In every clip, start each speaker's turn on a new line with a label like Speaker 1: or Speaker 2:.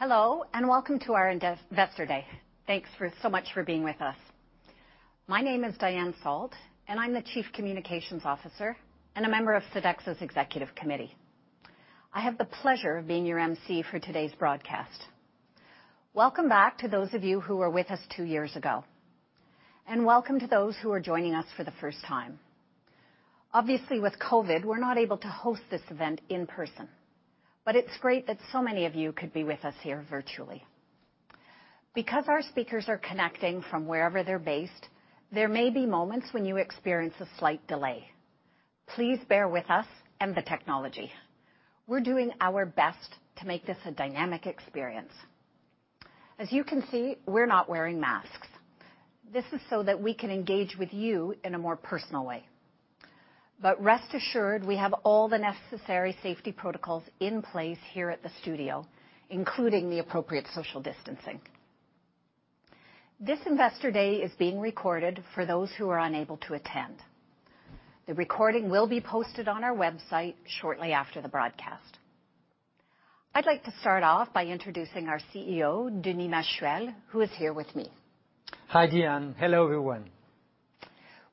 Speaker 1: Hello, welcome to our Investor Day. Thanks so much for being with us. My name is Dianne Salt, and I'm the Chief Communications Officer and a member of Sodexo's executive committee. I have the pleasure of being your emcee for today's broadcast. Welcome back to those of you who were with us two years ago, and welcome to those who are joining us for the first time. Obviously, with COVID, we're not able to host this event in person, but it's great that so many of you could be with us here virtually. Because our speakers are connecting from wherever they're based, there may be moments when you experience a slight delay. Please bear with us and the technology. We're doing our best to make this a dynamic experience. As you can see, we're not wearing masks. This is so that we can engage with you in a more personal way. Rest assured, we have all the necessary safety protocols in place here at the studio, including the appropriate social distancing. This Investor Day is being recorded for those who are unable to attend. The recording will be posted on our website shortly after the broadcast. I'd like to start off by introducing our CEO, Denis Machuel, who is here with me.
Speaker 2: Hi, Dianne. Hello, everyone.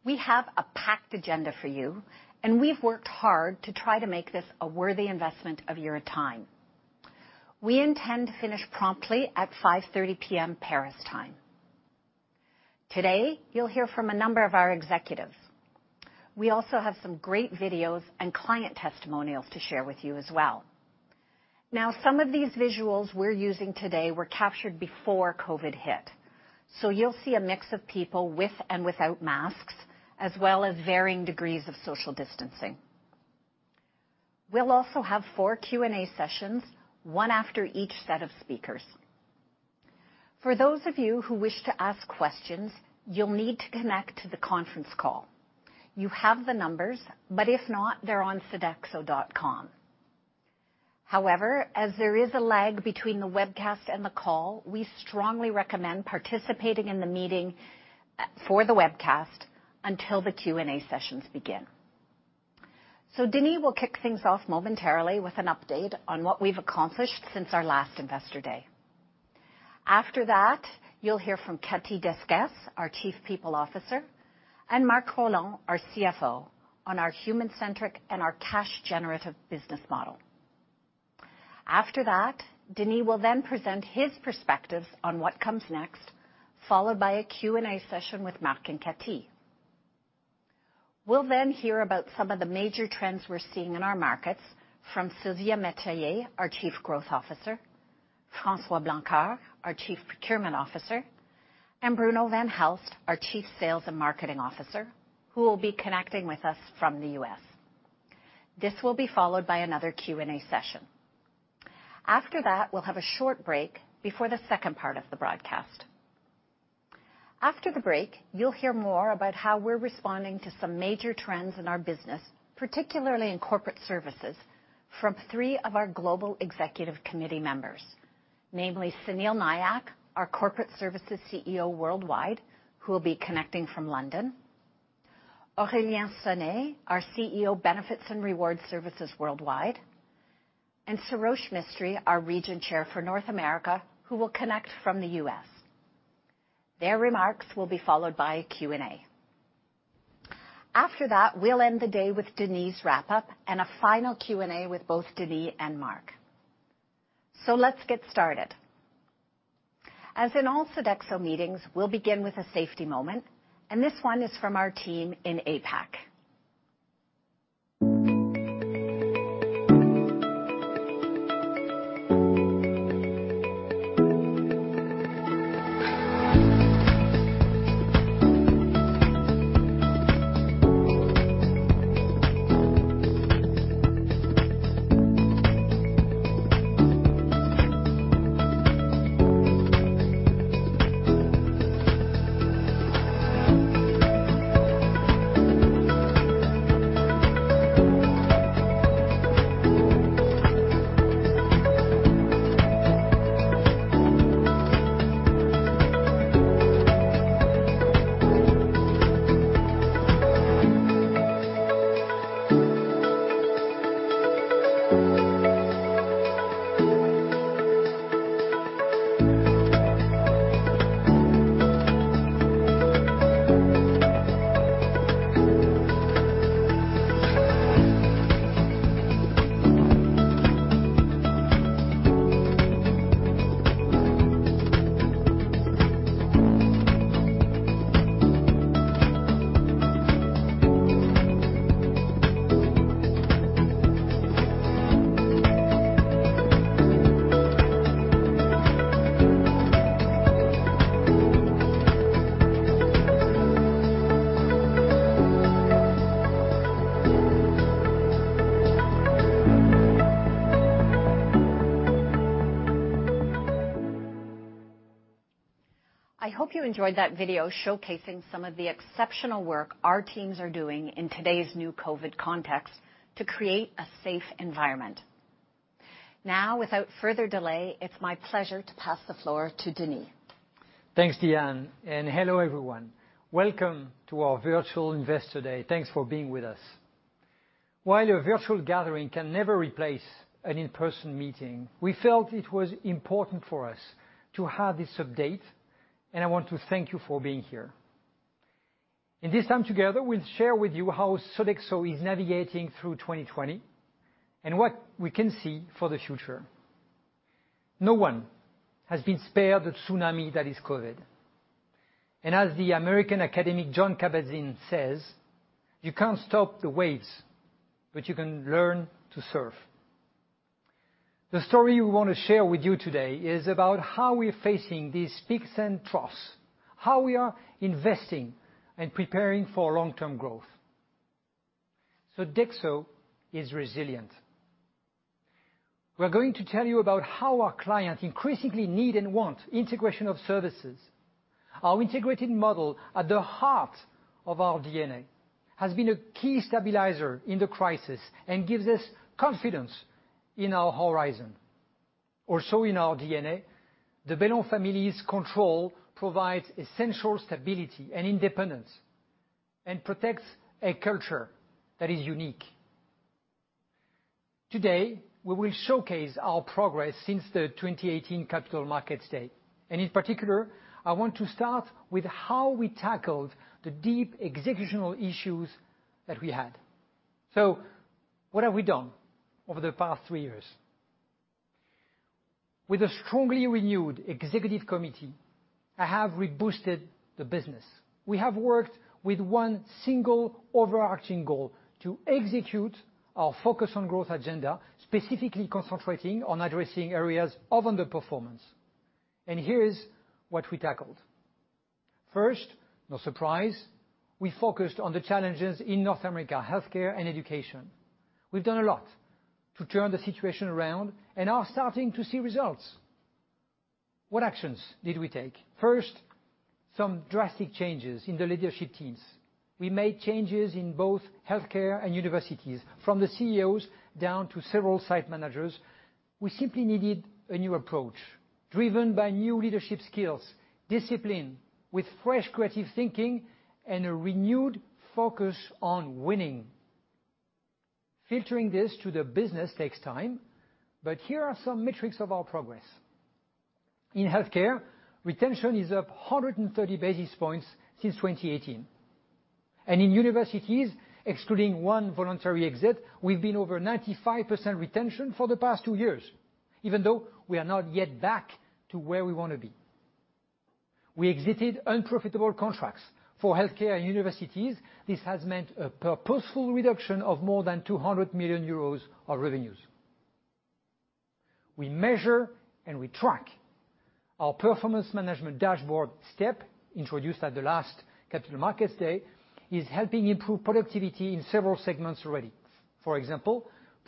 Speaker 1: We have a packed agenda for you, and we've worked hard to try to make this a worthy investment of your time. We intend to finish promptly at 5:30 P.M. Paris time. Today, you'll hear from a number of our executives. We also have some great videos and client testimonials to share with you as well. Some of these visuals we're using today were captured before COVID hit. You'll see a mix of people with and without masks, as well as varying degrees of social distancing. We'll also have four Q&A sessions, one after each set of speakers. For those of you who wish to ask questions, you'll need to connect to the conference call. You have the numbers, but if not, they're on sodexo.com. However, as there is a lag between the webcast and the call, we strongly recommend participating in the meeting for the webcast until the Q&A sessions begin. Denis will kick things off momentarily with an update on what we have accomplished since our last Investor Day. After that, you will hear from Cathy Desquesses, our Chief People Officer, and Marc Rolland, our CFO, on our human-centric and our cash-generative business model. After that, Denis will then present his perspectives on what comes next, followed by a Q&A session with Marc and Cathy. We will then hear about some of the major trends we are seeing in our markets from Sylvia Metayer, our Chief Growth Officer, François Blanckaert, our Chief Procurement Officer, and Bruno Vanhaelst, our Chief Sales and Marketing Officer, who will be connecting with us from the U.S. This will be followed by another Q&A session. After that, we'll have a short break before the second part of the broadcast. After the break, you'll hear more about how we're responding to some major trends in our business, particularly in corporate services, from three of our global executive committee members, namely Sunil Nayak, our Corporate Services CEO Worldwide, who will be connecting from London; Aurélien Sonet, our CEO Benefits and Rewards Services Worldwide; and Sarosh Mistry, our Region Chair for North America, who will connect from the U.S. Their remarks will be followed by a Q&A. After that, we'll end the day with Denis' wrap-up and a final Q&A with both Denis and Marc. Let's get started. As in all Sodexo meetings, we'll begin with a safety moment, and this one is from our team in APAC. I hope you enjoyed that video showcasing some of the exceptional work our teams are doing in today's new COVID context to create a safe environment. Without further delay, it's my pleasure to pass the floor to Denis.
Speaker 2: Thanks, Dianne, hello, everyone. Welcome to our virtual Investor Day. Thanks for being with us. While a virtual gathering can never replace an in-person meeting, we felt it was important for us to have this update, and I want to thank you for being here. In this time together, we'll share with you how Sodexo is navigating through 2020, and what we can see for the future. No one has been spared the tsunami that is COVID. As the American academic Jon Kabat-Zinn says, "You can't stop the waves, but you can learn to surf." The story we want to share with you today is about how we're facing these peaks and troughs, how we are investing and preparing for long-term growth. Sodexo is resilient. We're going to tell you about how our clients increasingly need and want integration of services. Our integrated model at the heart of our DNA has been a key stabilizer in the crisis and gives us confidence in our horizon. Also in our DNA, the Bellon family's control provides essential stability and independence and protects a culture that is unique. Today, we will showcase our progress since the 2018 Capital Markets Day. In particular, I want to start with how we tackled the deep executional issues that we had. What have we done over the past three years? With a strongly renewed executive committee, I have reboosted the business. We have worked with one single overarching goal: to execute our focus on growth agenda, specifically concentrating on addressing areas of underperformance. Here is what we tackled. First, no surprise, we focused on the challenges in North America healthcare and education. We've done a lot to turn the situation around and are starting to see results. What actions did we take? First, some drastic changes in the leadership teams. We made changes in both healthcare and universities, from the CEOs down to several site managers. We simply needed a new approach driven by new leadership skills, discipline with fresh, creative thinking, and a renewed focus on winning. Filtering this to the business takes time. Here are some metrics of our progress. In healthcare, retention is up 130 basis points since 2018. In universities, excluding one voluntary exit, we've been over 95% retention for the past two years, even though we are not yet back to where we wanna be. We exited unprofitable contracts. For healthcare and universities, this has meant a purposeful reduction of more than 200 million euros of revenues. We measure and we track. Our performance management dashboard STEP, introduced at the last Capital Markets Day, is helping improve productivity in several segments already. For example,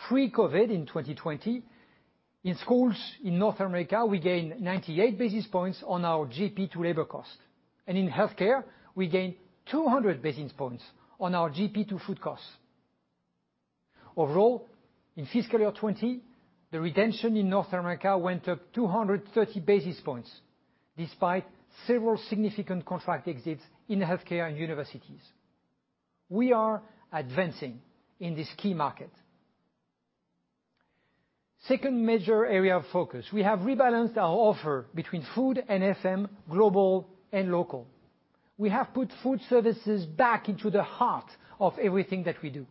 Speaker 2: pre-COVID in 2020, in schools in North America, we gained 98 basis points on our GP to labor cost. In healthcare, we gained 200 basis points on our GP to food costs. Overall, in fiscal year 2020, the retention in North America went up 230 basis points despite several significant contract exits in healthcare and universities. We are advancing in this key market. Second major area of focus. We have rebalanced our offer between food and FM, global and local. We have put food services back into the heart of everything that we do.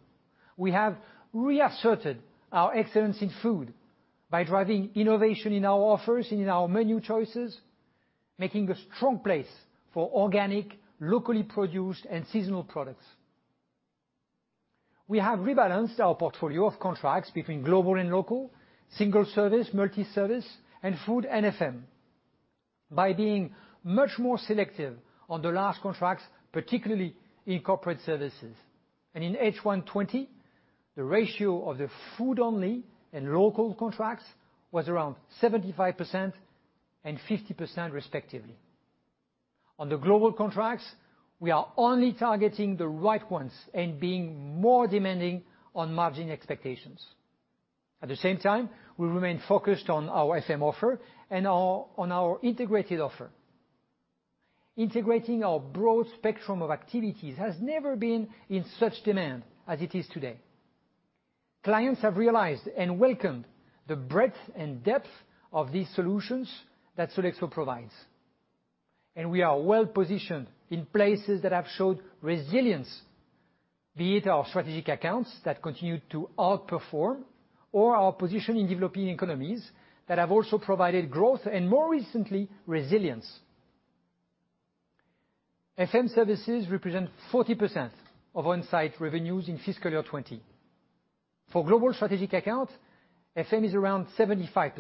Speaker 2: We have reasserted our excellence in food by driving innovation in our offers and in our menu choices, making a strong place for organic, locally produced, and seasonal products. We have rebalanced our portfolio of contracts between global and local, single service, multi-service, and food and FM. By being much more selective on the large contracts, particularly in corporate services. In H1 2020, the ratio of the food only and local contracts was around 75% and 50% respectively. On the global contracts, we are only targeting the right ones and being more demanding on margin expectations. At the same time, we remain focused on our FM offer and on our integrated offer. Integrating our broad spectrum of activities has never been in such demand as it is today. Clients have realized and welcomed the breadth and depth of these solutions that Sodexo provides. We are well-positioned in places that have showed resilience, be it our strategic accounts that continue to outperform, or our position in developing economies that have also provided growth and, more recently, resilience. FM services represent 40% of on-site revenues in fiscal year 2020. For global strategic account, FM is around 75%.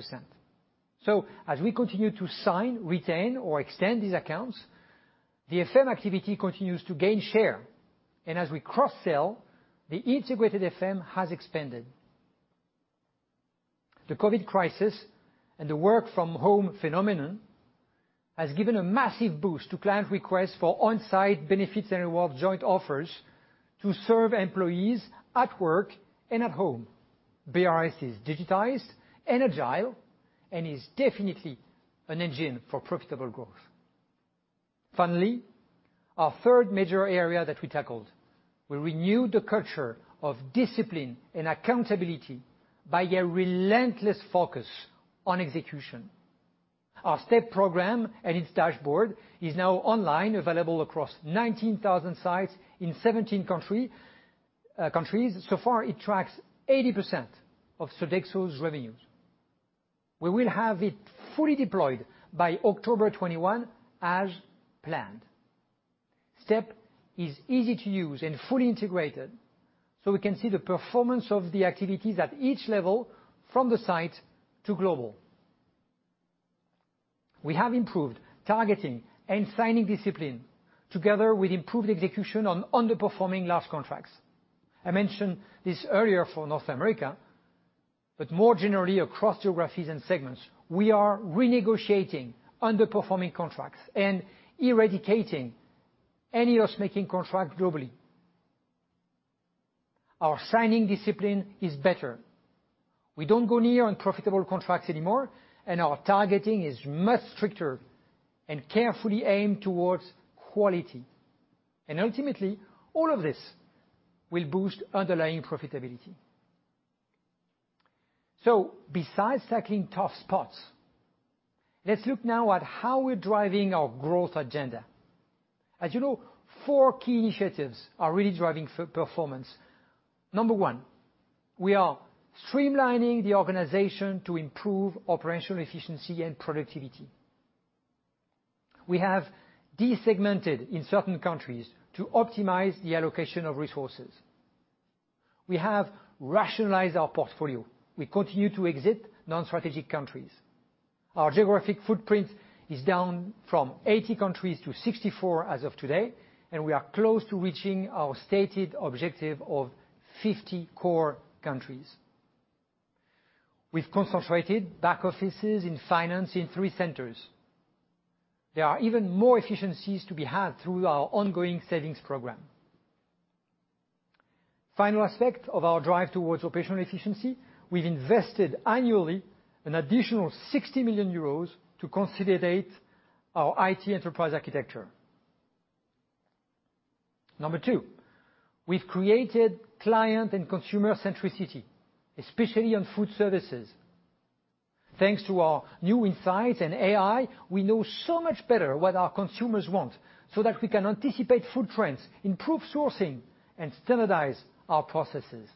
Speaker 2: As we continue to sign, retain, or extend these accounts, the FM activity continues to gain share. As we cross-sell, the integrated FM has expanded. The COVID crisis and the work-from-home phenomenon has given a massive boost to client requests for on-site benefits and reward joint offers to serve employees at work and at home. BRS is digitized and agile and is definitely an engine for profitable growth. Finally, our third major area that we tackled. We renewed the culture of discipline and accountability by a relentless focus on execution. Our STEP program and its dashboard is now online, available across 19,000 sites in 17 countries. So far, it tracks 80% of Sodexo's revenues. We will have it fully deployed by October 2021, as planned. STEP is easy to use and fully integrated, so we can see the performance of the activities at each level, from the site to global. We have improved targeting and signing discipline, together with improved execution on underperforming large contracts. I mentioned this earlier for North America, but more generally across geographies and segments. We are renegotiating underperforming contracts and eradicating any loss-making contract globally. Our signing discipline is better. We don't go near unprofitable contracts anymore, and our targeting is much stricter and carefully aimed towards quality. Ultimately, all of this will boost underlying profitability. Besides tackling tough spots, let's look now at how we're driving our growth agenda. As you know, four key initiatives are really driving performance. Number one, we are streamlining the organization to improve operational efficiency and productivity. We have de-segmented in certain countries to optimize the allocation of resources. We have rationalized our portfolio. We continue to exit non-strategic countries. Our geographic footprint is down from 80 countries to 64 as of today, and we are close to reaching our stated objective of 50 core countries. We've concentrated back offices in finance in three centers. There are even more efficiencies to be had through our ongoing savings program. Final aspect of our drive towards operational efficiency, we've invested annually an additional 60 million euros to consolidate our IT enterprise architecture. Number two, we've created client and consumer centricity, especially on food services. Thanks to our new insights in AI, we know so much better what our consumers want, so that we can anticipate food trends, improve sourcing, and standardize our processes.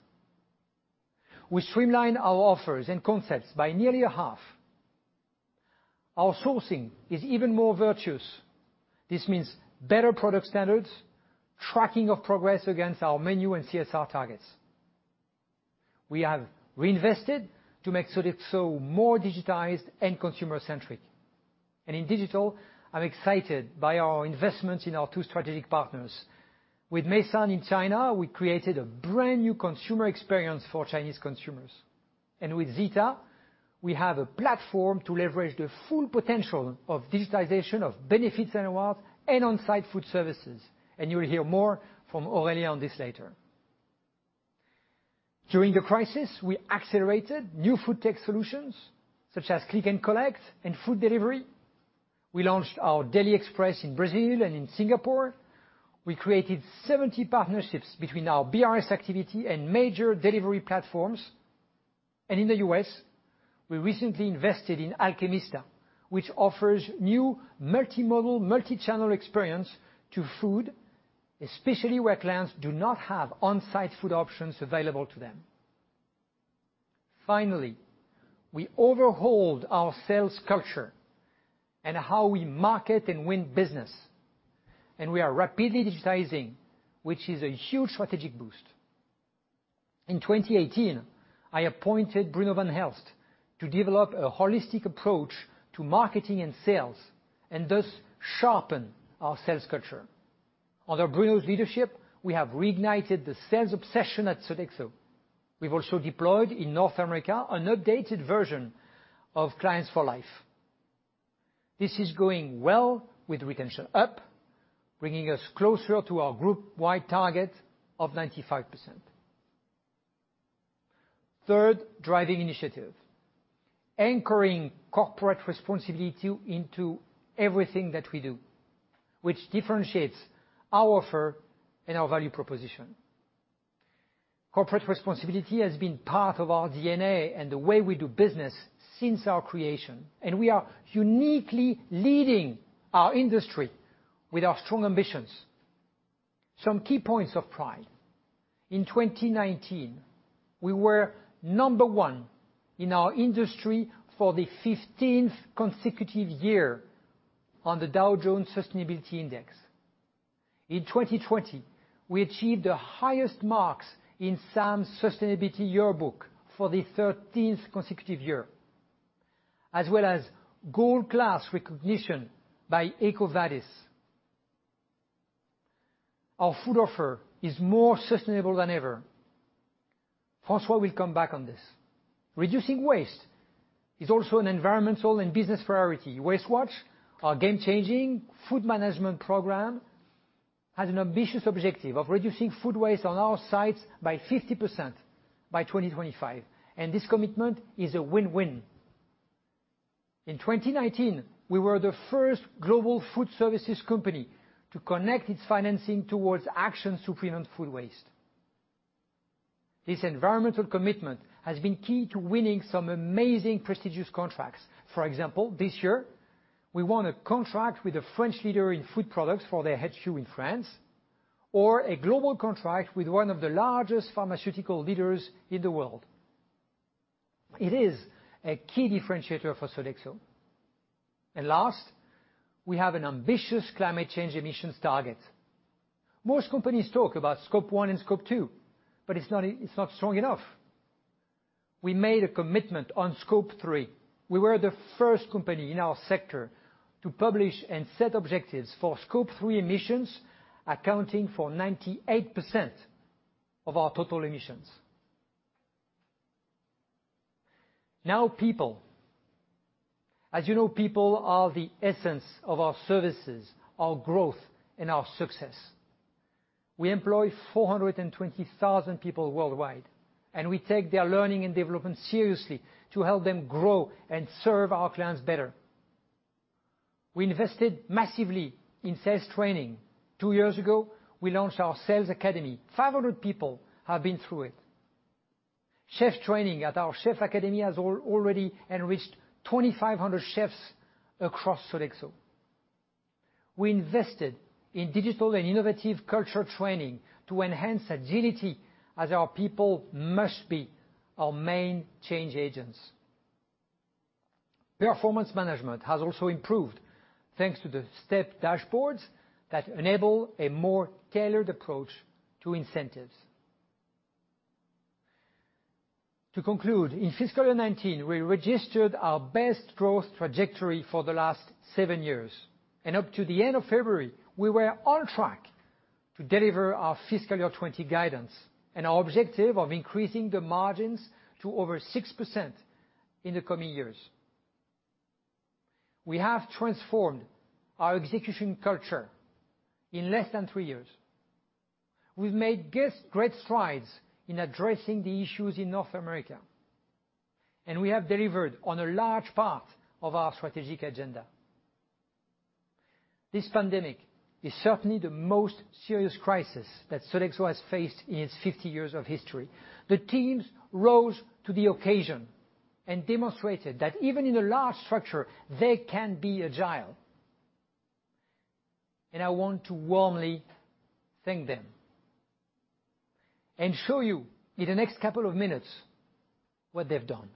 Speaker 2: We streamline our offers and concepts by nearly a half. Our sourcing is even more virtuous. This means better product standards, tracking of progress against our menu and CSR targets. We have reinvested to make Sodexo more digitized and consumer-centric. In digital, I'm excited by our investments in our two strategic partners. With Meican in China, we created a brand-new consumer experience for Chinese consumers. With Zeta, we have a platform to leverage the full potential of digitization of benefits and rewards and on-site food services, you will hear more from Aurélien on this later. During the crisis, we accelerated new food tech solutions, such as click and collect and food delivery. We launched our Deli Express in Brazil and in Singapore. We created 70 partnerships between our BRS activity and major delivery platforms. In the U.S., we recently invested in Alchemista, which offers new multimodal, multi-channel experience to food, especially where clients do not have on-site food options available to them. Finally, we overhauled our sales culture and how we market and win business, and we are rapidly digitizing, which is a huge strategic boost. In 2018, I appointed Bruno Vanhaelst to develop a holistic approach to marketing and sales, and thus sharpen our sales culture. Under Bruno's leadership, we have reignited the sales obsession at Sodexo. We've also deployed in North America an updated version of Clients for Life. This is going well with retention up, bringing us closer to our group-wide target of 95%. Third driving initiative, anchoring corporate responsibility into everything that we do, which differentiates our offer and our value proposition. Corporate responsibility has been part of our DNA and the way we do business since our creation, and we are uniquely leading our industry with our strong ambitions. Some key points of pride. In 2019, we were number one in our industry for the 15th consecutive year on the Dow Jones Sustainability Index. In 2020, we achieved the highest marks in SAM's Sustainability Yearbook for the 13th consecutive year, as well as Gold Class recognition by EcoVadis. Our food offer is more sustainable than ever. François will come back on this. Reducing waste is also an environmental and business priority. Waste Watch, our game-changing food management program, has an ambitious objective of reducing food waste on our sites by 50% by 2025. This commitment is a win-win. In 2019, we were the first global food services company to connect its financing towards actions to prevent food waste. This environmental commitment has been key to winning some amazing prestigious contracts. For example, this year, we won a contract with a French leader in food products for their HQ in France, or a global contract with one of the largest pharmaceutical leaders in the world. It is a key differentiator for Sodexo. Last, we have an ambitious climate change emissions target. Most companies talk about Scope 1 and Scope 2, but it's not strong enough. We made a commitment on Scope 3. We were the first company in our sector to publish and set objectives for Scope 3 emissions, accounting for 98% of our total emissions. Now, people. As you know, people are the essence of our services, our growth, and our success. We employ 420,000 people worldwide, and we take their learning and development seriously to help them grow and serve our clients better. We invested massively in sales training. Two years ago, we launched our sales academy. 500 people have been through it. Chef training at our Chef Academy has already enriched 2,500 chefs across Sodexo. We invested in digital and innovative culture training to enhance agility as our people must be our main change agents. Performance management has also improved, thanks to the STEP dashboards that enable a more tailored approach to incentives. To conclude, in fiscal year 2019, we registered our best growth trajectory for the last seven years. Up to the end of February, we were on track to deliver our fiscal year 2020 guidance and our objective of increasing the margins to over 6% in the coming years. We have transformed our execution culture in less than three years. We've made great strides in addressing the issues in North America, and we have delivered on a large part of our strategic agenda. This pandemic is certainly the most serious crisis that Sodexo has faced in its 50 years of history. The teams rose to the occasion and demonstrated that even in a large structure, they can be agile. I want to warmly thank them and show you in the next couple of minutes what they've done.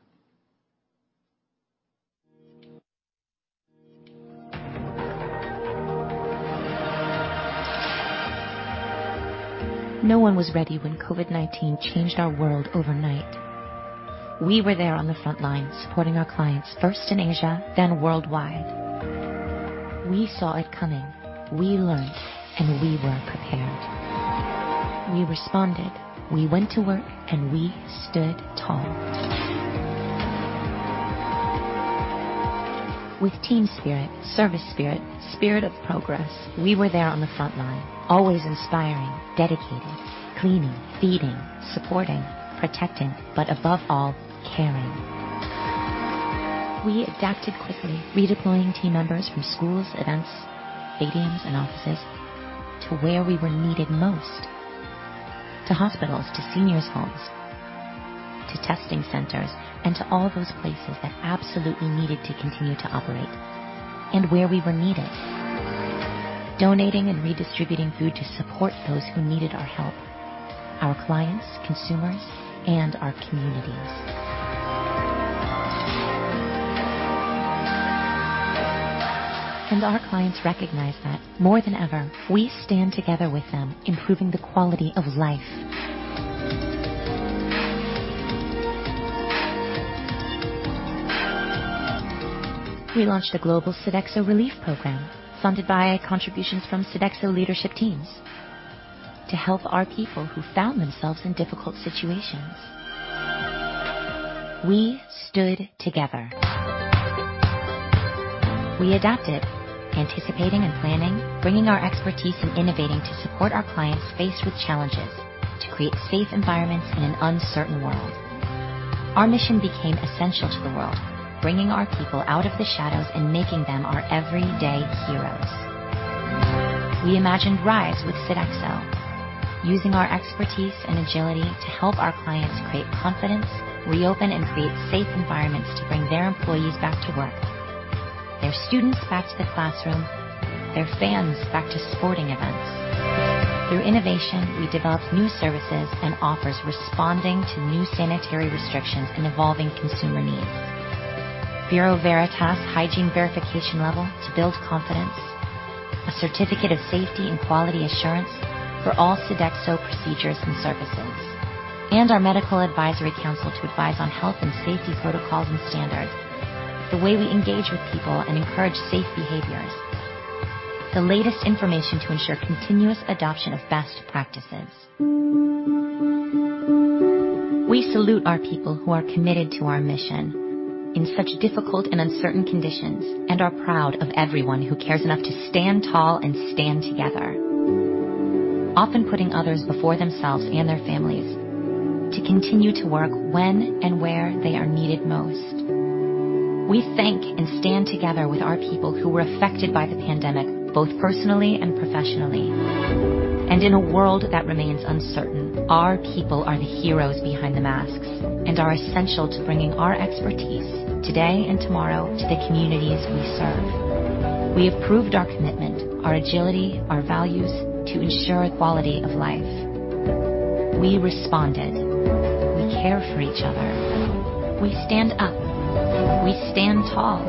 Speaker 3: No one was ready when COVID-19 changed our world overnight. We were there on the front lines supporting our clients, first in Asia, then worldwide. We saw it coming, we learned, we were prepared. We responded, we went to work, we stood tall. With team spirit, service spirit of progress, we were there on the front line, always inspiring, dedicated, cleaning, feeding, supporting, protecting, above all, caring. We adapted quickly, redeploying team members from schools, events, stadiums, and offices, to where we were needed most. To hospitals, to seniors' homes, to testing centers, to all those places that absolutely needed to continue to operate. Where we were needed. Donating and redistributing food to support those who needed our help, our clients, consumers, and our communities. Our clients recognize that more than ever, we stand together with them, improving the quality of life. We launched a global Sodexo relief program, funded by contributions from Sodexo leadership teams, to help our people who found themselves in difficult situations. We stood together. We adapted, anticipating and planning, bringing our expertise and innovating to support our clients faced with challenges, to create safe environments in an uncertain world. Our mission became essential to the world, bringing our people out of the shadows and making them our everyday heroes. We imagined Rise with Sodexo, using our expertise and agility to help our clients create confidence, reopen, and create safe environments to bring their employees back to work, their students back to the classroom, their fans back to sporting events. Through innovation, we developed new services and offers responding to new sanitary restrictions and evolving consumer needs. Bureau Veritas Hygiene Verification Label to build confidence. A certificate of safety and quality assurance for all Sodexo procedures and services. Our medical advisory council to advise on health and safety protocols and standards. The way we engage with people and encourage safe behaviors. The latest information to ensure continuous adoption of best practices. We salute our people who are committed to our mission in such difficult and uncertain conditions, and are proud of everyone who cares enough to stand tall and stand together, often putting others before themselves and their families, to continue to work when and where they are needed most. We thank and stand together with our people who were affected by the pandemic, both personally and professionally. In a world that remains uncertain, our people are the heroes behind the masks and are essential to bringing our expertise, today and tomorrow, to the communities we serve. We have proved our commitment, our agility, our values, to ensure equality of life. We responded. We care for each other. We stand up. We stand tall.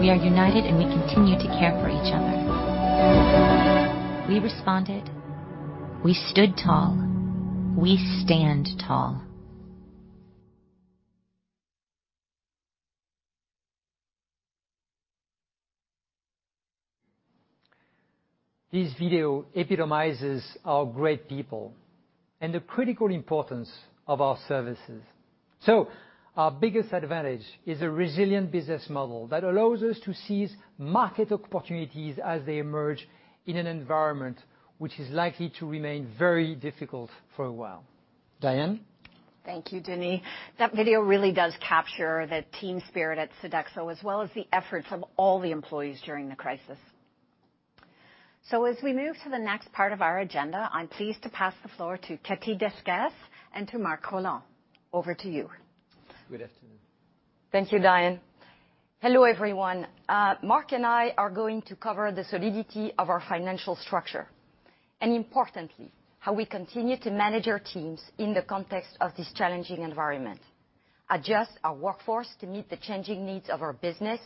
Speaker 3: We are united, and we continue to care for each other. We responded. We stood tall. We stand tall.
Speaker 2: This video epitomizes our great people and the critical importance of our services. Our biggest advantage is a resilient business model that allows us to seize market opportunities as they emerge in an environment which is likely to remain very difficult for a while. Dianne?
Speaker 1: Thank you, Denis. That video really does capture the team spirit at Sodexo, as well as the effort from all the employees during the crisis. As we move to the next part of our agenda, I'm pleased to pass the floor to Cathy Desquesses and to Marc Rolland. Over to you.
Speaker 4: Good afternoon.
Speaker 5: Thank you, Dianne. Hello, everyone. Marc and I are going to cover the solidity of our financial structure, and importantly, how we continue to manage our teams in the context of this challenging environment, adjust our workforce to meet the changing needs of our business,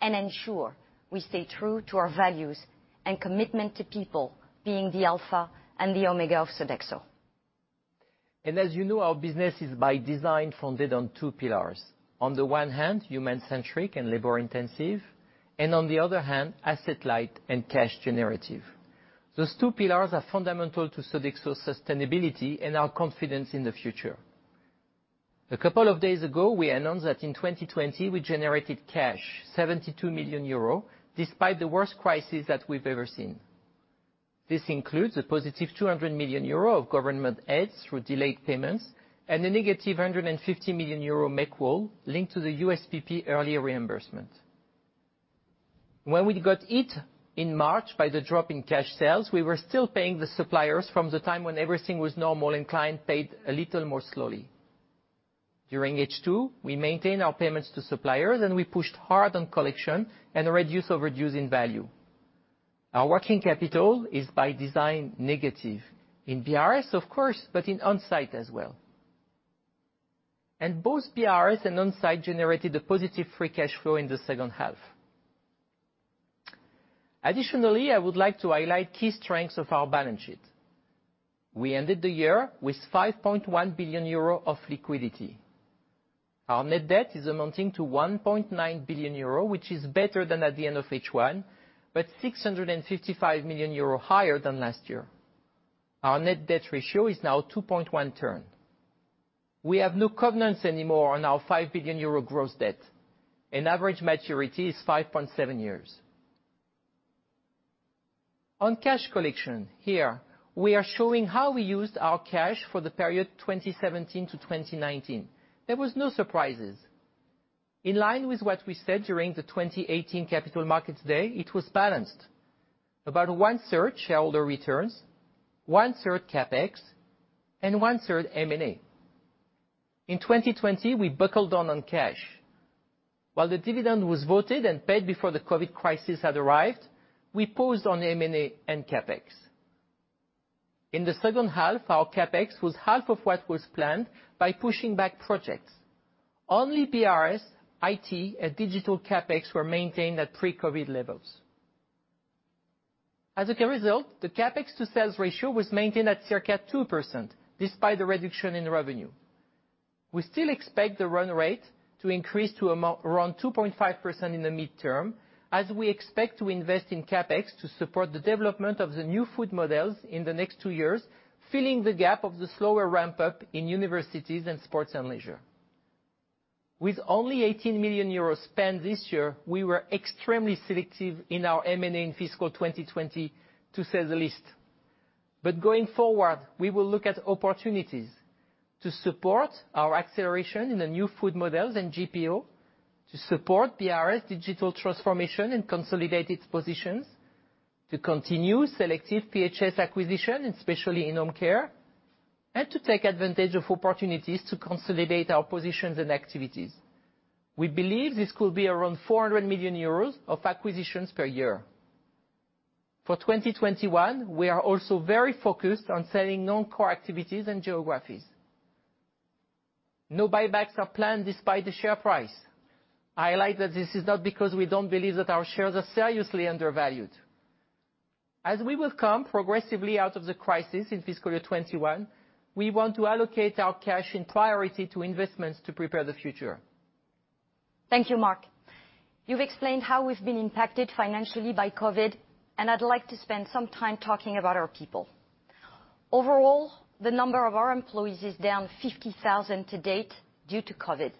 Speaker 5: and ensure we stay true to our values and commitment to people being the alpha and the omega of Sodexo.
Speaker 4: As you know, our business is by design founded on two pillars. On the one hand, human-centric and labor intensive, and on the other hand, asset light and cash generative. Those two pillars are fundamental to Sodexo sustainability and our confidence in the future. A couple of days ago, we announced that in 2020 we generated cash, 72 million euro, despite the worst crisis that we've ever seen. This includes a positive 200 million euro of government aids through delayed payments and a negative 150 million euro make-whole linked to the USPP early reimbursement. When we got hit in March by the drop in cash sales, we were still paying the suppliers from the time when everything was normal and client paid a little more slowly. During H2, we maintained our payments to suppliers, and we pushed hard on collection and a reduce in value. Our working capital is by design negative in BRS, of course, but in onsite as well. Both BRS and onsite generated a positive free cash flow in the second half. Additionally, I would like to highlight key strengths of our balance sheet. We ended the year with 5.1 billion euro of liquidity. Our net debt is amounting to 1.9 billion euro, which is better than at the end of H1, but 655 million euro higher than last year. Our net debt ratio is now 2.1 turn. We have no covenants anymore on our 5 billion euro gross debt, and average maturity is 5.7 years. On cash collection, here, we are showing how we used our cash for the period 2017 to 2019. There was no surprises. In line with what we said during the 2018 capital markets day, it was balanced. About 1/3 shareholder returns, 1/3 CapEx, and 1/3 M&A. In 2020, we buckled down on cash. While the dividend was voted and paid before the COVID crisis had arrived, we paused on M&A and CapEx. In the second half, our CapEx was half of what was planned by pushing back projects. Only BRS, IT, and digital CapEx were maintained at pre-COVID levels. As a result, the CapEx to sales ratio was maintained at circa 2%, despite the reduction in revenue. We still expect the run rate to increase to around 2.5% in the midterm, as we expect to invest in CapEx to support the development of the new food models in the next two years, filling the gap of the slower ramp-up in universities and sports and leisure. With only 18 million euros spent this year, we were extremely selective in our M&A in fiscal 2020, to say the least. Going forward, we will look at opportunities to support our acceleration in the new food models and GPO, to support BRS digital transformation and consolidate its positions, to continue selective PHS acquisition, and especially in home care, and to take advantage of opportunities to consolidate our positions and activities. We believe this could be around 400 million euros of acquisitions per year. For 2021, we are also very focused on selling non-core activities and geographies. No buybacks are planned despite the share price. I highlight that this is not because we don't believe that our shares are seriously undervalued. As we will come progressively out of the crisis in fiscal year 2021, we want to allocate our cash in priority to investments to prepare the future.
Speaker 5: Thank you, Marc. You've explained how we've been impacted financially by COVID. I'd like to spend some time talking about our people. Overall, the number of our employees is down 50,000 to date due to COVID,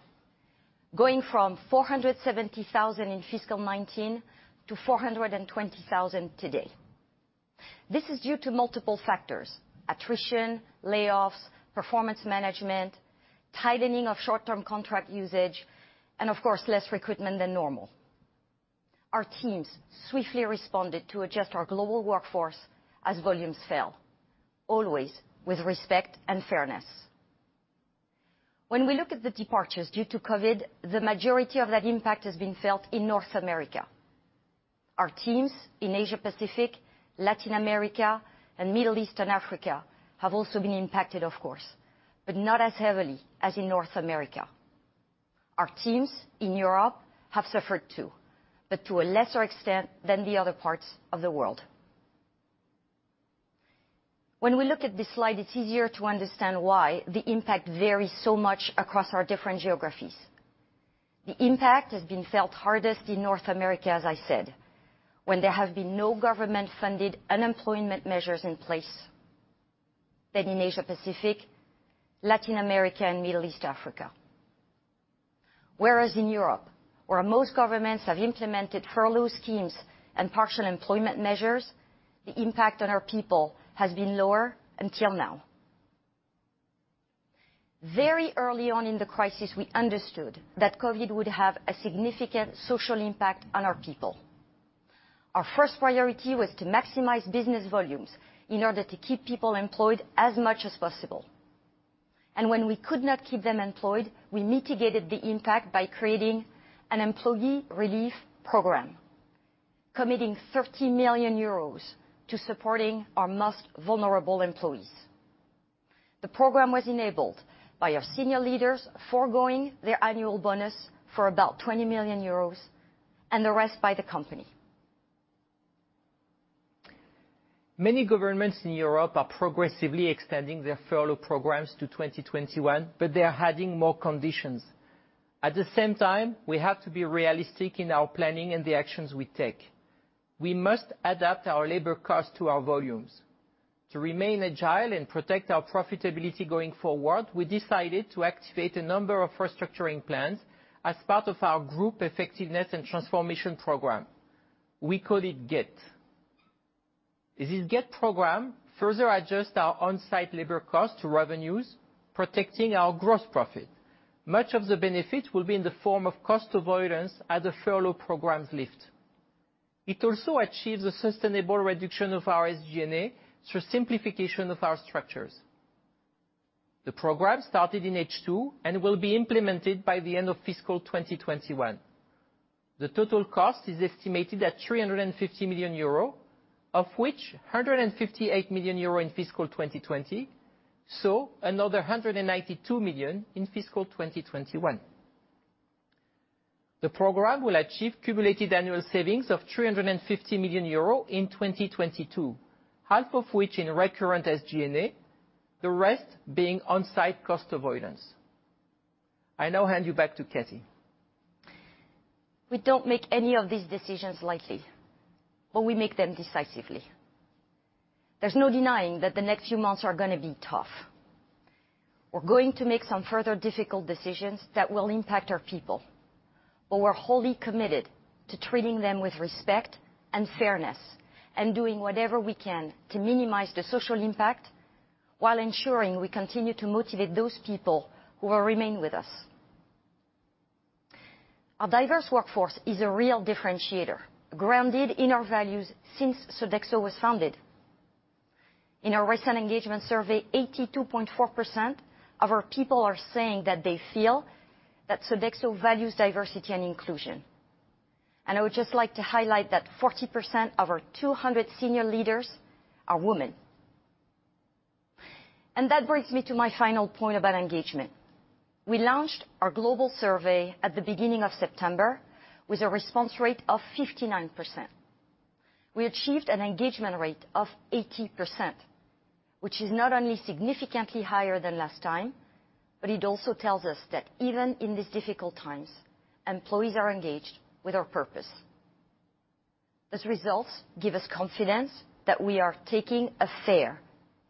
Speaker 5: going from 470,000 in fiscal 2019 to 420,000 today. This is due to multiple factors, attrition, layoffs, performance management, tightening of short-term contract usage, of course, less recruitment than normal. Our teams swiftly responded to adjust our global workforce as volumes fell, always with respect and fairness. When we look at the departures due to COVID, the majority of that impact has been felt in North America. Our teams in Asia Pacific, Latin America, Middle East and Africa have also been impacted, of course, not as heavily as in North America. Our teams in Europe have suffered, too, to a lesser extent than the other parts of the world. When we look at this slide, it's easier to understand why the impact varies so much across our different geographies. The impact has been felt hardest in North America, as I said, when there have been no government-funded unemployment measures in place than in Asia Pacific, Latin America, and Middle East Africa. In Europe, where most governments have implemented furlough schemes and partial employment measures, the impact on our people has been lower until now. Very early on in the crisis, we understood that COVID would have a significant social impact on our people. Our first priority was to maximize business volumes in order to keep people employed as much as possible. When we could not keep them employed, we mitigated the impact by creating an employee relief program, committing 30 million euros to supporting our most vulnerable employees. The program was enabled by our senior leaders foregoing their annual bonus for about 20 million euros, and the rest by the company.
Speaker 4: Many governments in Europe are progressively extending their furlough programs to 2021, but they are adding more conditions. At the same time, we have to be realistic in our planning and the actions we take. We must adapt our labor cost to our volumes. To remain agile and protect our profitability going forward, we decided to activate a number of restructuring plans as part of our Group Effectiveness and Transformation program. We call it GET. This GET program further adjusts our on-site labor cost to revenues, protecting our gross profit. Much of the benefit will be in the form of cost avoidance as the furlough programs lift. It also achieves a sustainable reduction of our SG&A through simplification of our structures. The program started in H2 and will be implemented by the end of fiscal 2021. The total cost is estimated at 350 million euro, of which 158 million euro in fiscal 2020, so another 192 million in fiscal 2021. The program will achieve cumulative annual savings of 350 million euro in 2022, half of which in recurrent SG&A, the rest being on-site cost avoidance. I now hand you back to Cathy.
Speaker 5: We don't make any of these decisions lightly, but we make them decisively. There's no denying that the next few months are gonna be tough. We're going to make some further difficult decisions that will impact our people, but we're wholly committed to treating them with respect and fairness and doing whatever we can to minimize the social impact while ensuring we continue to motivate those people who will remain with us. Our diverse workforce is a real differentiator, grounded in our values since Sodexo was founded. In our recent engagement survey, 82.4% of our people are saying that they feel that Sodexo values diversity and inclusion. I would just like to highlight that 40% of our 200 senior leaders are women. That brings me to my final point about engagement. We launched our global survey at the beginning of September with a response rate of 59%. We achieved an engagement rate of 80%, which is not only significantly higher than last time, but it also tells us that even in these difficult times, employees are engaged with our purpose. Those results give us confidence that we are taking a fair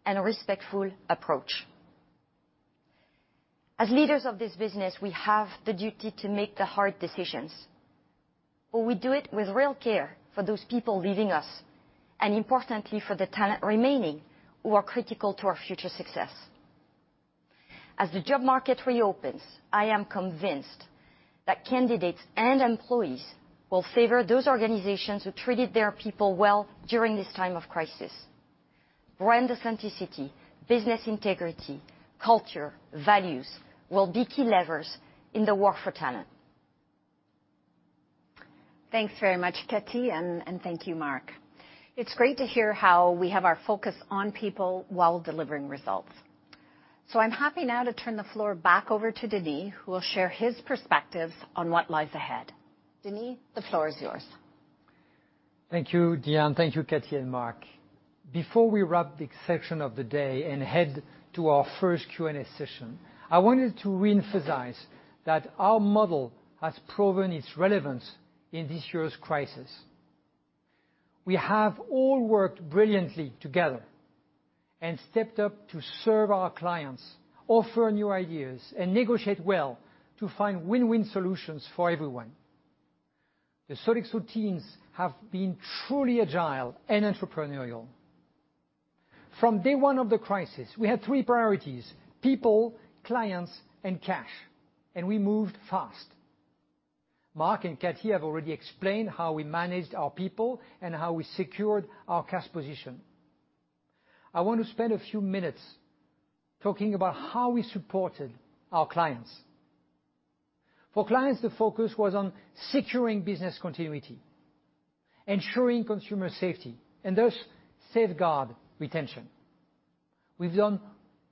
Speaker 5: and respectful approach. As leaders of this business, we have the duty to make the hard decisions, but we do it with real care for those people leaving us and importantly for the talent remaining, who are critical to our future success. As the job market reopens, I am convinced that candidates and employees will favor those organizations who treated their people well during this time of crisis. Brand authenticity, business integrity, culture, values, will be key levers in the war for talent.
Speaker 1: Thanks very much, Cathy, and thank you, Marc. It's great to hear how we have our focus on people while delivering results. I'm happy now to turn the floor back over to Denis, who will share his perspective on what lies ahead. Denis, the floor is yours.
Speaker 2: Thank you, Dianne. Thank you, Cathy and Marc. Before we wrap this section of the day and head to our first Q&A session, I wanted to reemphasize that our model has proven its relevance in this year's crisis. We have all worked brilliantly together and stepped up to serve our clients, offer new ideas, and negotiate well to find win-win solutions for everyone. The Sodexo teams have been truly agile and entrepreneurial. From day one of the crisis, we had three priorities, people, clients, and cash, and we moved fast. Marc and Cathy have already explained how we managed our people and how we secured our cash position. I want to spend a few minutes talking about how we supported our clients. For clients, the focus was on securing business continuity, ensuring consumer safety, and thus safeguard retention. We've done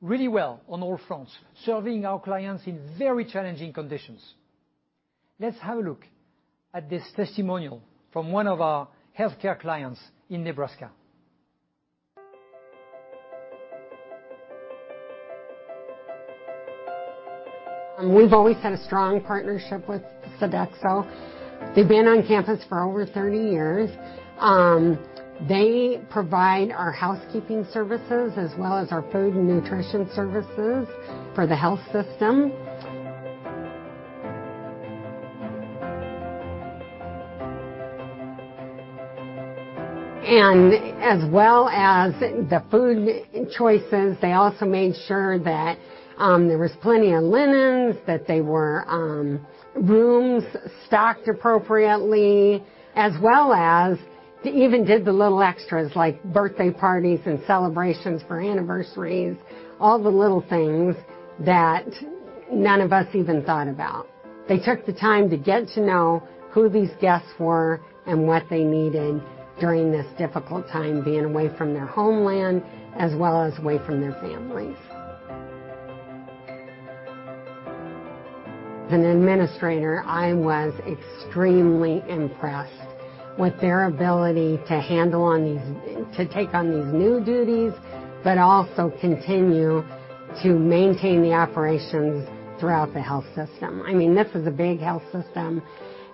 Speaker 2: really well on all fronts, serving our clients in very challenging conditions. Let's have a look at this testimonial from one of our healthcare clients in Nebraska.
Speaker 3: We've always had a strong partnership with Sodexo. They've been on campus for over 30 years. They provide our housekeeping services as well as our food and nutrition services for the health system. As well as the food choices, they also made sure that there was plenty of linens, that they were rooms stocked appropriately, as well as they even did the little extras like birthday parties and celebrations for anniversaries. All the little things that none of us even thought about. They took the time to get to know who these guests were and what they needed during this difficult time, being away from their homeland as well as away from their families. As an administrator, I was extremely impressed with their ability to take on these new duties, but also continue to maintain the operations throughout the health system. I mean, this is a big health system.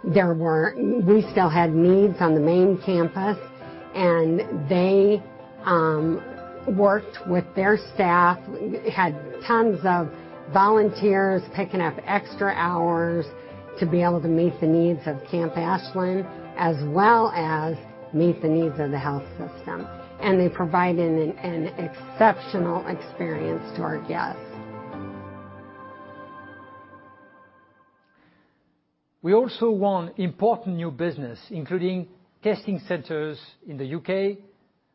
Speaker 3: We still had needs on the main campus, and they worked with their staff, had tons of volunteers picking up extra hours to be able to meet the needs of Camp Ashland, as well as meet the needs of the health system. They provided an exceptional experience to our guests.
Speaker 2: We also won important new business, including testing centers in the U.K.,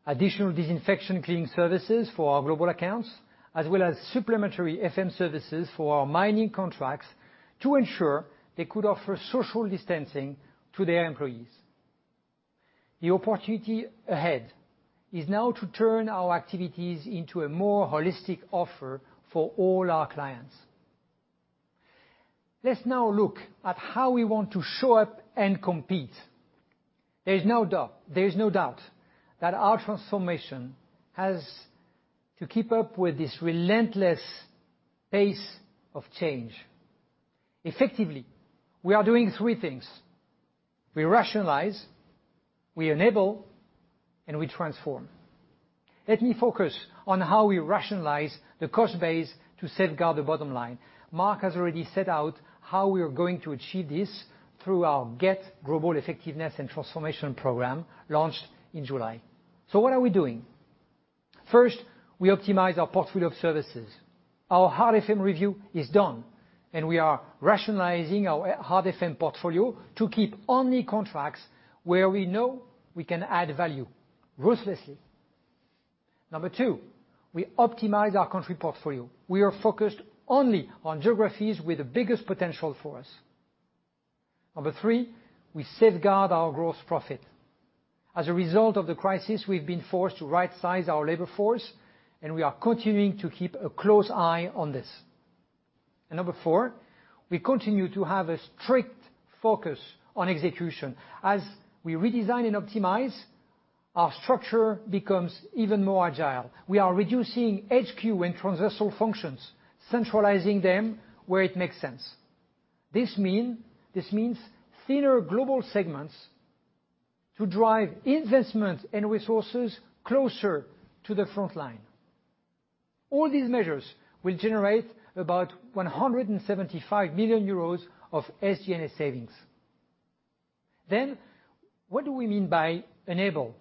Speaker 2: additional disinfection cleaning services for our global accounts, as well as supplementary FM services for our mining contracts to ensure they could offer social distancing to their employees. The opportunity ahead is now to turn our activities into a more holistic offer for all our clients. Let's now look at how we want to show up and compete. There is no doubt that our transformation has to keep up with this relentless pace of change. Effectively, we are doing three things. We rationalize, we enable, and we transform. Let me focus on how we rationalize the cost base to safeguard the bottom line. Marc has already set out how we are going to achieve this through our GET, Global Effectiveness and Transformation program, launched in July. What are we doing? First, we optimize our portfolio of services. Our hard FM review is done, and we are rationalizing our hard FM portfolio to keep only contracts where we know we can add value, ruthlessly. Number two, we optimize our country portfolio. We are focused only on geographies with the biggest potential for us. Number three, we safeguard our gross profit. As a result of the crisis, we've been forced to rightsize our labor force, and we are continuing to keep a close eye on this. Number four, we continue to have a strict focus on execution. As we redesign and optimize, our structure becomes even more agile. We are reducing HQ and transversal functions, centralizing them where it makes sense. This means thinner global segments to drive investments and resources closer to the front line. All these measures will generate about 175 million euros of SG&A savings. What do we mean by enable?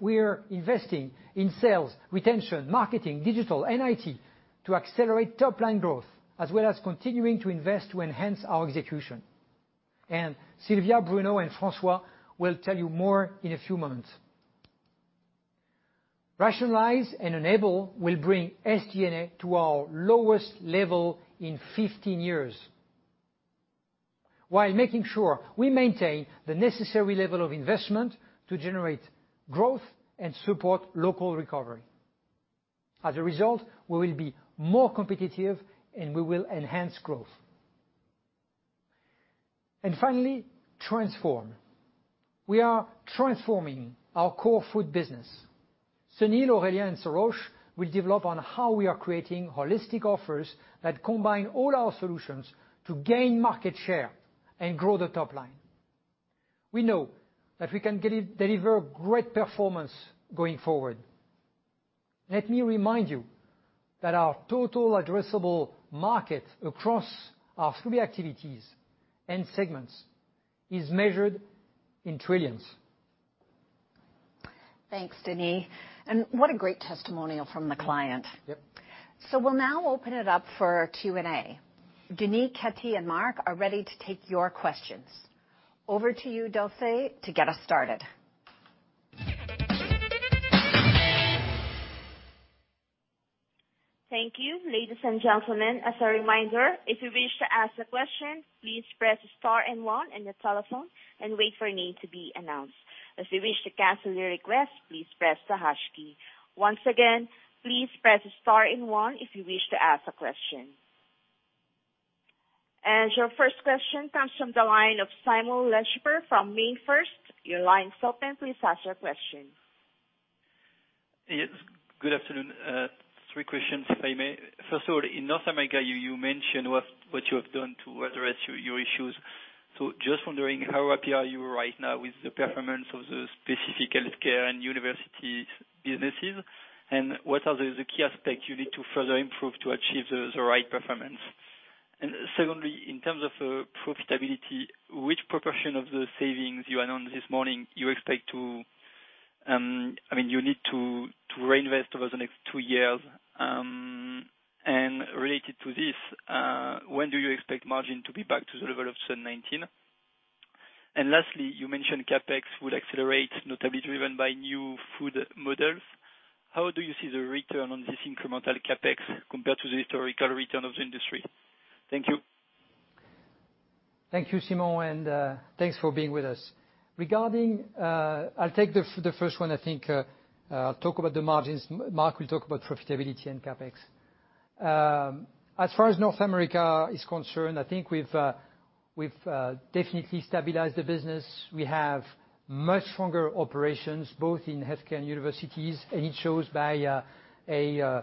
Speaker 2: We are investing in sales, retention, marketing, digital, and IT to accelerate top-line growth, as well as continuing to invest to enhance our execution. Sylvia, Bruno, and François will tell you more in a few moments. Rationalize and enable will bring SG&A to our lowest level in 15 years, while making sure we maintain the necessary level of investment to generate growth and support local recovery. As a result, we will be more competitive and we will enhance growth. Finally, transform. We are transforming our core food business. Sunil, Aurélien, and Sarosh will develop on how we are creating holistic offers that combine all our solutions to gain market share and grow the top line. We know that we can deliver great performance going forward. Let me remind you that our total addressable market across our three activities and segments is measured in trillions.
Speaker 1: Thanks, Denis. What a great testimonial from the client.
Speaker 2: Yep.
Speaker 1: We'll now open it up for Q&A. Denis, Cathy, and Marc are ready to take your questions. Over to you, Dulce, to get us started.
Speaker 6: Thank you. Ladies and gentlemen, as a reminder, if you wish to ask a question, please press star and one on your telephone and wait for your name to be announced. If you wish to cancel your request, please press the hash key. Once again, please press star and one if you wish to ask a question. Your first question comes from the line of Simon Lechipre from MainFirst. Your line is open. Please ask your question.
Speaker 7: Yes, good afternoon. Three questions, if I may. First of all, in North America, you mentioned what you have done to address your issues. Just wondering how happy are you right now with the performance of the specific healthcare and university businesses, and what are the key aspects you need to further improve to achieve the right performance? Secondly, in terms of profitability, which proportion of the savings you announced this morning you need to reinvest over the next two years? Related to this, when do you expect margin to be back to the level of 2019? Lastly, you mentioned CapEx would accelerate, notably driven by new food models. How do you see the return on this incremental CapEx compared to the historical return of the industry? Thank you.
Speaker 2: Thank you, Simon, and thanks for being with us. I'll take the first one, I think. I'll talk about the margins. Marc will talk about profitability and CapEx. As far as North America is concerned, I think we've definitely stabilized the business. We have much stronger operations, both in healthcare and universities, and it shows by a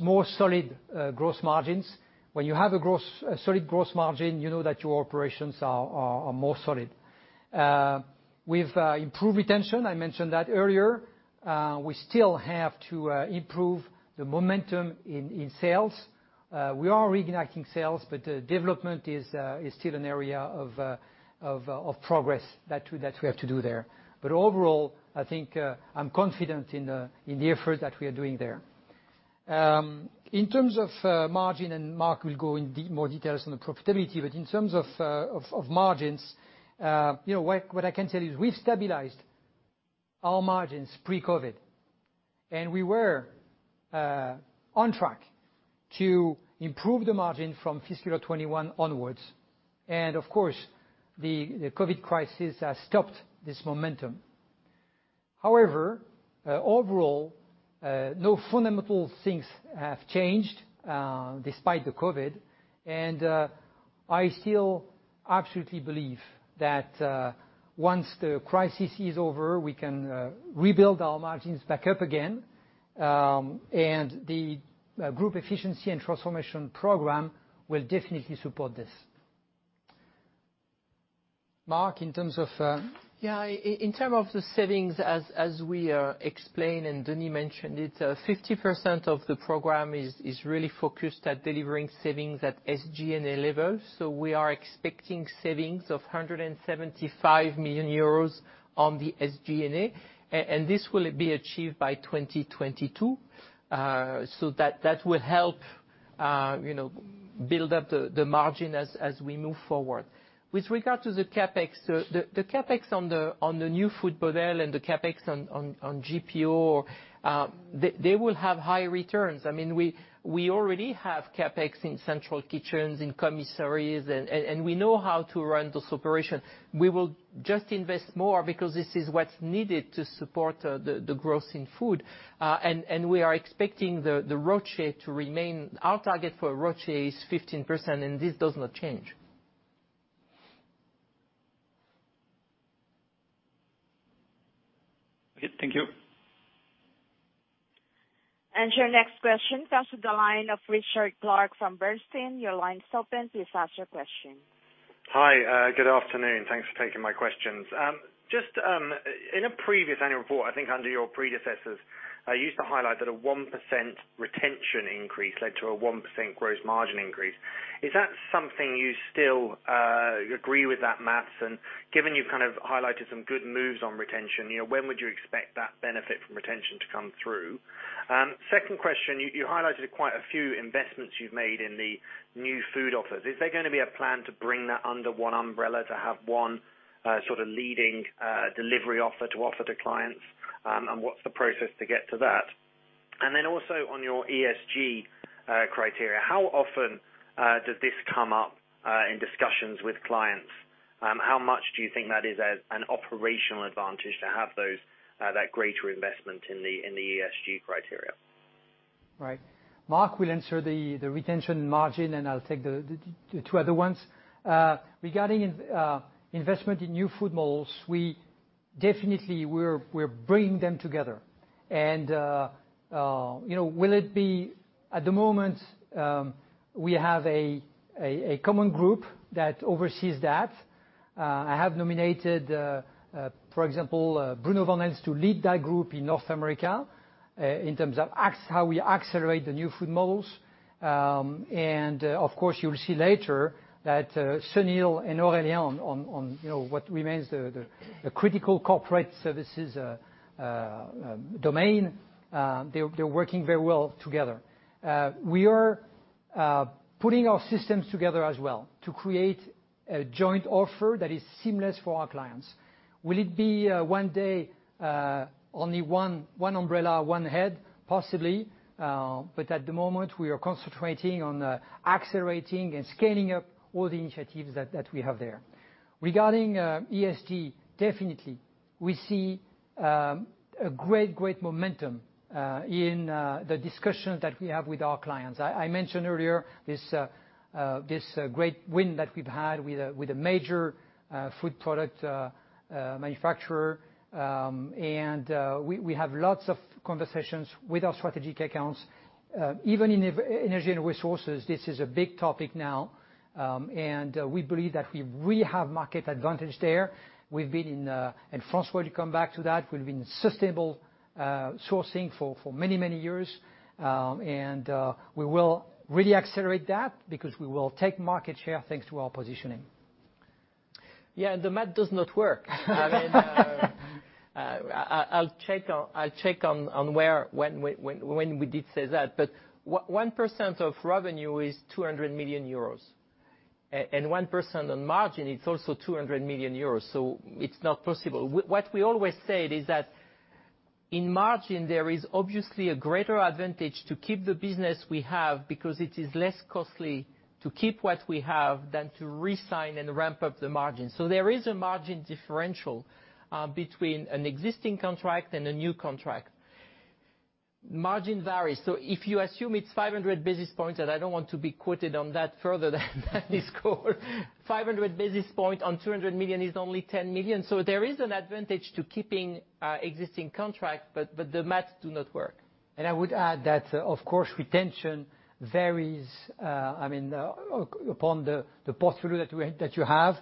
Speaker 2: more solid gross margins. When you have a solid gross margin, you know that your operations are more solid. We've improved retention, I mentioned that earlier. We still have to improve the momentum in sales. We are reigniting sales. Development is still an area of progress that we have to do there. Overall, I think I'm confident in the effort that we are doing there. In terms of margin, and Marc will go in more details on the profitability, but in terms of margins, what I can tell you is we've stabilized our margins pre-COVID, and we were on track to improve the margin from fiscal 2021 onwards. Of course, the COVID crisis has stopped this momentum. However, overall, no fundamental things have changed despite the COVID, and I still absolutely believe that once the crisis is over, we can rebuild our margins back up again. The Global Effectiveness and Transformation program will definitely support this. Marc, in terms of.
Speaker 4: In terms of the savings, as we explained and Denis mentioned it, 50% of the program is really focused at delivering savings at SG&A levels. We are expecting savings of 175 million euros on the SG&A, and this will be achieved by 2022. That will help build up the margin as we move forward. With regard to the CapEx, the CapEx on the new food model and the CapEx on GPO, they will have high returns. We already have CapEx in central kitchens, in commissaries, and we know how to run this operation. We will just invest more because this is what's needed to support the growth in food. We are expecting the ROCE to remain. Our target for ROCE is 15%, and this does not change.
Speaker 7: Okay, thank you.
Speaker 6: Your next question comes to the line of Richard Clarke from Bernstein. Your line's open. Please ask your question.
Speaker 8: Hi. Good afternoon. Thanks for taking my questions. Just in a previous annual report, I think under your predecessors, you used to highlight that a 1% retention increase led to a 1% gross margin increase. Is that something you still agree with that math? Given you've highlighted some good moves on retention, when would you expect that benefit from retention to come through? Second question, you highlighted quite a few investments you've made in the new food offers. Is there going to be a plan to bring that under one umbrella to have one sort of leading delivery offer to offer to clients? What's the process to get to that? Then also on your ESG criteria, how often does this come up in discussions with clients? How much do you think that is an operational advantage to have that greater investment in the ESG criteria?
Speaker 2: Right. Marc will answer the retention margin, and I'll take the two other ones. Regarding investment in new food models, definitely, we're bringing them together. At the moment, we have a common group that oversees that. I have nominated, for example, Bruno Vanhaelst to lead that group in North America in terms of how we accelerate the new food models. Of course, you'll see later that Sunil and Aurélien on what remains the critical corporate services domain, they're working very well together. We are putting our systems together as well to create a joint offer that is seamless for our clients. Will it be one day, only one umbrella, one head? Possibly. At the moment, we are concentrating on accelerating and scaling up all the initiatives that we have there. Regarding ESG, definitely, we see a great momentum in the discussions that we have with our clients. I mentioned earlier this great win that we've had with a major food product manufacturer. We have lots of conversations with our strategic accounts. Even in energy and resources, this is a big topic now. We believe that we really have market advantage there. We've been in France, to come back to that. We've been sustainable sourcing for many years. We will really accelerate that because we will take market share thanks to our positioning.
Speaker 4: Yeah, the math does not work. I will check on when we did say that. 1% of revenue is 200 million euros, and 1% on margin, it's also 200 million euros, so it's not possible. What we always said is that in margin, there is obviously a greater advantage to keep the business we have because it is less costly to keep what we have than to re-sign and ramp up the margin. There is a margin differential between an existing contract and a new contract. Margin varies. If you assume it's 500 basis points, and I don't want to be quoted on that further than this call, 500 basis point on 200 million is only 10 million. There is an advantage to keeping existing contract, but the math do not work.
Speaker 2: I would add that, of course, retention varies upon the portfolio that you have.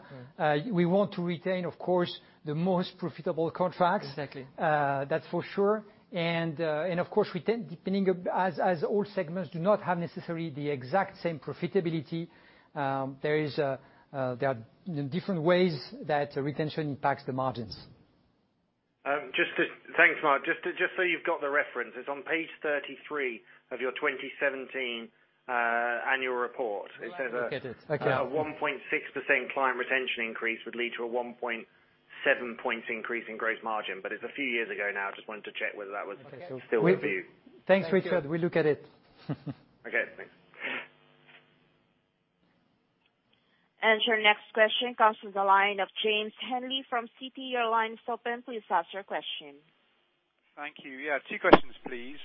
Speaker 2: We want to retain, of course, the most profitable contracts.
Speaker 4: Exactly.
Speaker 2: That's for sure. Of course, as all segments do not have necessarily the exact same profitability, there are different ways that retention impacts the margins.
Speaker 8: Thanks, Marc. Just so you've got the references, on page 33 of your 2017 annual report, it says.
Speaker 4: Right. Look at it. Okay.
Speaker 8: A 1.6% client retention increase would lead to a 1.7 points increase in gross margin, but it's a few years ago now. I just wanted to check whether that was still the view.
Speaker 4: Okay.
Speaker 2: Thanks, Richard. We'll look at it.
Speaker 8: Okay. Thanks.
Speaker 6: Your next question comes from the line of James Ainley from Citi. Your line is open. Please ask your question.
Speaker 9: Thank you. Yeah, two questions, please.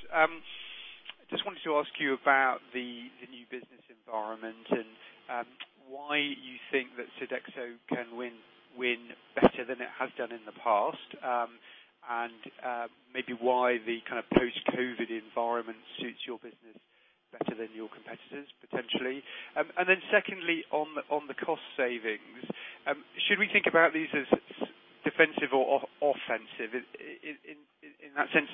Speaker 9: Just wanted to ask you about the new business environment and why you think that Sodexo can win better than it has done in the past. Maybe why the kind of post-COVID environment suits your business better than your competitors, potentially. Secondly, on the cost savings, should we think about these as defensive or offensive? In that sense,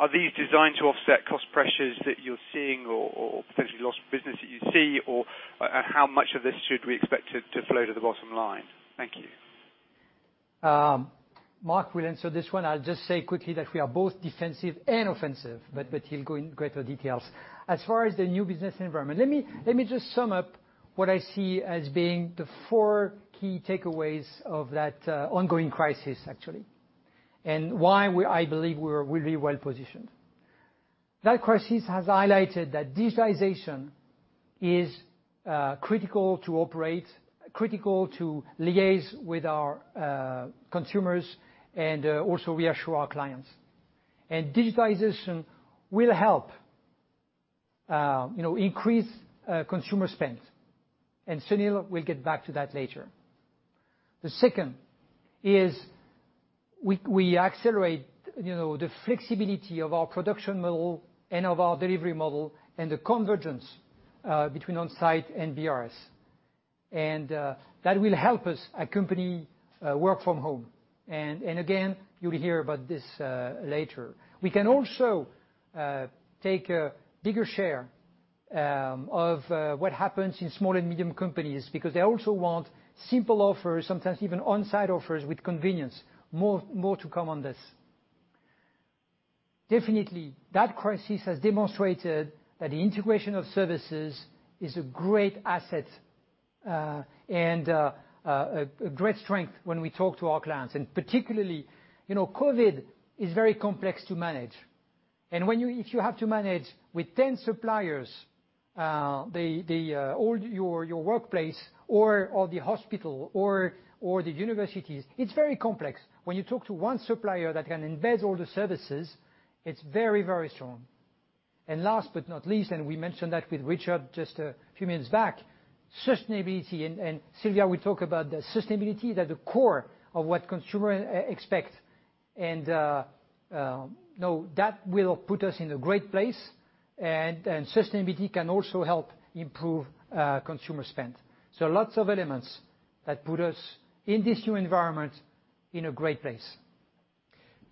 Speaker 9: are these designed to offset cost pressures that you're seeing or potentially lost business that you see, or how much of this should we expect to flow to the bottom line? Thank you.
Speaker 2: Marc will answer this one. I'll just say quickly that we are both defensive and offensive. He'll go in greater details. As far as the new business environment, let me just sum up what I see as being the four key takeaways of that ongoing crisis, actually. Why I believe we're really well-positioned. That crisis has highlighted that digitization is critical to operate, critical to liaise with our consumers, and also reassure our clients. Digitization will help increase consumer spend. Sunil will get back to that later. The second is we accelerate the flexibility of our production model and of our delivery model and the convergence between on-site and BRS. That will help us accompany work from home. Again, you'll hear about this later. We can also take a bigger share of what happens in small and medium companies because they also want simple offers, sometimes even on-site offers with convenience. More to come on this. Definitely, that crisis has demonstrated that the integration of services is a great asset and a great strength when we talk to our clients. Particularly, COVID is very complex to manage. If you have to manage with 10 suppliers, all your workplace or the hospital or the universities, it's very complex. When you talk to one supplier that can embed all the services, it's very, very strong. Last but not least, we mentioned that with Richard just a few minutes back, sustainability. Sylvia will talk about that sustainability at the core of what consumer expect. That will put us in a great place, and sustainability can also help improve consumer spend. Lots of elements that put us in this new environment, in a great place.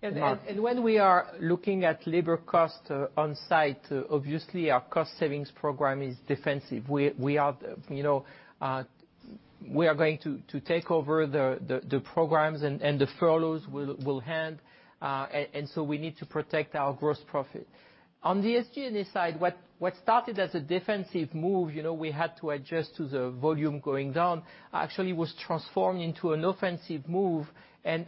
Speaker 2: Marc?
Speaker 4: When we are looking at labor cost on site, obviously, our cost savings program is defensive. We are going to take over the programs and the furloughs will end, and so we need to protect our gross profit. On the SG&A side, what started as a defensive move, we had to adjust to the volume going down, actually was transformed into an offensive move, and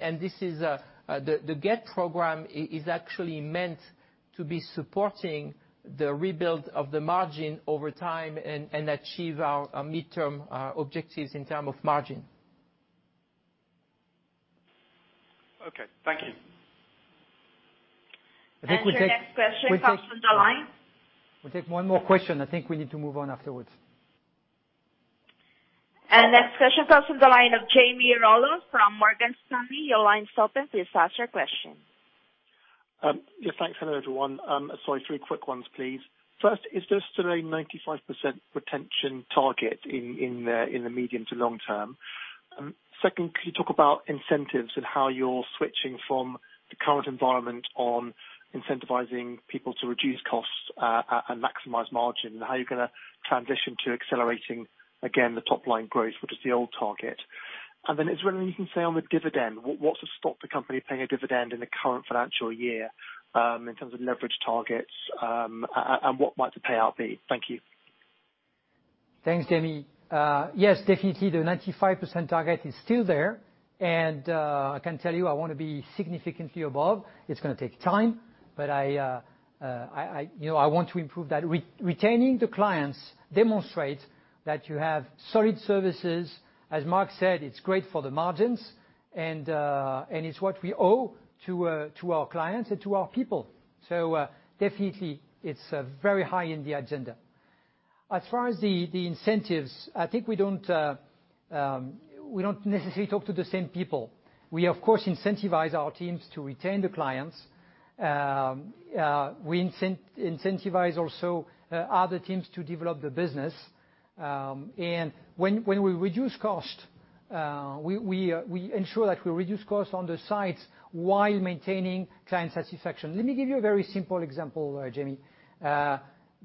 Speaker 4: the GET program is actually meant to be supporting the rebuild of the margin over time and achieve our midterm objectives in term of margin.
Speaker 9: Okay. Thank you.
Speaker 2: We'll take one more question. I think we need to move on afterwards.
Speaker 6: Next question comes from the line of Jamie Rollo from Morgan Stanley. Your line's open. Please ask your question.
Speaker 10: Yes. Thanks. Hello, everyone. Sorry, three quick ones, please. First, is there still a 95% retention target in the medium to long term? Second, can you talk about incentives and how you're switching from the current environment on incentivizing people to reduce costs, and maximize margin, and how you're gonna transition to accelerating again, the top-line growth, which is the old target. Is there anything you can say on the dividend? What's stopped the company paying a dividend in the current financial year, in terms of leverage targets, and what might the payout be? Thank you.
Speaker 2: Thanks, Jamie. Yes, definitely the 95% target is still there, and I can tell you I wanna be significantly above. It's gonna take time, but I, you know, I want to improve that. Retaining the clients demonstrates that you have solid services. As Marc said, it's great for the margins and it's what we owe to our clients and to our people. Definitely it's very high in the agenda. As far as the incentives, I think we don't necessarily talk to the same people. We, of course, incentivize our teams to retain the clients. We incentivize also other teams to develop the business. When we reduce cost, we ensure that we reduce cost on the sides while maintaining client satisfaction. Let me give you a very simple example, Jamie.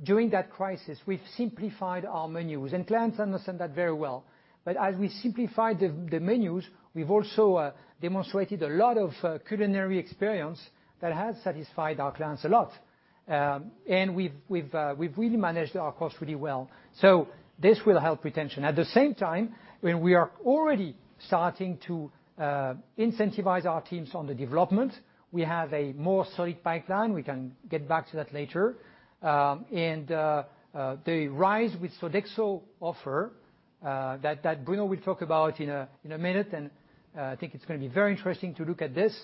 Speaker 2: During that crisis, we've simplified our menus, and clients understand that very well. As we simplified the menus, we've also demonstrated a lot of culinary experience that has satisfied our clients a lot. We've really managed our cost really well. This will help retention. At the same time, when we are already starting to incentivize our teams on the development, we have a more solid pipeline. We can get back to that later. The Rise with Sodexo offer, that Bruno will talk about in a minute, and I think it's gonna be very interesting to look at this,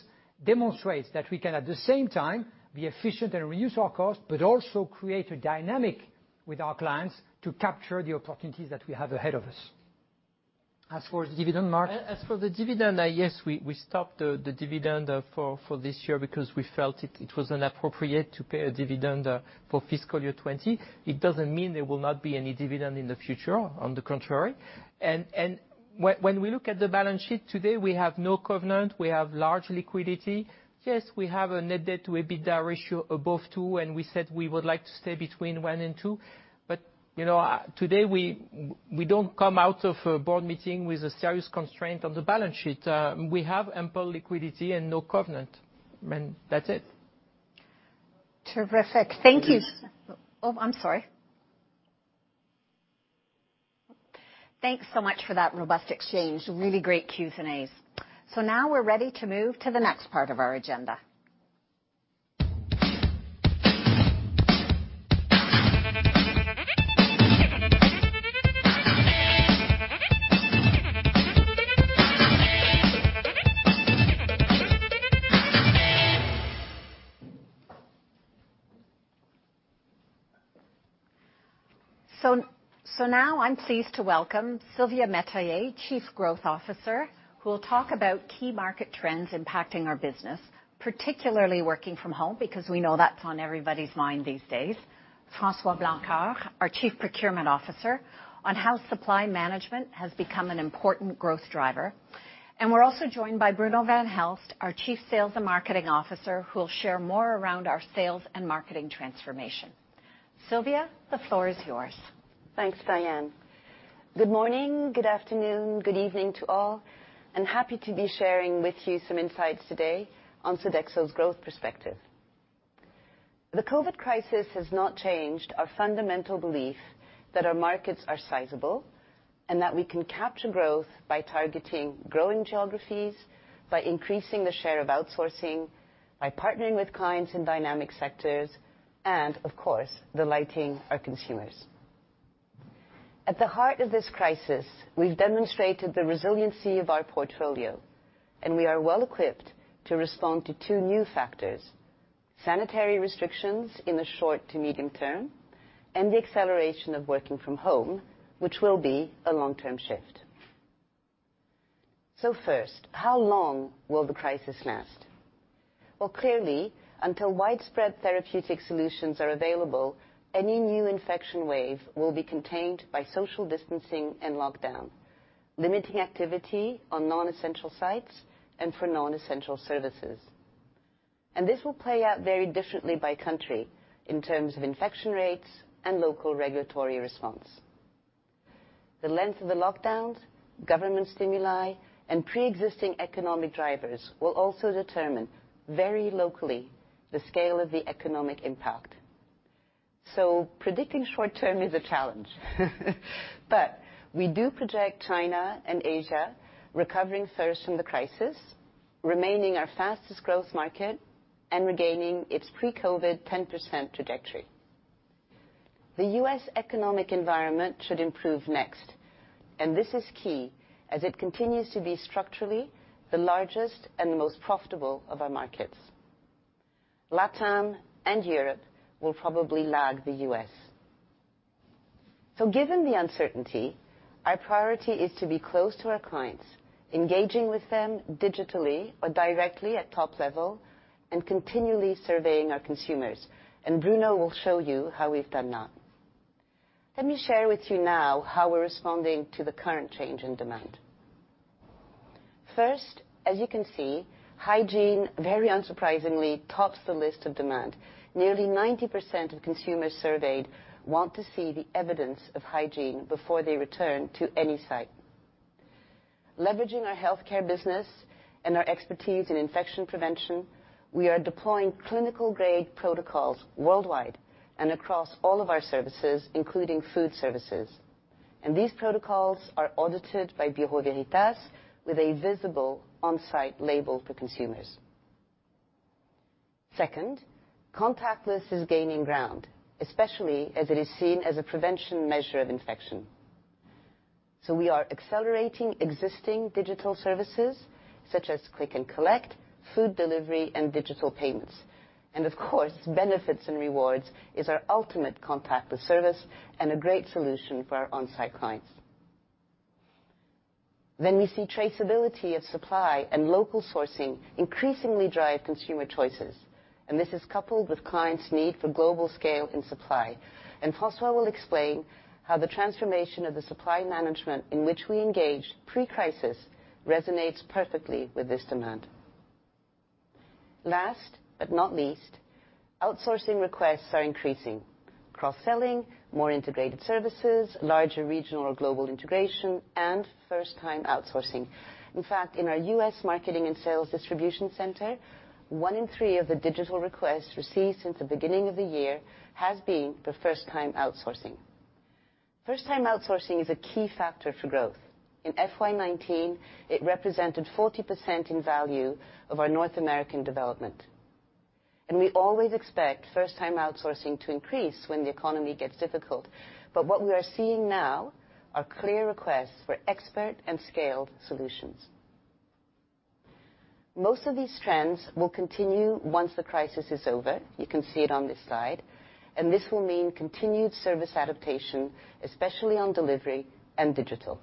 Speaker 2: demonstrates that we can, at the same time, be efficient and reduce our cost, but also create a dynamic with our clients to capture the opportunities that we have ahead of us. As for the dividend, Marc?
Speaker 4: As for the dividend, yes, we stopped the dividend for this year because we felt it was inappropriate to pay dividend for fiscal year 2020. It doesn't mean there will not be any dividend in the future, on the contrary. When we look at the balance sheet today, we have no covenant, we have large liquidity. Yes, we have a net debt to EBITDA ratio above two, and we said we would like to stay between one and two. You know, today, we don't come out of a board meeting with a serious constraint on the balance sheet. We have ample liquidity and no covenant. That's it.
Speaker 1: Terrific. Thank you. Oh, I'm sorry. Thanks so much for that robust exchange. Really great Q&As. Now we're ready to move to the next part of our agenda. Now I'm pleased to welcome Sylvia Metayer, Chief Growth Officer, who will talk about key market trends impacting our business, particularly working from home, because we know that's on everybody's mind these days. François Blanckaert, our Chief Procurement Officer, on how supply management has become an important growth driver. We're also joined by Bruno Vanhaelst, our Chief Sales and Marketing Officer, who will share more around our sales and marketing transformation. Sylvia, the floor is yours.
Speaker 11: Thanks, Dianne. Good morning, good afternoon, good evening to all, Happy to be sharing with you some insights today on Sodexo's growth perspective. The COVID crisis has not changed our fundamental belief that our markets are sizable, and that we can capture growth by targeting growing geographies, by increasing the share of outsourcing, by partnering with clients in dynamic sectors, and, of course, delighting our consumers. At the heart of this crisis, we've demonstrated the resiliency of our portfolio, We are well-equipped to respond to two new factors, sanitary restrictions in the short to medium term, and the acceleration of working from home, which will be a long-term shift. First, how long will the crisis last? Well, clearly, until widespread therapeutic solutions are available, any new infection wave will be contained by social distancing and lockdown, limiting activity on non-essential sites and for non-essential services. This will play out very differently by country in terms of infection rates and local regulatory response. The length of the lockdowns, government stimuli, and preexisting economic drivers will also determine, very locally, the scale of the economic impact. Predicting short-term is a challenge. We do project China and Asia recovering first from the crisis, remaining our fastest growth market, and regaining its pre-COVID 10% trajectory. The U.S. economic environment should improve next, and this is key, as it continues to be structurally the largest and most profitable of our markets. LATAM and Europe will probably lag the U.S. Given the uncertainty, our priority is to be close to our clients, engaging with them digitally or directly at top level, and continually surveying our consumers. Bruno will show you how we've done that. Let me share with you now how we're responding to the current change in demand. First, as you can see, hygiene, very unsurprisingly, tops the list of demand. Nearly 90% of consumers surveyed want to see the evidence of hygiene before they return to any site. Leveraging our healthcare business and our expertise in infection prevention, we are deploying clinical-grade protocols worldwide and across all of our services, including food services. These protocols are audited by Bureau Veritas with a visible on-site label for consumers. Second, contactless is gaining ground, especially as it is seen as a prevention measure of infection. We are accelerating existing digital services such as click and collect, food delivery, and digital payments. Of course, Benefits and Rewards is our ultimate contactless service and a great solution for our on-site clients. We see traceability of supply and local sourcing increasingly drive consumer choices, and this is coupled with clients' need for global scale and supply. François will explain how the transformation of the supply management in which we engaged pre-crisis resonates perfectly with this demand. Last but not least, outsourcing requests are increasing. Cross-selling, more integrated services, larger regional or global integration, and first-time outsourcing. In fact, in our U.S. marketing and sales distribution center, one in three of the digital requests received since the beginning of the year has been for first-time outsourcing. First-time outsourcing is a key factor for growth. In FY 2019, it represented 40% in value of our North American development. We always expect first-time outsourcing to increase when the economy gets difficult. What we are seeing now are clear requests for expert and scaled solutions. Most of these trends will continue once the crisis is over. You can see it on this slide. This will mean continued service adaptation, especially on delivery and digital.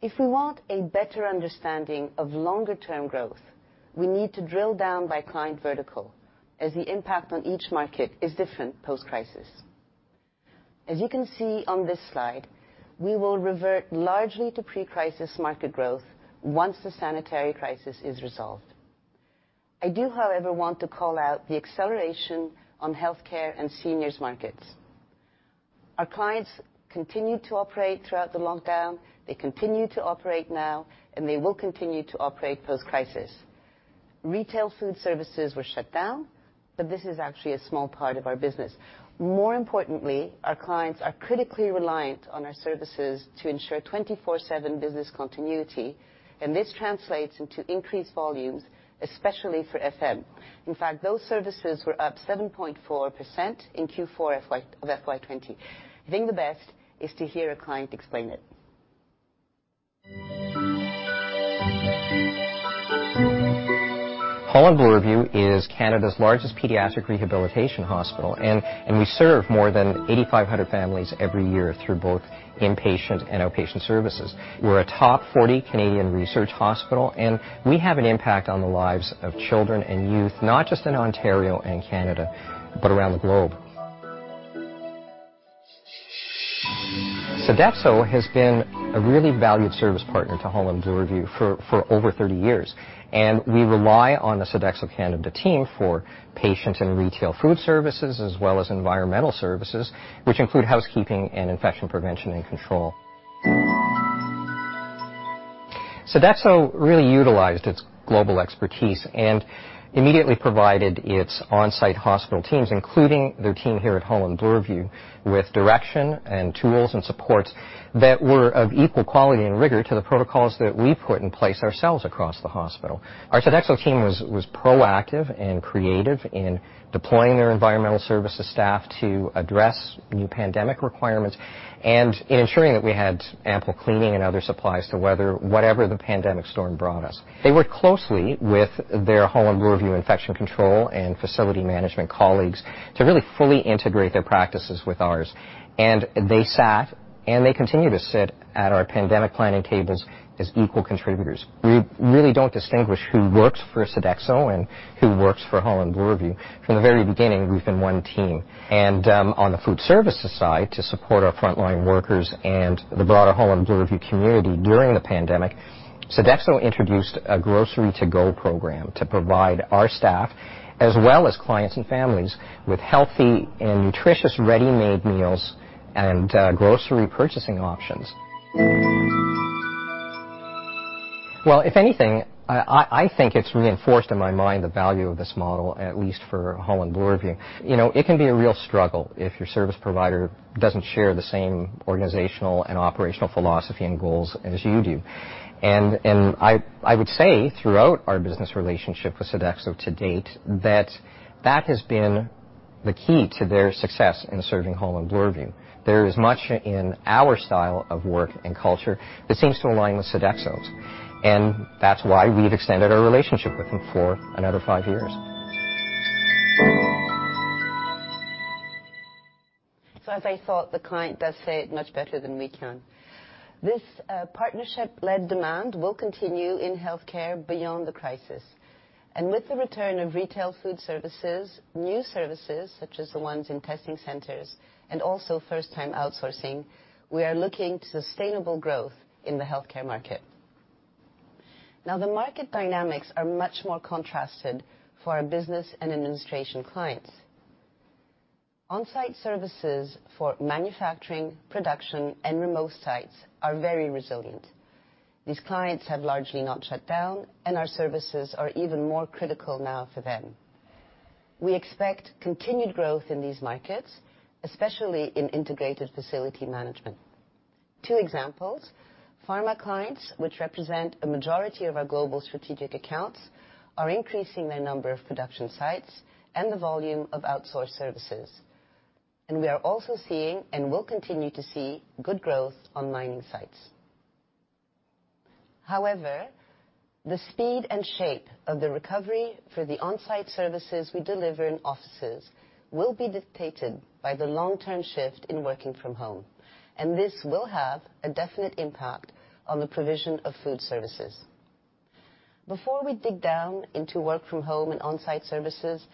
Speaker 11: If we want a better understanding of longer term growth, we need to drill down by client vertical, as the impact on each market is different post-crisis. As you can see on this slide, we will revert largely to pre-crisis market growth once the sanitary crisis is resolved. I do, however, want to call out the acceleration on healthcare and seniors markets. Our clients continued to operate throughout the lockdown, they continue to operate now, and they will continue to operate post-crisis. Retail food services were shut down, this is actually a small part of our business. More importantly, our clients are critically reliant on our services to ensure 24/7 business continuity. This translates into increased volumes, especially for FM. In fact, those services were up 7.4% in Q4 of FY 2020. I think the best is to hear a client explain it.
Speaker 3: Holland Bloorview is Canada's largest pediatric rehabilitation hospital. We serve more than 8,500 families every year through both inpatient and outpatient services. We're a top 40 Canadian research hospital. We have an impact on the lives of children and youth, not just in Ontario and Canada, but around the globe. Sodexo has been a really valued service partner to Holland Bloorview for over 30 years. We rely on the Sodexo Canada team for patient and retail food services, as well as environmental services, which include housekeeping and infection prevention and control. Sodexo really utilized its global expertise and immediately provided its on-site hospital teams, including their team here at Holland Bloorview, with direction and tools and supports that were of equal quality and rigor to the protocols that we put in place ourselves across the hospital. Our Sodexo team was proactive and creative in deploying their environmental services staff to address new pandemic requirements and in ensuring that we had ample cleaning and other supplies to weather whatever the pandemic storm brought us. They worked closely with their Holland Bloorview infection control and facility management colleagues to really fully integrate their practices with ours. They sat, and they continue to sit, at our pandemic planning tables as equal contributors. We really don't distinguish who works for Sodexo and who works for Holland Bloorview. From the very beginning, we've been one team. On the food services side, to support our frontline workers and the broader Holland Bloorview community during the pandemic, Sodexo introduced a grocery to-go program to provide our staff, as well as clients and families, with healthy and nutritious ready-made meals and grocery purchasing options. Well, if anything, I think it's reinforced in my mind the value of this model, at least for Holland Bloorview. It can be a real struggle if your service provider doesn't share the same organizational and operational philosophy and goals as you do. I would say throughout our business relationship with Sodexo to date, that has been the key to their success in serving Holland Bloorview. There is much in our style of work and culture that seems to align with Sodexo's, and that's why we've extended our relationship with them for another five years.
Speaker 11: As I thought, the client does say it much better than we can. This partnership-led demand will continue in healthcare beyond the crisis. With the return of retail food services, new services, such as the ones in testing centers, and also first-time outsourcing, we are looking to sustainable growth in the healthcare market. The market dynamics are much more contrasted for our business and administration clients. On-site services for manufacturing, production, and remote sites are very resilient. These clients have largely not shut down, and our services are even more critical now for them. We expect continued growth in these markets, especially in integrated facility management. Two examples, pharma clients, which represent a majority of our global strategic accounts, are increasing their number of production sites and the volume of outsourced services. We are also seeing, and will continue to see, good growth on mining sites. The speed and shape of the recovery for the on-site services we deliver in offices will be dictated by the long-term shift in working from home, and this will have a definite impact on the provision of food services. Before we dig down into work from home and on-site services,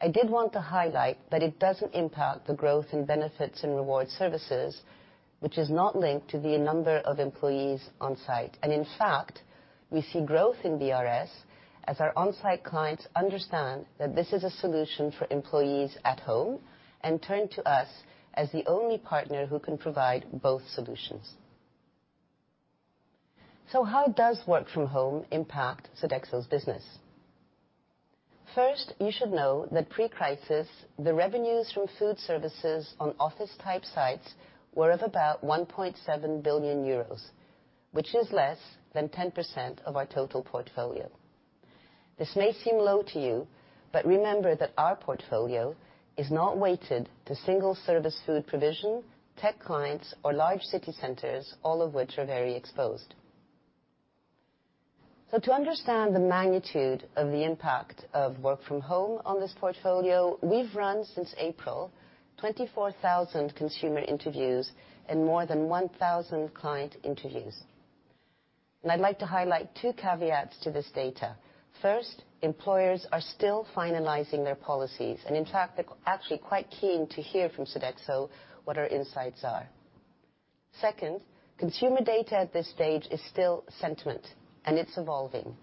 Speaker 11: I did want to highlight that it doesn't impact the growth in Benefits and Rewards Services, which is not linked to the number of employees on-site. In fact, we see growth in BRS as our on-site clients understand that this is a solution for employees at home and turn to us as the only partner who can provide both solutions. How does work from home impact Sodexo's business? First, you should know that pre-crisis, the revenues from food services on office-type sites were of about 1.7 billion euros, which is less than 10% of our total portfolio. This may seem low to you, but remember that our portfolio is not weighted to single service food provision, tech clients, or large city centers, all of which are very exposed. To understand the magnitude of the impact of work from home on this portfolio, we've run, since April, 24,000 consumer interviews and more than 1,000 client interviews. I'd like to highlight two caveats to this data. First, employers are still finalizing their policies. In fact, they're actually quite keen to hear from Sodexo what our insights are. Second, consumer data at this stage is still sentiment, and it's evolving.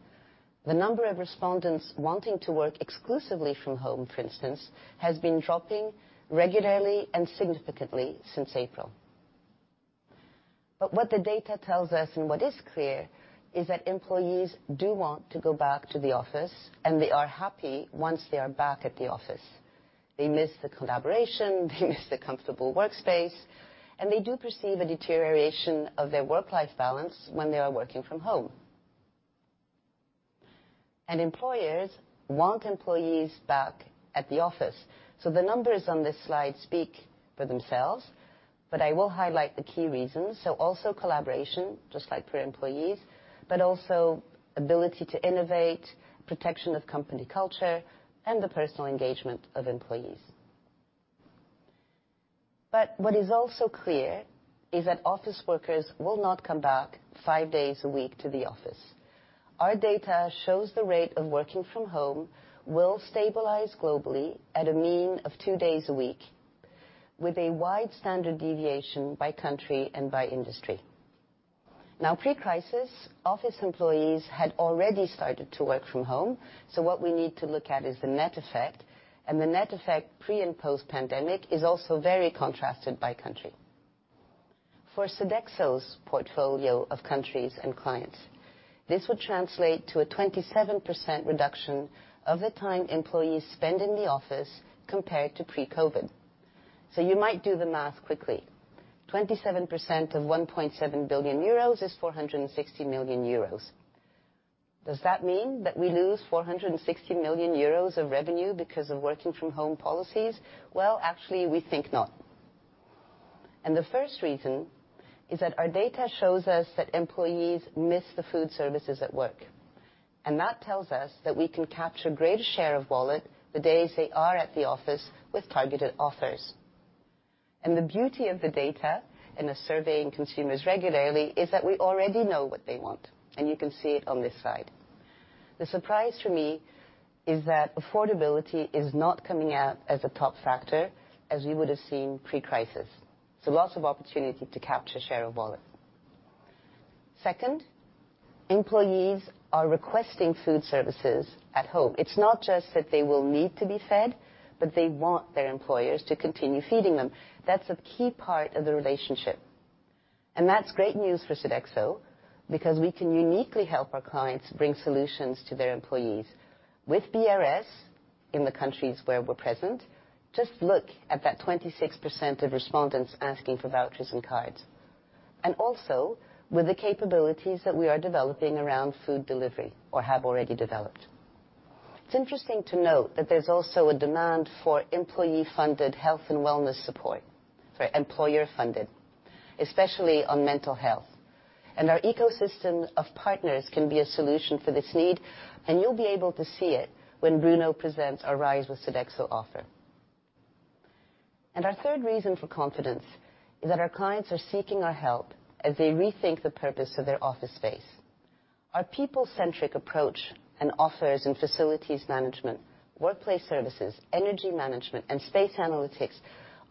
Speaker 11: The number of respondents wanting to work exclusively from home, for instance, has been dropping regularly and significantly since April. What the data tells us, and what is clear, is that employees do want to go back to the office, and they are happy once they are back at the office. They miss the collaboration, they miss the comfortable workspace, and they do perceive a deterioration of their work-life balance when they are working from home. Employers want employees back at the office. The numbers on this slide speak for themselves, but I will highlight the key reasons. Also collaboration, just like for employees, but also ability to innovate, protection of company culture, and the personal engagement of employees. What is also clear is that office workers will not come back five days a week to the office. Our data shows the rate of working from home will stabilize globally at a mean of two days a week, with a wide standard deviation by country and by industry. Pre-crisis, office employees had already started to work from home, what we need to look at is the net effect. The net effect pre- and post-pandemic is also very contrasted by country. For Sodexo's portfolio of countries and clients, this would translate to a 27% reduction of the time employees spend in the office compared to pre-COVID. You might do the math quickly. 27% of 1.7 billion euros is 460 million euros. Does that mean that we lose 460 million euros of revenue because of working from home policies? Well, actually, we think not. The first reason is that our data shows us that employees miss the food services at work. That tells us that we can capture a greater share of wallet the days they are at the office with targeted offers. The beauty of the data in surveying consumers regularly is that we already know what they want, and you can see it on this side. The surprise for me is that affordability is not coming out as a top factor as we would have seen pre-crisis. Lots of opportunity to capture share of wallet. Second, employees are requesting food services at home. It's not just that they will need to be fed, but they want their employers to continue feeding them. That's a key part of the relationship. That's great news for Sodexo because we can uniquely help our clients bring solutions to their employees. With BRS in the countries where we're present, just look at that 26% of respondents asking for vouchers and cards, and also with the capabilities that we are developing around food delivery or have already developed. It's interesting to note that there's also a demand for employee-funded health and wellness support. Sorry, employer-funded, especially on mental health. Our ecosystem of partners can be a solution for this need, and you'll be able to see it when Bruno presents our Rise SAFE with Sodexo offer. Our third reason for confidence is that our clients are seeking our help as they rethink the purpose of their office space. Our people-centric approach and offers in facilities management, workplace services, energy management, and space analytics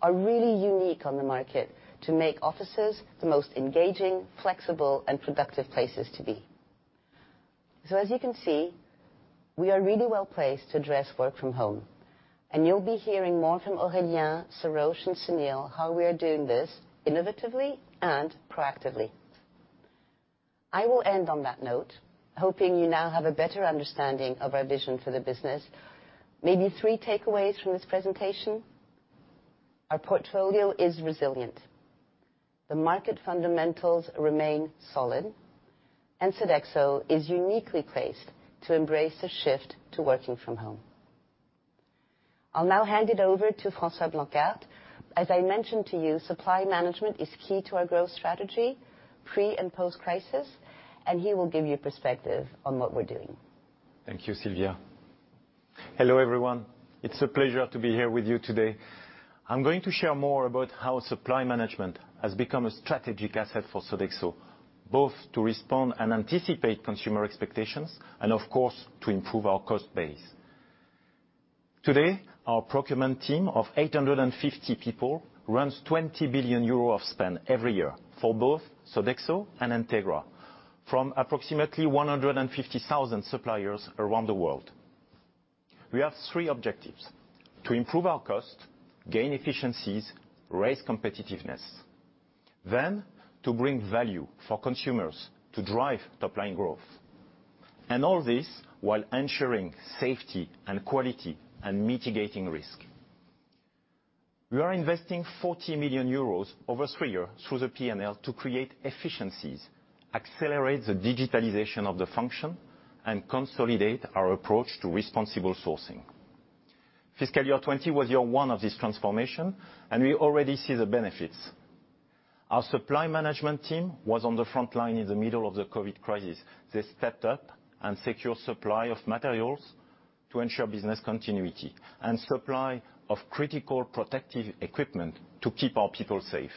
Speaker 11: are really unique on the market to make offices the most engaging, flexible, and productive places to be. As you can see, we are really well-placed to address work from home, and you'll be hearing more from Aurélien, Sarosh, and Sunil how we are doing this innovatively and proactively. I will end on that note, hoping you now have a better understanding of our vision for the business. Maybe three takeaways from this presentation. Our portfolio is resilient. The market fundamentals remain solid, and Sodexo is uniquely placed to embrace the shift to working from home. I'll now hand it over to François Blanckaert. As I mentioned to you, supply management is key to our growth strategy, pre- and post-crisis, and he will give you perspective on what we're doing.
Speaker 12: Thank you, Sylvia. Hello, everyone. It's a pleasure to be here with you today. I'm going to share more about how supply management has become a strategic asset for Sodexo, both to respond and anticipate consumer expectations and, of course, to improve our cost base. Today, our procurement team of 850 people runs 20 billion euros of spend every year for both Sodexo and Entegra from approximately 150,000 suppliers around the world. We have three objectives: to improve our cost, gain efficiencies, raise competitiveness, then to bring value for consumers to drive top-line growth. All this while ensuring safety and quality and mitigating risk. We are investing 40 million euros over three years through the P&L to create efficiencies, accelerate the digitalization of the function, and consolidate our approach to responsible sourcing. Fiscal year 2020 was year one of this transformation, and we already see the benefits. Our supply management team was on the front line in the middle of the COVID crisis. They stepped up and secure supply of materials to ensure business continuity and supply of critical protective equipment to keep our people safe.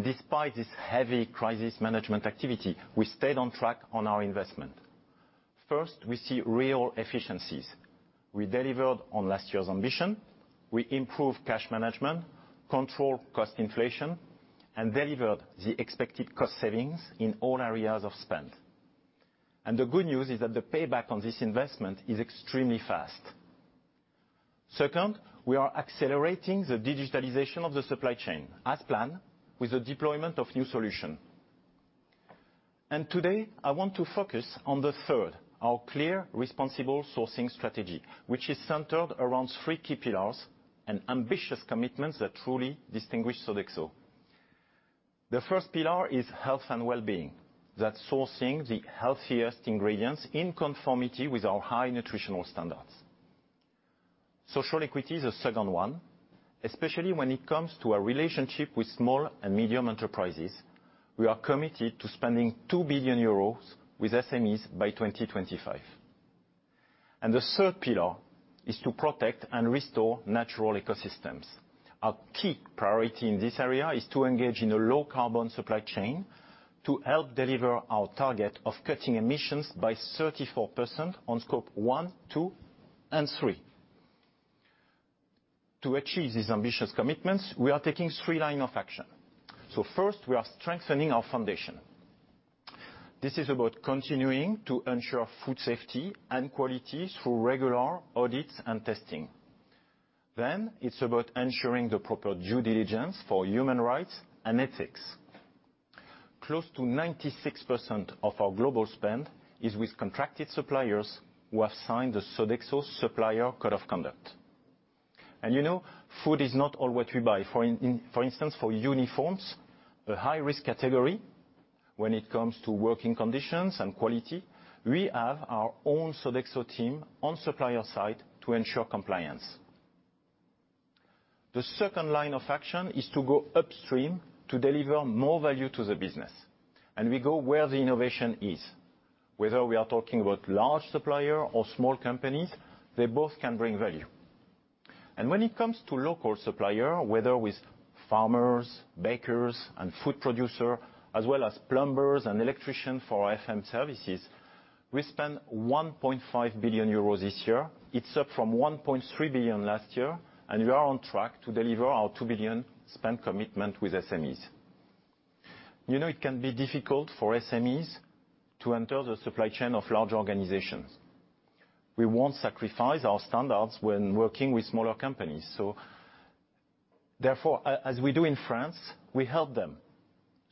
Speaker 12: Despite this heavy crisis management activity, we stayed on track on our investment. First, we see real efficiencies. We delivered on last year's ambition. We improved cash management, controlled cost inflation, and delivered the expected cost savings in all areas of spend. The good news is that the payback on this investment is extremely fast. Second, we are accelerating the digitalization of the supply chain, as planned, with the deployment of new solution. Today, I want to focus on the third, our clear responsible sourcing strategy, which is centered around three key pillars and ambitious commitments that truly distinguish Sodexo. The first pillar is health and wellbeing. That's sourcing the healthiest ingredients in conformity with our high nutritional standards. Social equity is the second one, especially when it comes to our relationship with small and medium enterprises. We are committed to spending 2 billion euros with SMEs by 2025. The third pillar is to protect and restore natural ecosystems. Our key priority in this area is to engage in a low-carbon supply chain to help deliver our target of cutting emissions by 34% on Scope 1, 2, and 3. To achieve these ambitious commitments, we are taking three line of action. First, we are strengthening our foundation. This is about continuing to ensure food safety and quality through regular audits and testing. It's about ensuring the proper due diligence for human rights and ethics. Close to 96% of our global spend is with contracted suppliers who have signed the Sodexo Supplier Code of Conduct. Food is not all what we buy. For instance, for uniforms, a high-risk category when it comes to working conditions and quality, we have our own Sodexo team on supplier site to ensure compliance. The second line of action is to go upstream to deliver more value to the business, and we go where the innovation is. Whether we are talking about large supplier or small companies, they both can bring value. When it comes to local supplier, whether with farmers, bakers, and food producer, as well as plumbers and electricians for our FM services, we spend 1.5 billion euros this year. It's up from 1.3 billion last year, and we are on track to deliver our 2 billion spend commitment with SMEs. You know it can be difficult for SMEs to enter the supply chain of large organizations. We won't sacrifice our standards when working with smaller companies. Therefore, as we do in France, we help them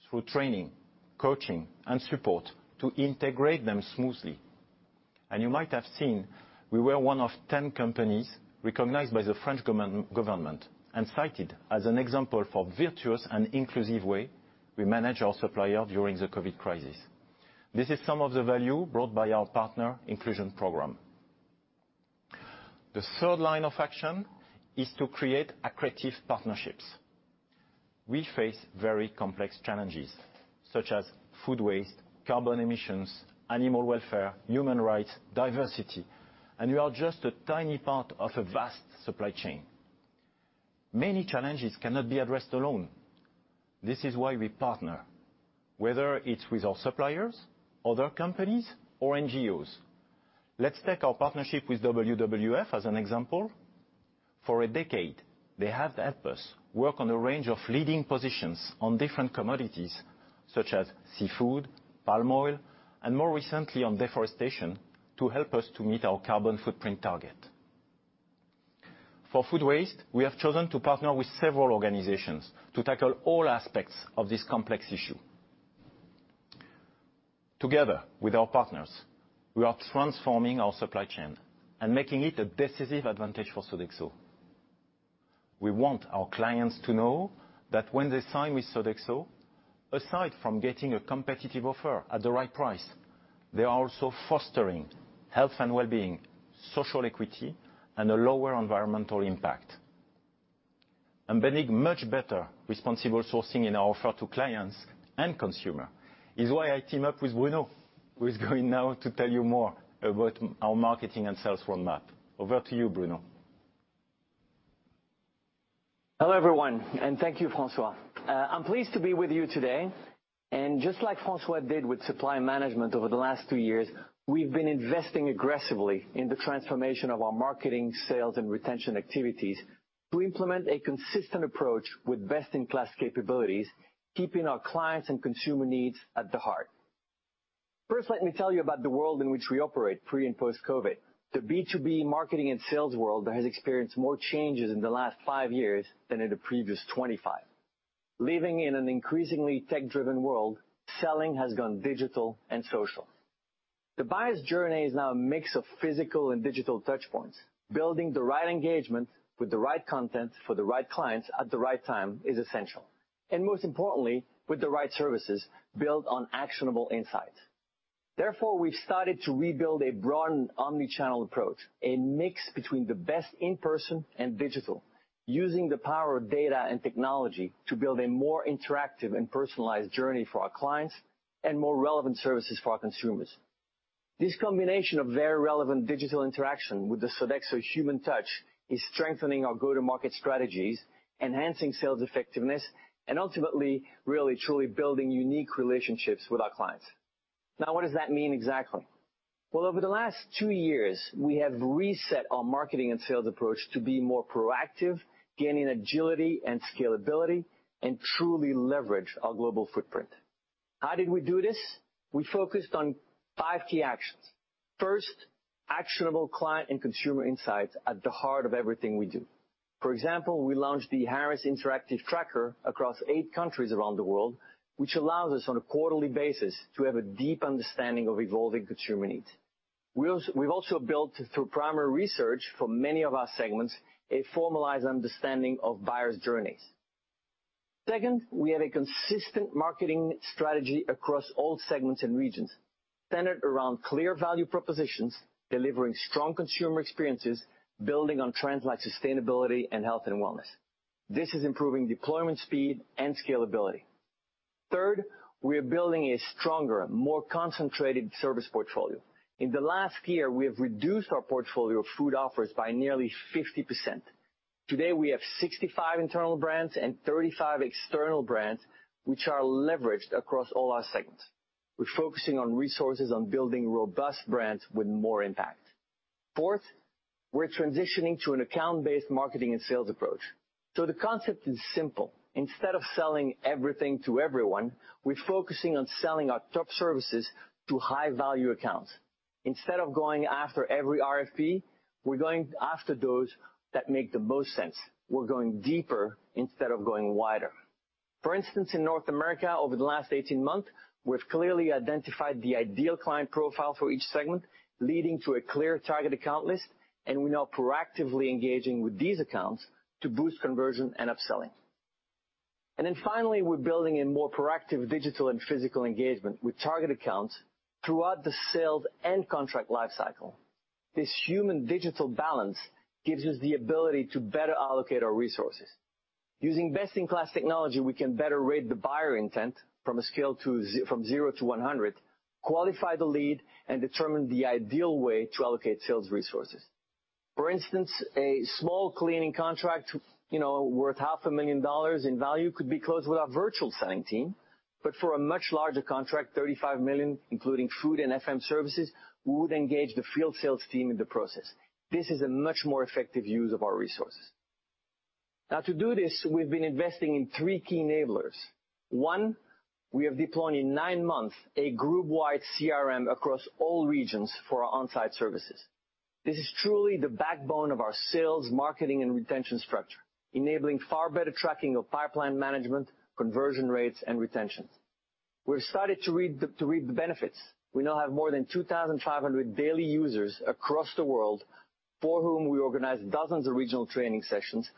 Speaker 12: through training, coaching, and support to integrate them smoothly. You might have seen we were one of 10 companies recognized by the French government and cited as an example for virtuous and inclusive way we manage our supplier during the COVID crisis. This is some of the value brought by our Partner Inclusion Program. The third line of action is to create accretive partnerships. We face very complex challenges, such as food waste, carbon emissions, animal welfare, human rights, diversity, and we are just a tiny part of a vast supply chain. Many challenges cannot be addressed alone. This is why we partner, whether it's with our suppliers, other companies, or NGOs. Let's take our partnership with WWF as an example. For a decade, they have helped us work on a range of leading positions on different commodities such as seafood, palm oil, and more recently on deforestation to help us to meet our carbon footprint target. For food waste, we have chosen to partner with several organizations to tackle all aspects of this complex issue. Together with our partners, we are transforming our supply chain and making it a decisive advantage for Sodexo. We want our clients to know that when they sign with Sodexo, aside from getting a competitive offer at the right price, they are also fostering health and wellbeing, social equity, and a lower environmental impact. Embedding much better responsible sourcing in our offer to clients and consumer is why I team up with Bruno, who is going now to tell you more about our marketing and sales roadmap. Over to you, Bruno.
Speaker 13: Hello, everyone, thank you, François. I'm pleased to be with you today. Just like François did with supply management over the last two years, we've been investing aggressively in the transformation of our marketing, sales, and retention activities to implement a consistent approach with best-in-class capabilities, keeping our clients' and consumer needs at the heart. First, let me tell you about the world in which we operate pre- and post-COVID. The B2B marketing and sales world has experienced more changes in the last five years than in the previous 25. Living in an increasingly tech-driven world, selling has gone digital and social. The buyer's journey is now a mix of physical and digital touchpoints. Building the right engagement with the right content for the right clients at the right time is essential, and most importantly, with the right services built on actionable insights. Therefore, we've started to rebuild a broad and omni-channel approach, a mix between the best in-person and digital, using the power of data and technology to build a more interactive and personalized journey for our clients and more relevant services for our consumers. This combination of very relevant digital interaction with the Sodexo human touch is strengthening our go-to-market strategies, enhancing sales effectiveness, and ultimately, really, truly building unique relationships with our clients. Now, what does that mean exactly? Well, over the last two years, we have reset our marketing and sales approach to be more proactive, gaining agility and scalability, and truly leverage our global footprint. How did we do this? We focused on five key actions. First, actionable client and consumer insights at the heart of everything we do. For example, we launched the Harris Interactive Tracker across eight countries around the world, which allows us on a quarterly basis to have a deep understanding of evolving consumer needs. We've also built through primary research for many of our segments, a formalized understanding of buyers' journeys. Second, we have a consistent marketing strategy across all segments and regions, centered around clear value propositions, delivering strong consumer experiences, building on trends like sustainability and health and wellness. This is improving deployment speed and scalability. Third, we are building a stronger, more concentrated service portfolio. In the last year, we have reduced our portfolio of food offers by nearly 50%. Today, we have 65 internal brands and 35 external brands which are leveraged across all our segments. We're focusing on resources on building robust brands with more impact. Fourth, we're transitioning to an account-based marketing and sales approach. The concept is simple. Instead of selling everything to everyone, we're focusing on selling our top services to high-value accounts. Instead of going after every RFP, we're going after those that make the most sense. We're going deeper instead of going wider. For instance, in North America, over the last 18 months, we've clearly identified the ideal client profile for each segment, leading to a clear target account list, and we're now proactively engaging with these accounts to boost conversion and upselling. Finally, we're building a more proactive digital and physical engagement with target accounts throughout the sales and contract life cycle. This human-digital balance gives us the ability to better allocate our resources. Using best-in-class technology, we can better rate the buyer intent from a scale from 0-100, qualify the lead, and determine the ideal way to allocate sales resources. For instance, a small cleaning contract worth $500,000 in value could be closed with our virtual selling team. For a much larger contract, 35 million, including food and FM services, we would engage the field sales team in the process. This is a much more effective use of our resources. To do this, we've been investing in three key enablers. One, we have deployed in nine months a group-wide CRM across all regions for our on-site services. This is truly the backbone of our sales, marketing, and retention structure, enabling far better tracking of pipeline management, conversion rates, and retention. We've started to reap the benefits. We now have more than 2,500 daily users across the world for whom we organize dozens of regional training sessions,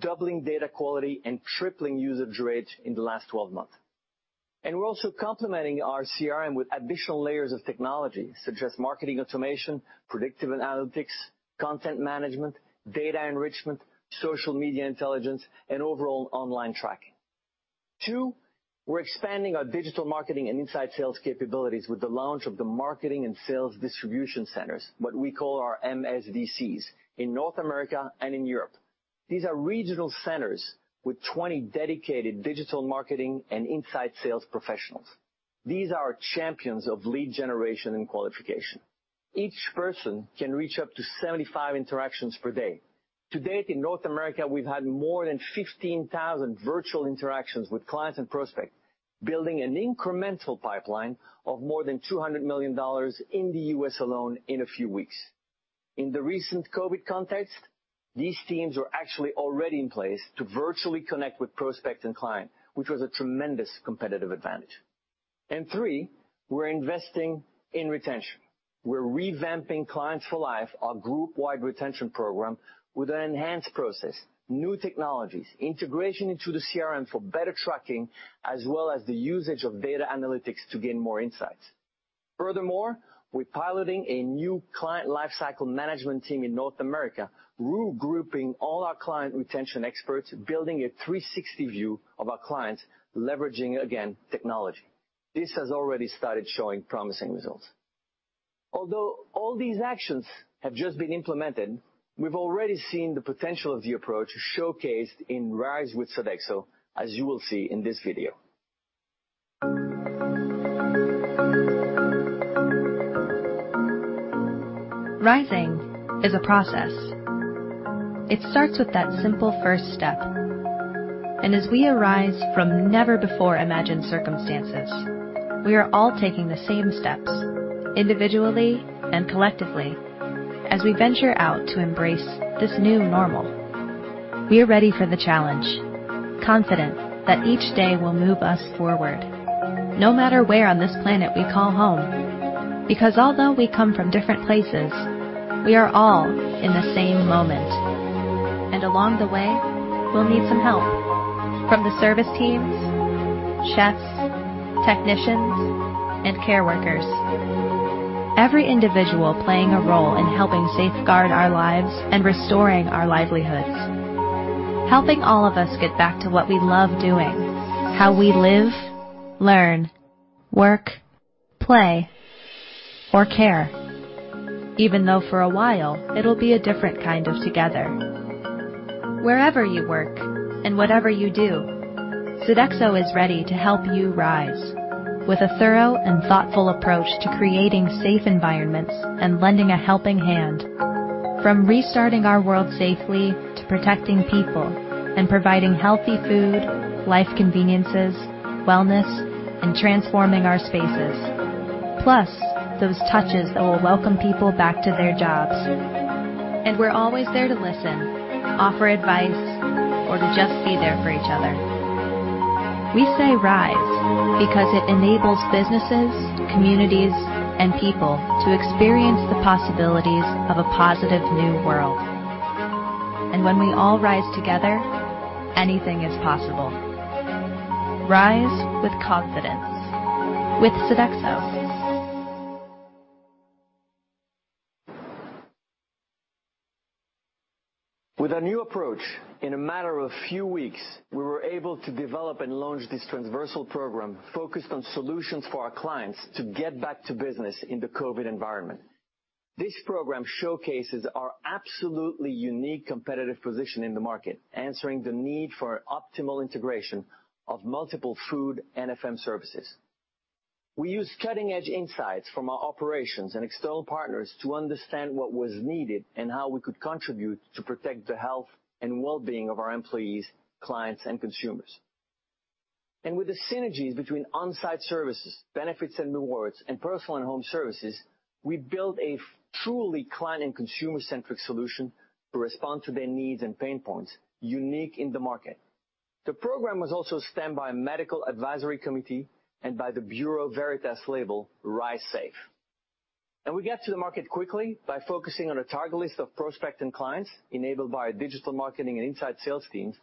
Speaker 13: doubling data quality and tripling usage rates in the last 12 months. We're also complementing our CRM with additional layers of technology, such as marketing automation, predictive analytics, content management, data enrichment, social media intelligence, and overall online tracking. Two, we're expanding our digital marketing and inside sales capabilities with the launch of the marketing and sales distribution centers, what we call our MSDCs, in North America and in Europe. These are regional centers with 20 dedicated digital marketing and inside sales professionals. These are our champions of lead generation and qualification. Each person can reach up to 75 interactions per day. To date, in North America, we've had more than 15,000 virtual interactions with clients and prospects, building an incremental pipeline of more than $200 million in the U.S. alone in a few weeks. In the recent COVID context, these teams were actually already in place to virtually connect with prospects and clients, which was a tremendous competitive advantage. Three, we're investing in retention. We're revamping Clients for Life, our group-wide retention program, with an enhanced process, new technologies, integration into the CRM for better tracking, as well as the usage of data analytics to gain more insights. Furthermore, we're piloting a new client life cycle management team in North America, regrouping all our client retention experts, building a 360 view of our clients, leveraging, again, technology. This has already started showing promising results. Although all these actions have just been implemented, we've already seen the potential of the approach showcased in Rise with Sodexo, as you will see in this video.
Speaker 3: Rising is a process. It starts with that simple first step. As we arise from never-before imagined circumstances, we are all taking the same steps individually and collectively as we venture out to embrace this new normal. We are ready for the challenge, confident that each day will move us forward, no matter where on this planet we call home. Because although we come from different places, we are all in the same moment. Along the way, we'll need some help from the service teams, chefs, technicians, and care workers. Every individual playing a role in helping safeguard our lives and restoring our livelihoods. Helping all of us get back to what we love doing, how we live, learn, work, play, or care. Even though for a while, it'll be a different kind of together. Wherever you work and whatever you do, Sodexo is ready to help you rise with a thorough and thoughtful approach to creating safe environments and lending a helping hand. From restarting our world safely to protecting people and providing healthy food, life conveniences, wellness, and transforming our spaces. Plus, those touches that will welcome people back to their jobs. We're always there to listen, offer advice, or to just be there for each other. We say rise because it enables businesses, communities, and people to experience the possibilities of a positive new world. When we all rise together, anything is possible. Rise with confidence with Sodexo.
Speaker 13: With our new approach, in a matter of few weeks, we were able to develop and launch this transversal program focused on solutions for our clients to get back to business in the COVID environment. This program showcases our absolutely unique competitive position in the market, answering the need for optimal integration of multiple food and FM services. We use cutting-edge insights from our operations and external partners to understand what was needed and how we could contribute to protect the health and well-being of our employees, clients, and consumers. With the synergies between on-site services, Benefits and Rewards, and personal and home services, we built a truly client and consumer-centric solution to respond to their needs and pain points, unique in the market. The program was also stamped by a medical advisory committee and by the Bureau Veritas label, Rise SAFE. We get to the market quickly by focusing on a target list of prospect and clients enabled by our digital marketing and inside sales teams,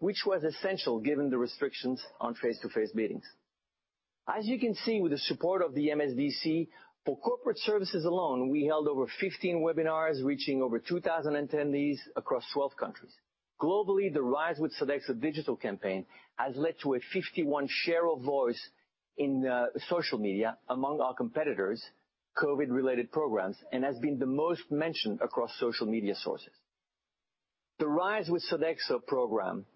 Speaker 13: which was essential given the restrictions on face-to-face meetings. As you can see with the support of the MSDC, for Corporate Services alone, we held over 15 webinars reaching over 2,000 attendees across 12 countries. Globally, the Rise with Sodexo digital campaign has led to a 51 share of voice in social media among our competitors' COVID-related programs, and has been the most mentioned across social media sources. The Rise with Sodexo program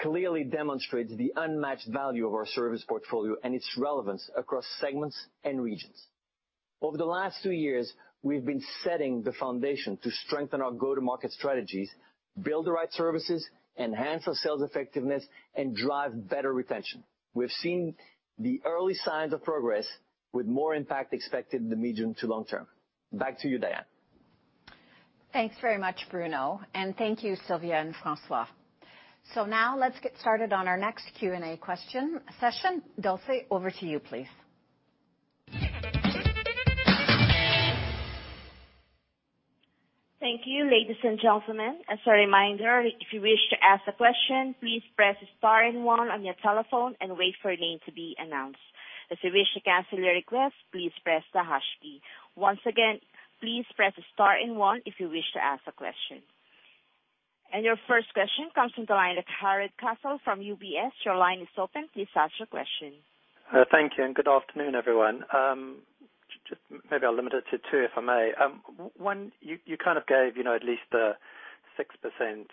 Speaker 13: clearly demonstrates the unmatched value of our service portfolio and its relevance across segments and regions. Over the last two years, we've been setting the foundation to strengthen our go-to-market strategies, build the right services, enhance our sales effectiveness, and drive better retention. We've seen the early signs of progress with more impact expected in the medium to long term. Back to you, Dianne.
Speaker 1: Thanks very much, Bruno. Thank you, Sylvia and François. Now let's get started on our next Q&A question session. Dulce, over to you, please.
Speaker 6: Thank you, ladies and gentlemen. As a reminder, if you wish to ask a question, please press star and one on your telephone and wait for your name to be announced. If you wish to cancel your request, please press the hash key. Once again, please press star and one if you wish to ask a question. Your first question comes from the line of Jarrod Castle from UBS. Your line is open. Please ask your question.
Speaker 14: Thank you, and good afternoon, everyone. Just maybe I'll limit it to two, if I may. One, you kind of gave at least a 6%+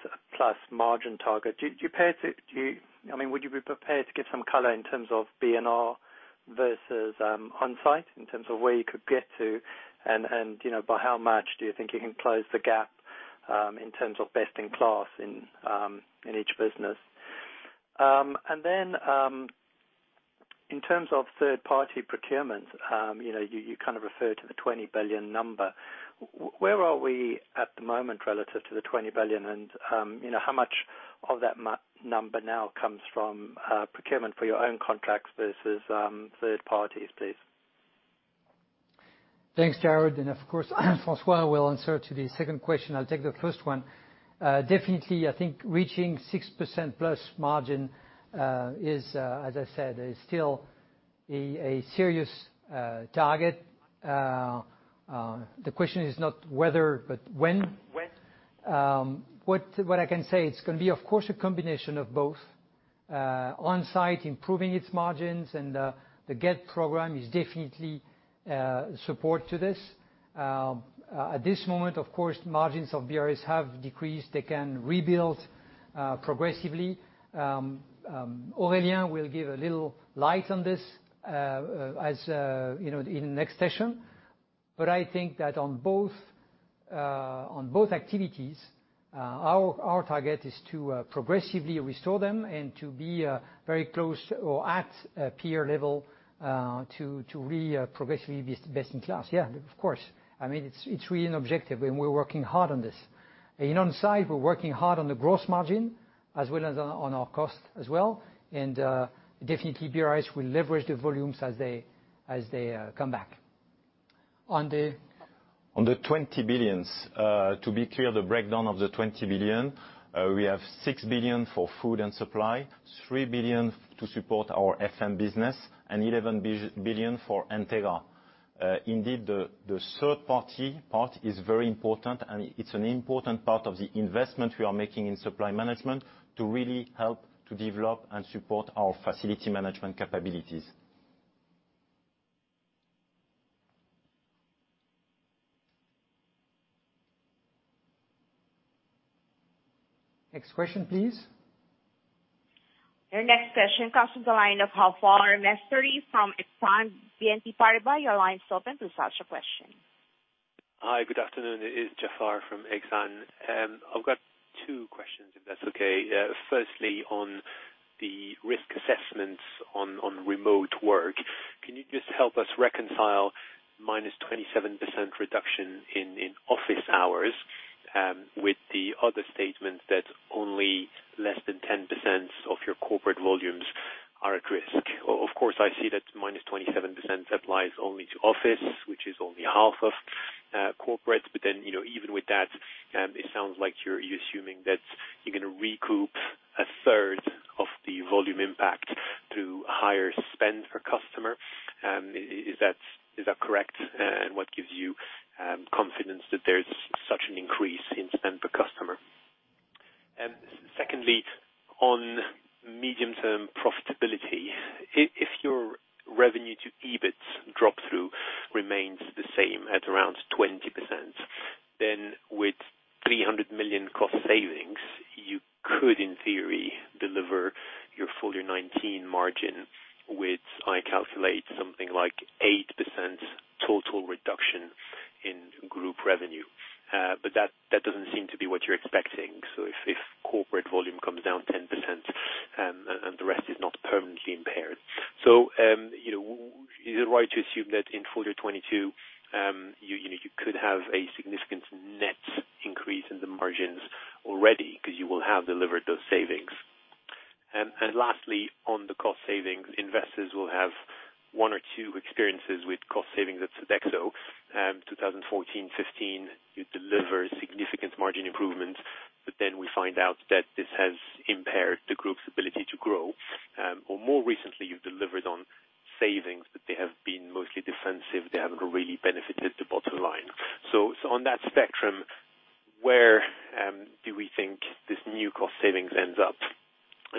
Speaker 14: margin target. Would you be prepared to give some color in terms of BRS versus on-site in terms of where you could get to and by how much do you think you can close the gap, in terms of best in class in each business? In terms of third-party procurement, you kind of refer to the 20 billion. Where are we at the moment relative to the 20 billion and how much of that number now comes from procurement for your own contracts versus third parties, please?
Speaker 2: Thanks, Jarrod, Of course, François will answer to the second question. I will take the first one. Definitely, I think reaching 6%+ margin, as I said, is still a serious target. The question is not whether, but when. What I can say, it's gonna be, of course, a combination of both on-site improving its margins and the GET program is definitely support to this. At this moment, of course, margins of BRS have decreased. They can rebuild progressively. Aurélien will give a little light on this in the next session. I think that on both activities, our target is to progressively restore them and to be very close or at peer level to be progressively be best in class. Yeah, of course. It's really an objective, and we're working hard on this. On-site, we're working hard on the gross margin as well as on our cost as well. Definitely BRS will leverage the volumes as they come back.
Speaker 12: On the 20 billions. To be clear, the breakdown of the 20 billion, we have 6 billion for food and supply, 3 billion to support our FM business, and 11 billion for Entegra. Indeed, the third-party part is very important, and it's an important part of the investment we are making in supply management to really help to develop and support our facility management capabilities.
Speaker 2: Next question, please.
Speaker 6: Your next question comes from the line of Jaafar Mestari from Exane BNP Paribas. Your line is open to ask your question.
Speaker 15: Hi. Good afternoon. It is Jaafar from Exane. I have got two questions if that is okay. Firstly, on the risk assessments on remote work. Can you just help us reconcile -27% reduction in office hours, with the other statement that only less than 10% of your corporate volumes are at risk? Of course, I see that -27% applies only to office, which is only half of corporate. Even with that, it sounds like you are gonna recoup a third of the volume impact through higher spend per customer. Is that correct? What gives you confidence that there is such an increase in spend per customer? Secondly, on medium-term profitability. If your revenue to EBIT drop-through remains the same at around 20%, then with 300 million cost savings, you could, in theory, deliver your full year 2019 margin, which I calculate something like 8% total reduction in group revenue. That doesn't seem to be what you're expecting. If corporate volume comes down 10%, and the rest is not permanently impaired. Is it right to assume that in full year 2022, you could have a significant net increase in the margins already because you will have delivered those savings? Lastly, on the cost savings, investors will have one or two experiences with cost savings at Sodexo. 2014, 2015, you deliver significant margin improvements, but then we find out that this has impaired the group's ability to grow. More recently, you've delivered on savings, but they have been mostly defensive. They haven't really benefited the bottom line. On that spectrum, where do we think this new cost savings ends up?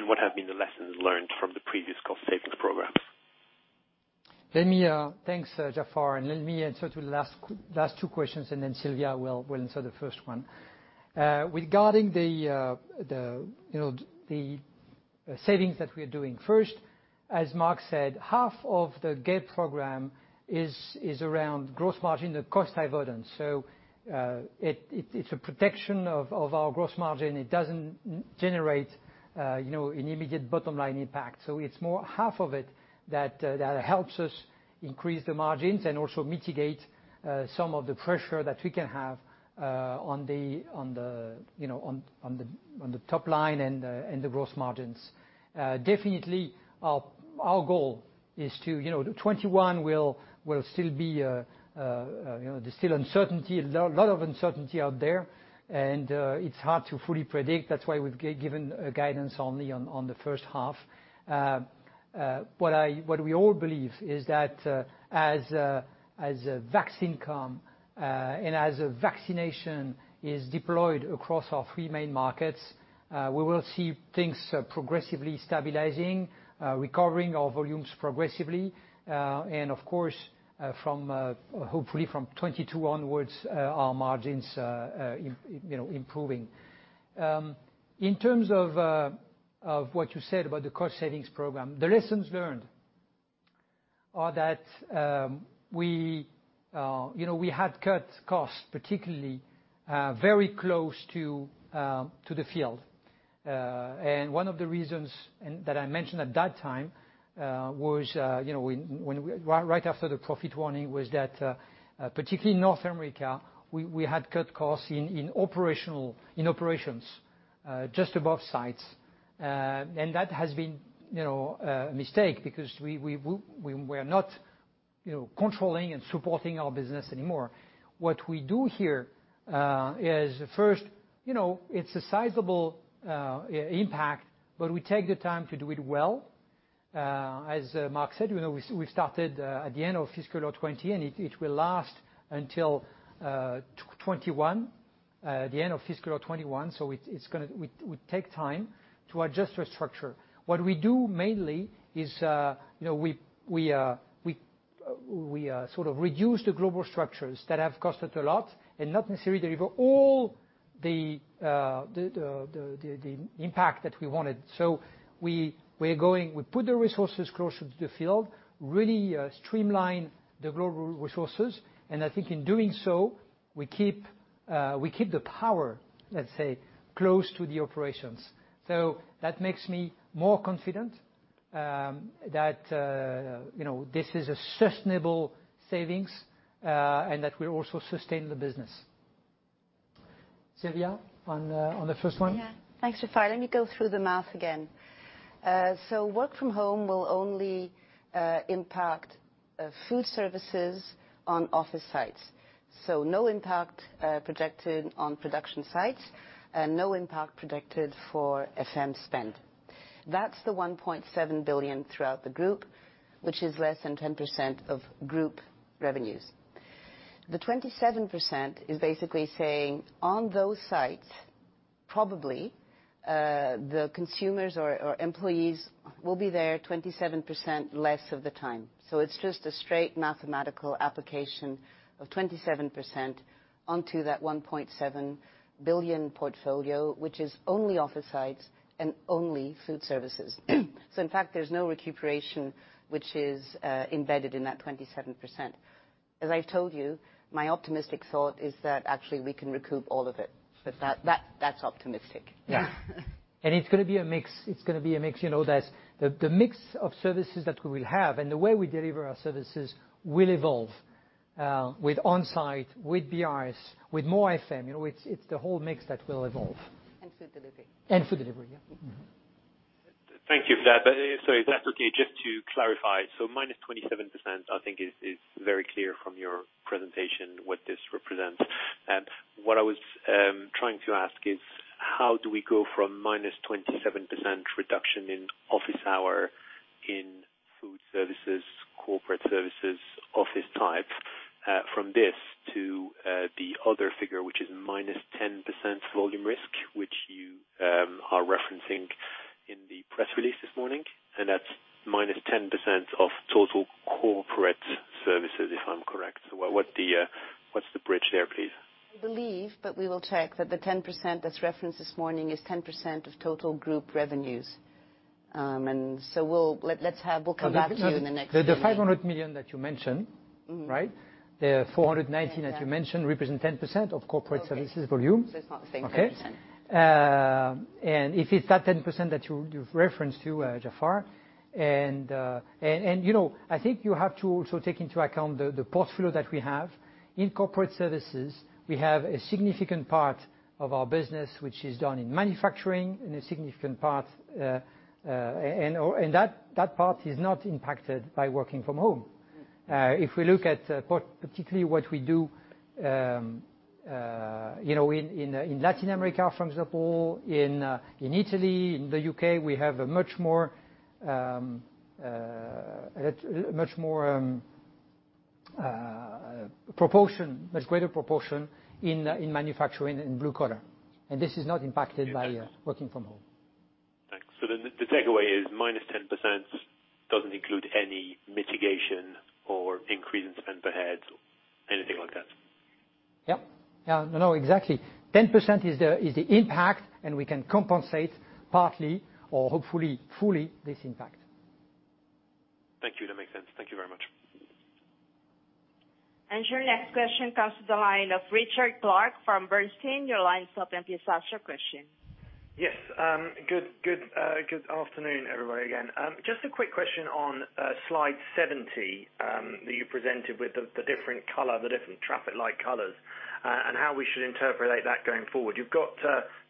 Speaker 15: What have been the lessons learned from the previous cost savings programs?
Speaker 2: Thanks, Jaafar. Let me answer the last two questions, and then Sylvia will answer the first one. Regarding the savings that we are doing, first, as Marc said, half of the GET program is around gross margin, the cost avoidance. It's a protection of our gross margin. It doesn't generate an immediate bottom-line impact. It's more half of it that helps us increase the margins and also mitigate some of the pressure that we can have on the top line and the gross margins. Definitely, our goal is 2021. There's still a lot of uncertainty out there, and it's hard to fully predict. That's why we've given guidance only on the first half. What we all believe is that, as vaccine come, and as vaccination is deployed across our three main markets, we will see things progressively stabilizing, recovering our volumes progressively. Of course, hopefully from 2022 onwards, our margins improving. In terms of what you said about the cost savings program, the lessons learned are that we had cut costs, particularly very close to the field. One of the reasons that I mentioned at that time, right after the profit warning, was that, particularly in North America, we had cut costs in operations, just above sites. That has been a mistake because we're not controlling and supporting our business anymore. What we do here is, first, it's a sizable impact, but we take the time to do it well. As Marc said, we started at the end of fiscal 2020, and it will last until the end of fiscal 2021. We take time to adjust our structure. What we do mainly is we sort of reduce the global structures that have costed a lot and not necessarily deliver all the impact that we wanted. We put the resources closer to the field, really streamline the global resources, and I think in doing so, we keep the power, let's say, close to the operations. That makes me more confident that this is a sustainable savings, and that will also sustain the business. Sylvia, on the first one?
Speaker 11: Yeah. Thanks, Jaafar. Let me go through the math again. Work from home will only impact food services on office sites. No impact projected on production sites and no impact projected for FM spend. That's the 1.7 billion throughout the group, which is less than 10% of group revenues. The 27% is basically saying, on those sites, probably, the consumers or employees will be there 27% less of the time. It's just a straight mathematical application of 27% onto that 1.7 billion portfolio, which is only office sites and only food services. In fact, there's no recuperation, which is embedded in that 27%. As I've told you, my optimistic thought is that actually we can recoup all of it, but that's optimistic.
Speaker 2: Yeah. It's going to be a mix. The mix of services that we will have and the way we deliver our services will evolve, with on-site, with BRS, with more FM. It's the whole mix that will evolve.
Speaker 11: Food delivery.
Speaker 2: Food delivery, yeah. Mm-hmm.
Speaker 15: Thank you for that. Sorry, if that's okay, just to clarify, so -27% I think is very clear from your presentation what this represents. What I was trying to ask is how do we go from -27% reduction in office hour in food services, Corporate Services, office type, from this to the other figure, which is minus 10% volume risk, which you are referencing? In the press release this morning, that's minus 10% of total Corporate Services, if I'm correct. What's the bridge there, please?
Speaker 11: We believe, but we will check, that the 10% that's referenced this morning is 10% of total group revenues. We'll come back to you in the next few days.
Speaker 2: The 500 million that you mentioned, right? The 419 that you mentioned represent 10% of Corporate Services volume.
Speaker 11: Okay. It's not the same 10%.
Speaker 2: Okay. If it's that 10% that you've referenced to, Jaafar, I think you have to also take into account the portfolio that we have. In Corporate Services, we have a significant part of our business, which is done in manufacturing and that part is not impacted by working from home. If we look at particularly what we do in Latin America, for example, in Italy, in the U.K., we have a much greater proportion in manufacturing and blue collar. This is not impacted by working from home.
Speaker 15: Thanks. The takeaway is -10% doesn't include any mitigation or increase in spend per heads or anything like that?
Speaker 2: Yep. No, exactly. 10% is the impact, and we can compensate partly or hopefully fully this impact.
Speaker 15: Thank you. That makes sense. Thank you very much.
Speaker 6: Your next question comes to the line of Richard Clarke from Bernstein. Your line's open. Please ask your question.
Speaker 8: Yes. Good afternoon, everybody, again. Just a quick question on slide 70, that you presented with the different traffic light colors and how we should interpret that going forward. You've got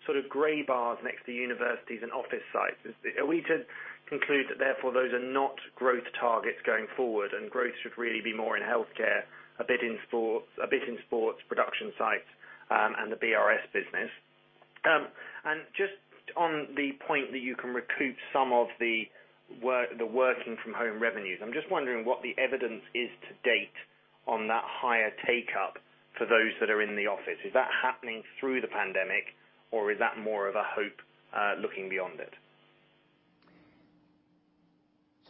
Speaker 8: sort of gray bars next to universities and office sites. Are we to conclude that therefore those are not growth targets going forward and growth should really be more in healthcare, a bit in sports production sites, and the BRS business? Just on the point that you can recoup some of the working from home revenues, I'm just wondering what the evidence is to date on that higher take-up for those that are in the office. Is that happening through the pandemic, or is that more of a hope looking beyond it?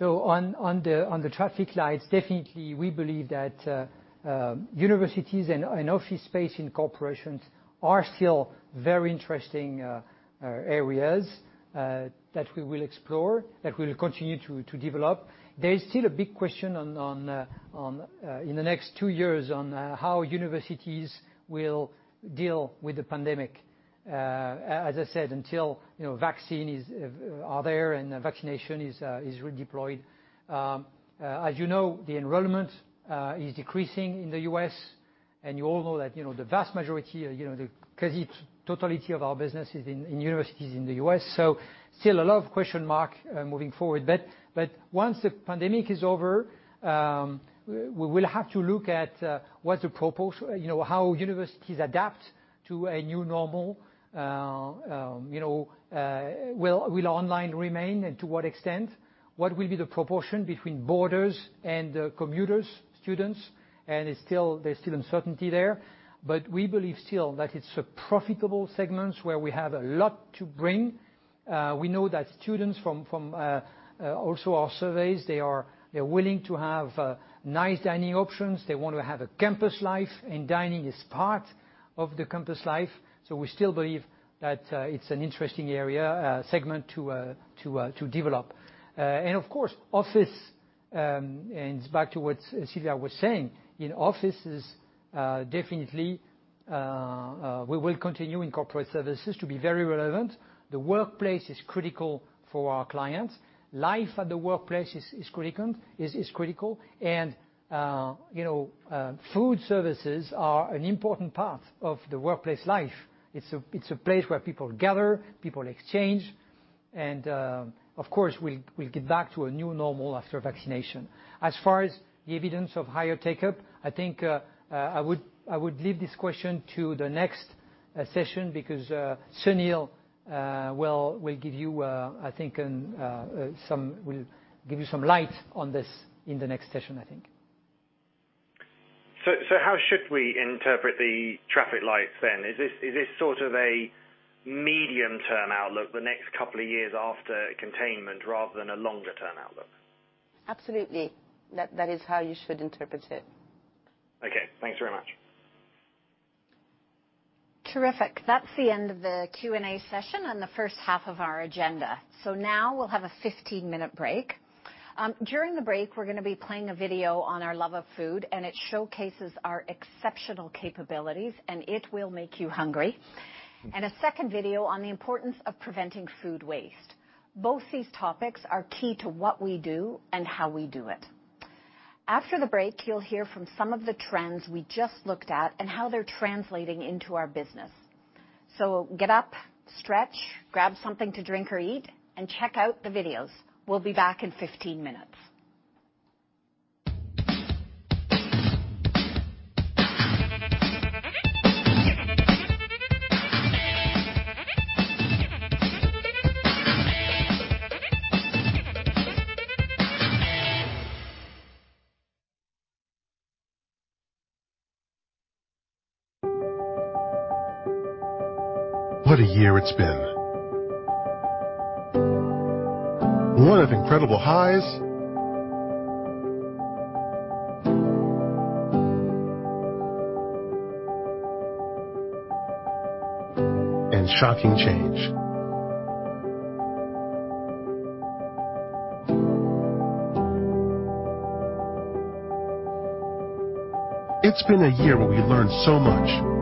Speaker 2: On the traffic lights, definitely we believe that universities and office space in corporations are still very interesting areas that we will explore, that we'll continue to develop. There is still a big question in the next two years on how universities will deal with the pandemic. As I said, until vaccine are there and vaccination is redeployed. As you know, the enrollment is decreasing in the U.S. and you all know that the vast majority, the totality of our business is in universities in the U.S. Still a lot of question mark moving forward. Once the pandemic is over, we will have to look at how universities adapt to a new normal. Will online remain and to what extent? What will be the proportion between boarders and commuters, students? There's still uncertainty there. We believe still that it's a profitable segment where we have a lot to bring. We know that students from also our surveys, they are willing to have nice dining options. They want to have a campus life, and dining is part of the campus life. We still believe that it's an interesting area segment to develop. Of course, office, and it's back to what Sylvia was saying. In offices, definitely, we will continue in Corporate Services to be very relevant. The workplace is critical for our clients. Life at the workplace is critical, and food services are an important part of the workplace life. It's a place where people gather, people exchange, and of course, we'll get back to a new normal after vaccination. As far as the evidence of higher take-up, I think I would leave this question to the next session because Sunil will give you some light on this in the next session, I think.
Speaker 8: How should we interpret the traffic lights then? Is this sort of a medium-term outlook the next couple of years after containment rather than a longer-term outlook?
Speaker 11: Absolutely. That is how you should interpret it.
Speaker 8: Okay, thanks very much.
Speaker 1: Terrific. That's the end of the Q&A session and the first half of our agenda. Now we'll have a 15-minute break. During the break, we're going to be playing a video on our love of food, and it showcases our exceptional capabilities, and it will make you hungry. A second video on the importance of preventing food waste. Both these topics are key to what we do and how we do it. After the break, you'll hear from some of the trends we just looked at and how they're translating into our business. Get up, stretch, grab something to drink or eat, and check out the videos. We'll be back in 15 minutes.
Speaker 3: What a year it's been. One of incredible highs and shocking change. It's been a year where we learned so much,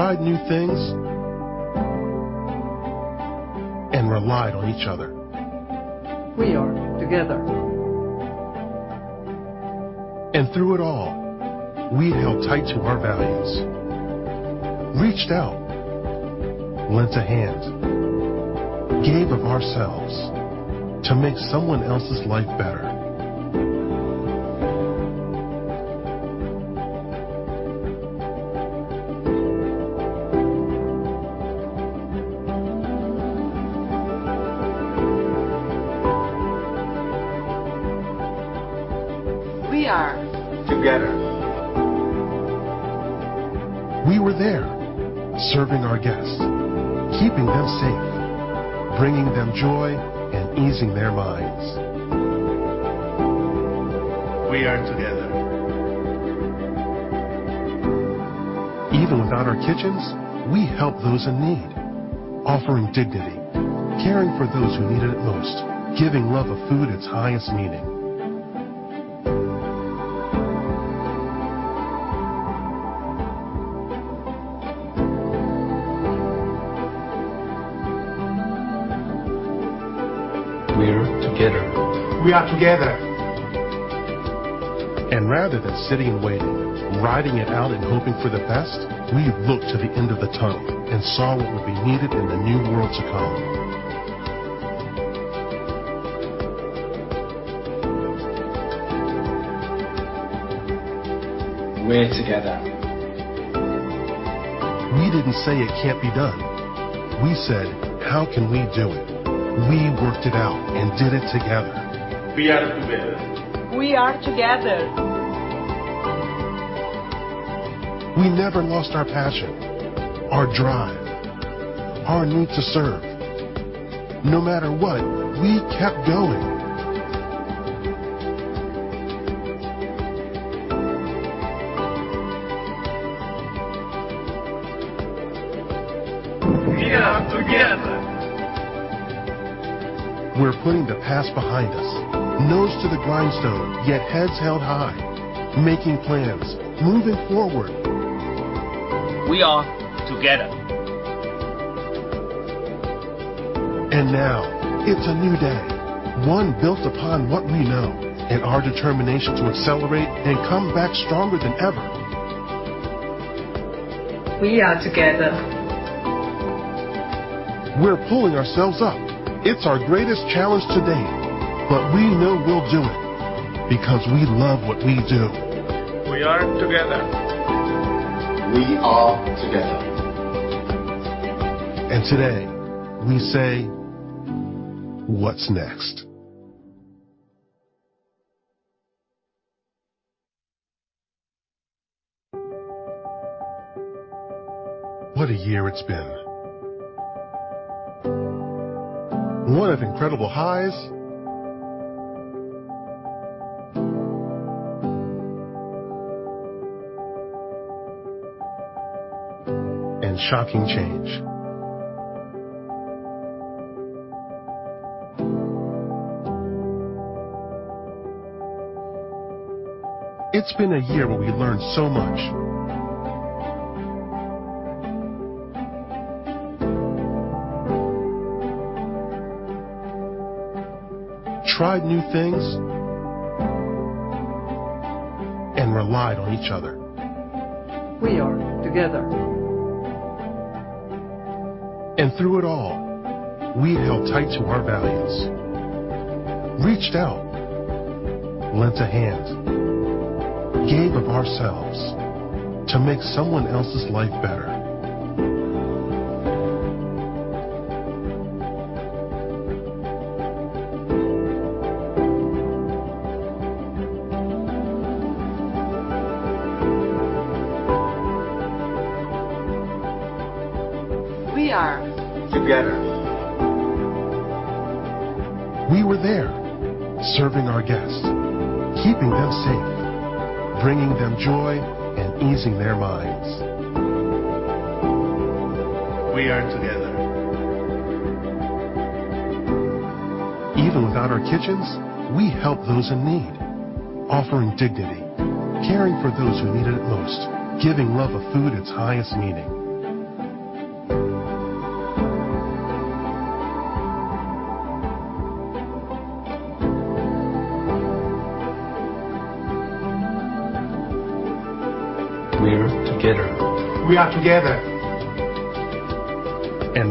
Speaker 3: tried new things, and relied on each other. We are together. Through it all, we held tight to our values, reached out, lent a hand, gave of ourselves to make someone else's life better. We are Together. We were there, serving our guests, keeping them safe, bringing them joy, and easing their minds. We are together. Even without our kitchens, we helped those in need, offering dignity, caring for those who need it most, giving love of food its highest meaning. We're together. We are together.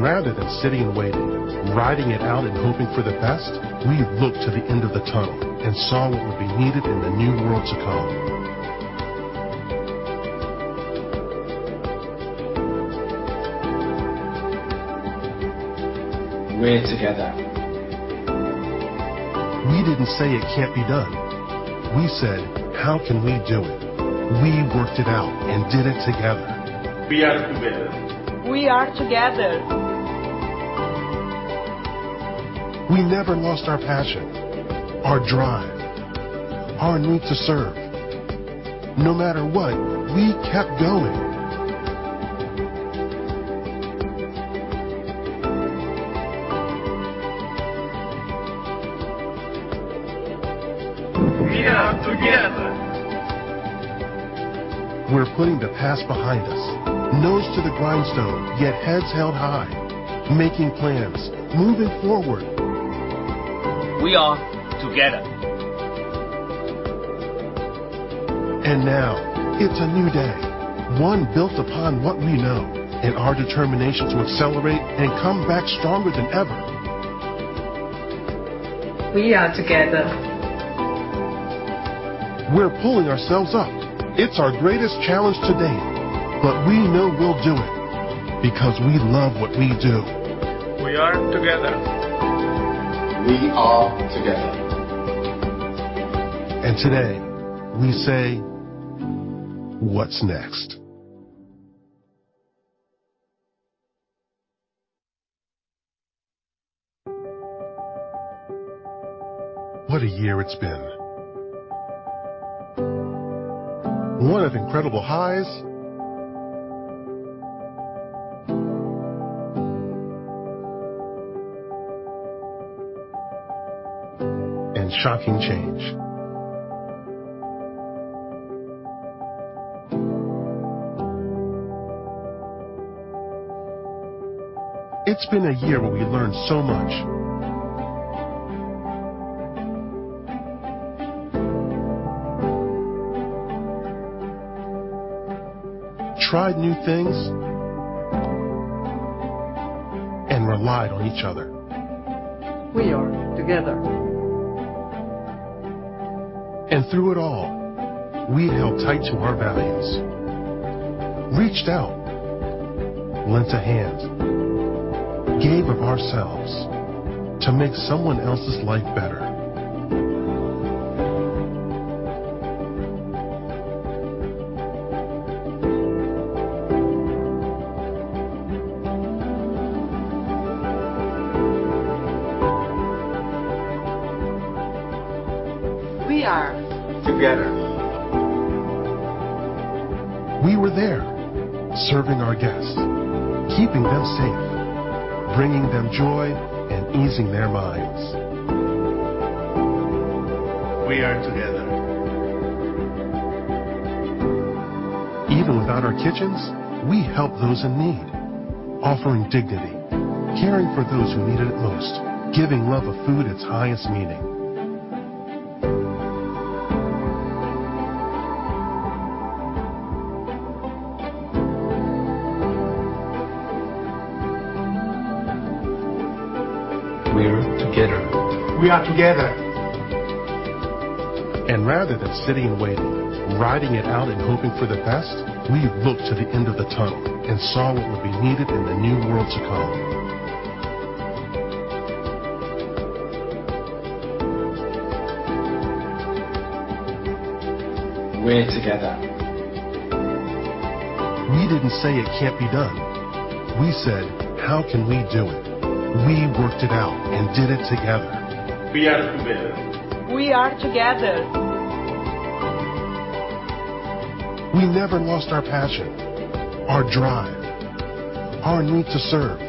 Speaker 3: Rather than sitting and waiting, riding it out and hoping for the best, we looked to the end of the tunnel and saw what would be needed in the new world to come. We're together. We didn't say, "It can't be done." We said, "How can we do it?" We worked it out and did it together. We are together. We are together. We never lost our passion, our drive, our need to serve. No matter what, we kept going. We are together. We're putting the past behind us, nose to the grindstone, yet heads held high, making plans, moving forward. We are together. Now, it's a new day, one built upon what we know and our determination to accelerate and come back stronger than ever. We are together. We're pulling ourselves up. It's our greatest challenge to date, but we know we'll do it because we love what we do. We are together. We are together. Today, we say, "What's next?" What a year it's been. One of incredible highs and shocking change. It's been a year where we learned so much, tried new things, and relied on each other. We are together. Through it all, we held tight to our values, reached out, lent a hand, gave of ourselves to make someone else's life better. We are. Together. We were there, serving our guests, keeping them safe, bringing them joy, and easing their minds. We are together. Even without our kitchens, we helped those in need, offering dignity, caring for those who need it most, giving love of food its highest meaning. We're together. We are together. Rather than sitting and waiting, riding it out and hoping for the best, we looked to the end of the tunnel and saw what would be needed in the new world to come. We're together. We didn't say it can't be done. We said, "How can we do it?" We worked it out and did it together. We are together. We are together. We never lost our passion, our drive, our need to serve.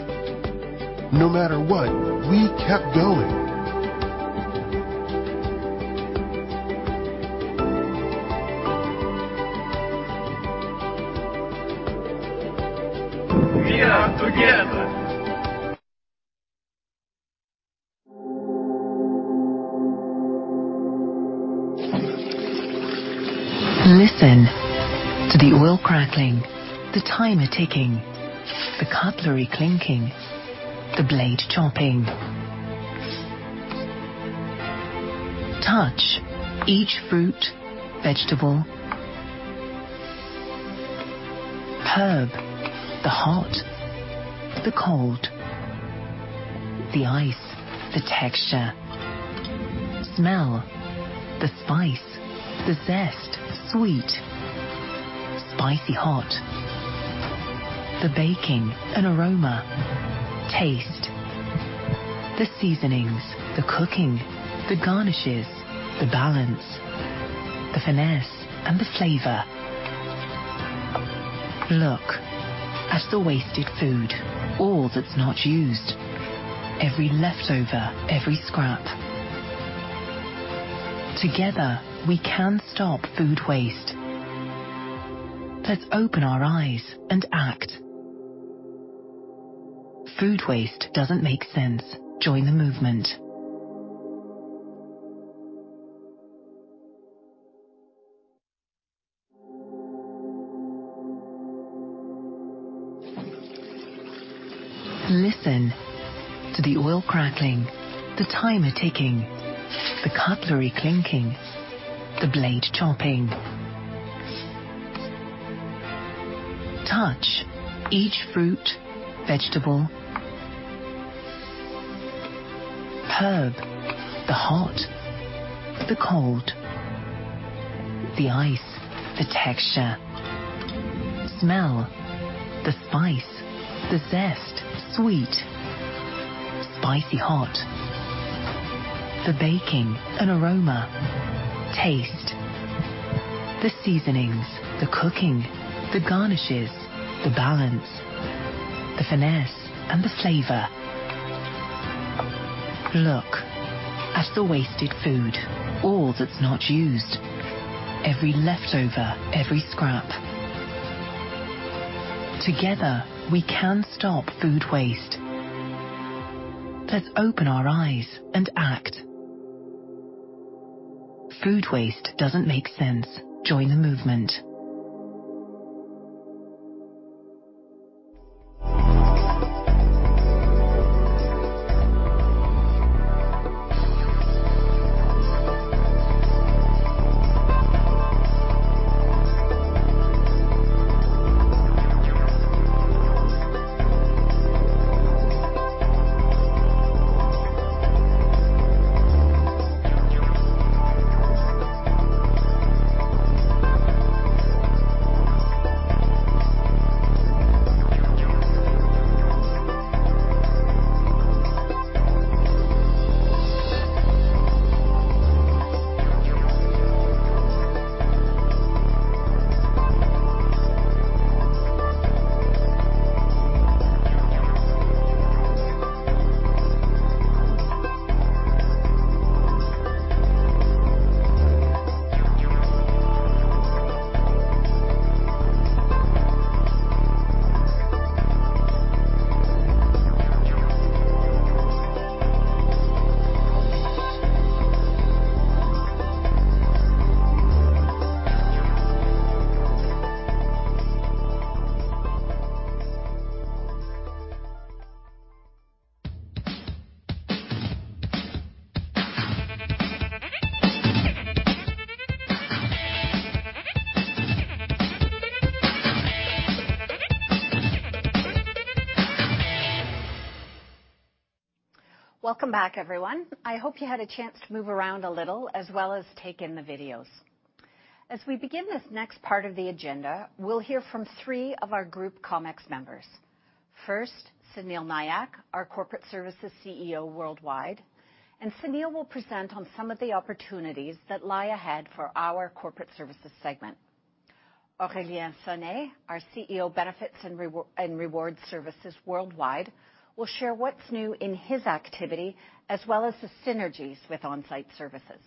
Speaker 3: No matter what, we kept going. We are the baking, an aroma. Taste the seasonings, the cooking, the garnishes, the balance, the finesse, and the flavor. Look at the wasted food, all that's not used, every leftover, every scrap. Together, we can stop food waste. Let's open our eyes and act. Food waste doesn't make sense. Join the movement. Listen to the oil crackling, the timer ticking, the cutlery clinking, the blade chopping. Touch each fruit, vegetable, herb, the hot, the cold, the ice, the texture. Smell the spice, the zest, sweet, spicy hot, the baking, an aroma. Taste the seasonings, the cooking, the garnishes, the balance, the finesse, and the flavor. Look at the wasted food, all that's not used, every leftover, every scrap. Together, we can stop food waste. Let's open our eyes and act. Food waste doesn't make sense. Join the movement.
Speaker 1: Welcome back, everyone. I hope you had a chance to move around a little, as well as take in the videos. As we begin this next part of the agenda, we'll hear from three of our group Comex members. First, Sunil Nayak, our Corporate Services CEO Worldwide, Sunil will present on some of the opportunities that lie ahead for our Corporate Services segment. Aurélien Sonet, our CEO Benefits and Rewards Services Worldwide, will share what's new in his activity, as well as the synergies with onsite services.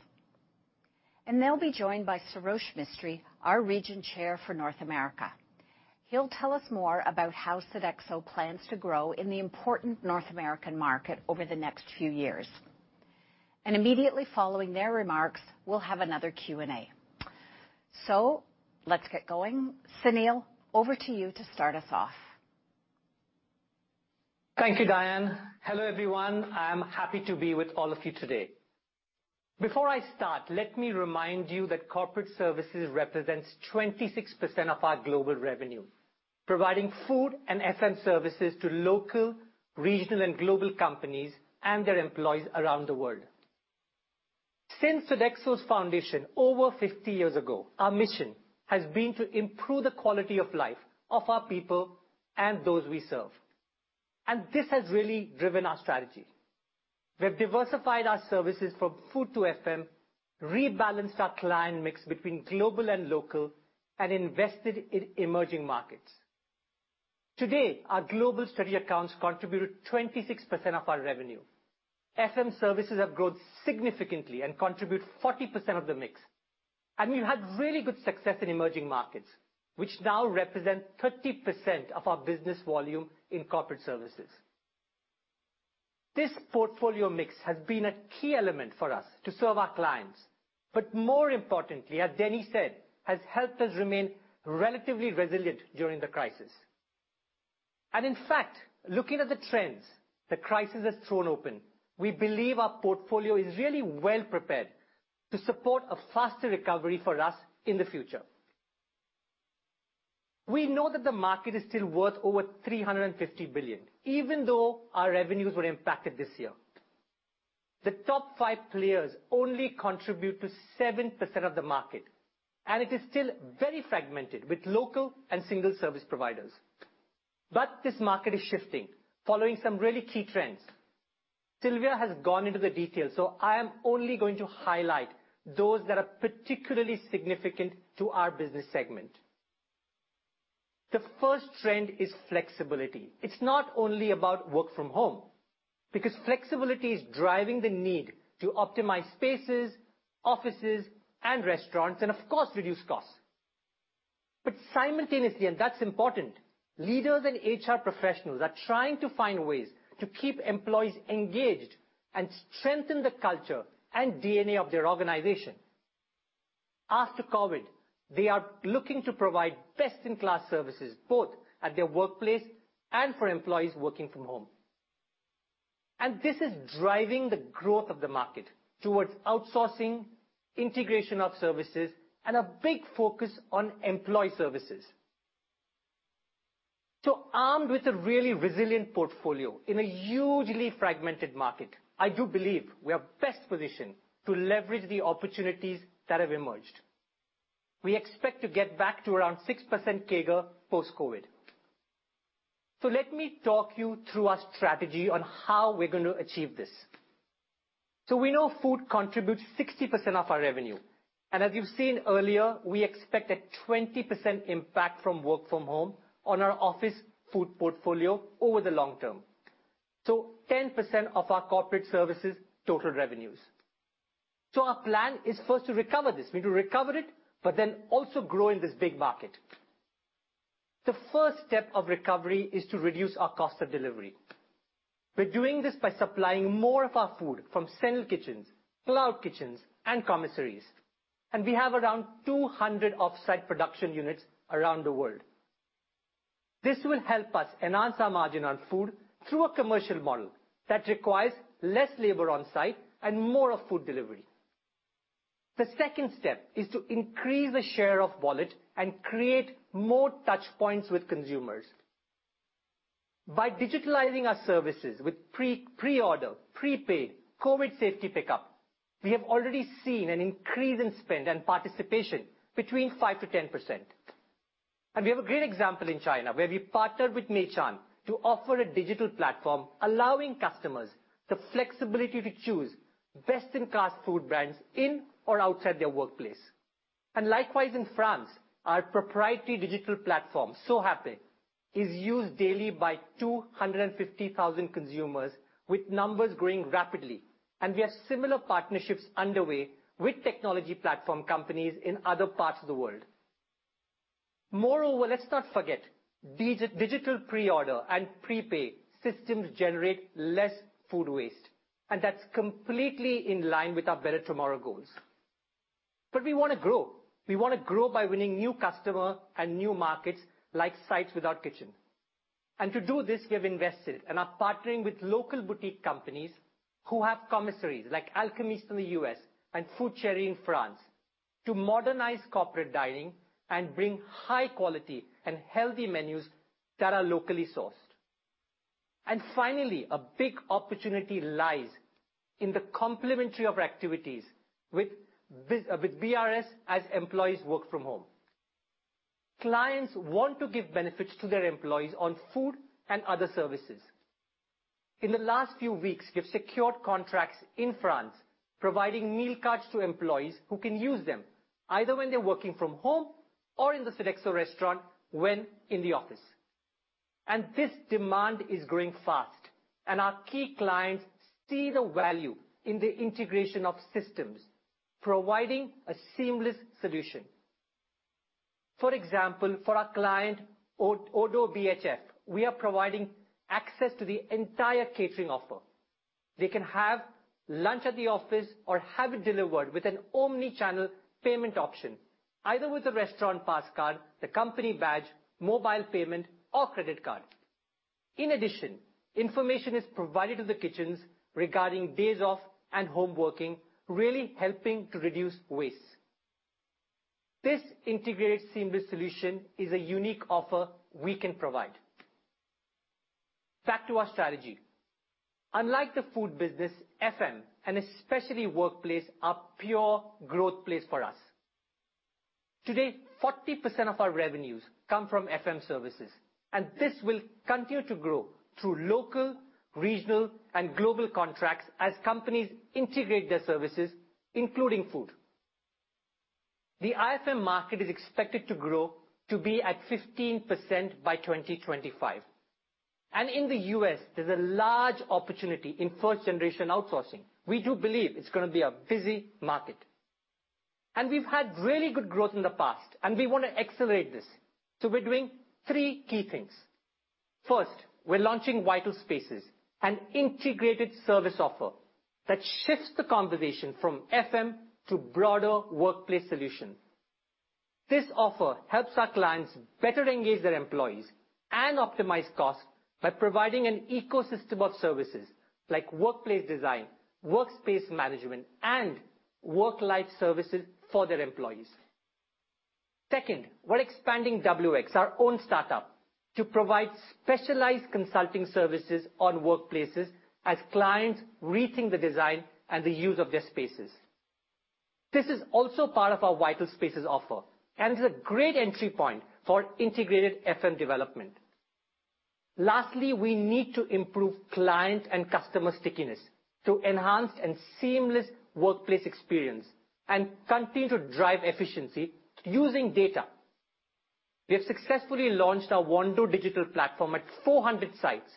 Speaker 1: They'll be joined by Sarosh Mistry, our Region Chair for North America. He'll tell us more about how Sodexo plans to grow in the important North American market over the next few years. Immediately following their remarks, we'll have another Q&A. Let's get going. Sunil, over to you to start us off.
Speaker 16: Thank you, Dianne. Hello, everyone. I'm happy to be with all of you today. Before I start, let me remind you that Corporate Services represents 26% of our global revenue, providing food and FM services to local, regional, and global companies and their employees around the world. Since Sodexo's foundation over 50 years ago, our mission has been to improve the quality of life of our people and those we serve. This has really driven our strategy. We have diversified our services from food to FM, rebalanced our client mix between global and local, and invested in emerging markets. Today, our global study accounts contribute 26% of our revenue. FM services have grown significantly and contribute 40% of the mix. We've had really good success in emerging markets, which now represent 30% of our business volume in Corporate Services. This portfolio mix has been a key element for us to serve our clients, but more importantly, as Denis said, has helped us remain relatively resilient during the crisis. In fact, looking at the trends the crisis has thrown open, we believe our portfolio is really well prepared to support a faster recovery for us in the future. We know that the market is still worth over 350 billion, even though our revenues were impacted this year. The top five players only contribute to 7% of the market, and it is still very fragmented with local and single service providers. This market is shifting following some really key trends. Sylvia has gone into the details, I am only going to highlight those that are particularly significant to our business segment. The first trend is flexibility. It's not only about work from home, because flexibility is driving the need to optimize spaces, offices, and restaurants, and of course, reduce costs. Simultaneously, and that's important, leaders and HR professionals are trying to find ways to keep employees engaged and strengthen the culture and DNA of their organization. After COVID, they are looking to provide best-in-class services, both at their workplace and for employees working from home. This is driving the growth of the market towards outsourcing, integration of services, and a big focus on employee services. Armed with a really resilient portfolio in a hugely fragmented market, I do believe we are best positioned to leverage the opportunities that have emerged. We expect to get back to around 6% CAGR post-COVID. Let me talk you through our strategy on how we're going to achieve this. We know food contributes 60% of our revenue, and as you've seen earlier, we expect a 20% impact from work from home on our office food portfolio over the long term. 10% of our Corporate Services total revenues. Our plan is first to recover this. We need to recover it, but then also grow in this big market. The first step of recovery is to reduce our cost of delivery. We're doing this by supplying more of our food from central kitchens, cloud kitchens, and commissaries. We have around 200 offsite production units around the world. This will help us enhance our margin on food through a commercial model that requires less labor on site and more of food delivery. The second step is to increase the share of wallet and create more touch points with consumers. By digitalizing our services with pre-order, prepaid, COVID safety pickup, we have already seen an increase in spend and participation between 5%-10%. We have a great example in China, where we partnered with Meican to offer a digital platform allowing customers the flexibility to choose best-in-class food brands in or outside their workplace. Likewise in France, our proprietary digital platform, SoHappy, is used daily by 250,000 consumers, with numbers growing rapidly. We have similar partnerships underway with technology platform companies in other parts of the world. Moreover, let's not forget, digital pre-order and prepay systems generate less food waste, and that's completely in line with our Better Tomorrow goals. We want to grow. We want to grow by winning new customer and new markets, like sites without kitchen. To do this, we have invested and are partnering with local boutique companies who have commissaries, like Alchemista in the U.S. and FoodChéri in France, to modernize corporate dining and bring high quality and healthy menus that are locally sourced. Finally, a big opportunity lies in the complementary of activities with BRS as employees work from home. Clients want to give benefits to their employees on food and other services. In the last few weeks, we've secured contracts in France providing meal cards to employees who can use them either when they're working from home or in the Sodexo restaurant when in the office. This demand is growing fast, and our key clients see the value in the integration of systems, providing a seamless solution. For example, for our client, ODDO BHF, we are providing access to the entire catering offer. They can have lunch at the office or have it delivered with an omni-channel payment option, either with a restaurant pass card, the company badge, mobile payment, or credit card. In addition, information is provided to the kitchens regarding days off and home working, really helping to reduce waste. This integrated seamless solution is a unique offer we can provide. Back to our strategy. Unlike the food business, FM, and especially workplace, are pure growth place for us. Today, 40% of our revenues come from FM services, and this will continue to grow through local, regional, and global contracts as companies integrate their services, including food. The IFM market is expected to grow to be at 15% by 2025. In the U.S., there's a large opportunity in first generation outsourcing. We do believe it's gonna be a busy market. We've had really good growth in the past, and we want to accelerate this. We're doing three key things. First, we're launching Vital Spaces, an integrated service offer that shifts the conversation from FM to broader workplace solutions. This offer helps our clients better engage their employees and optimize costs by providing an ecosystem of services like workplace design, workspace management, and work-life services for their employees. Second, we're expanding Wx, our own startup, to provide specialized consulting services on workplaces as clients rethink the design and the use of their spaces. This is also part of our Vital Spaces offer, and it is a great entry point for integrated FM development. Lastly, we need to improve client and customer stickiness to enhance and seamless workplace experience and continue to drive efficiency using data. We have successfully launched our Wando digital platform at 400 sites.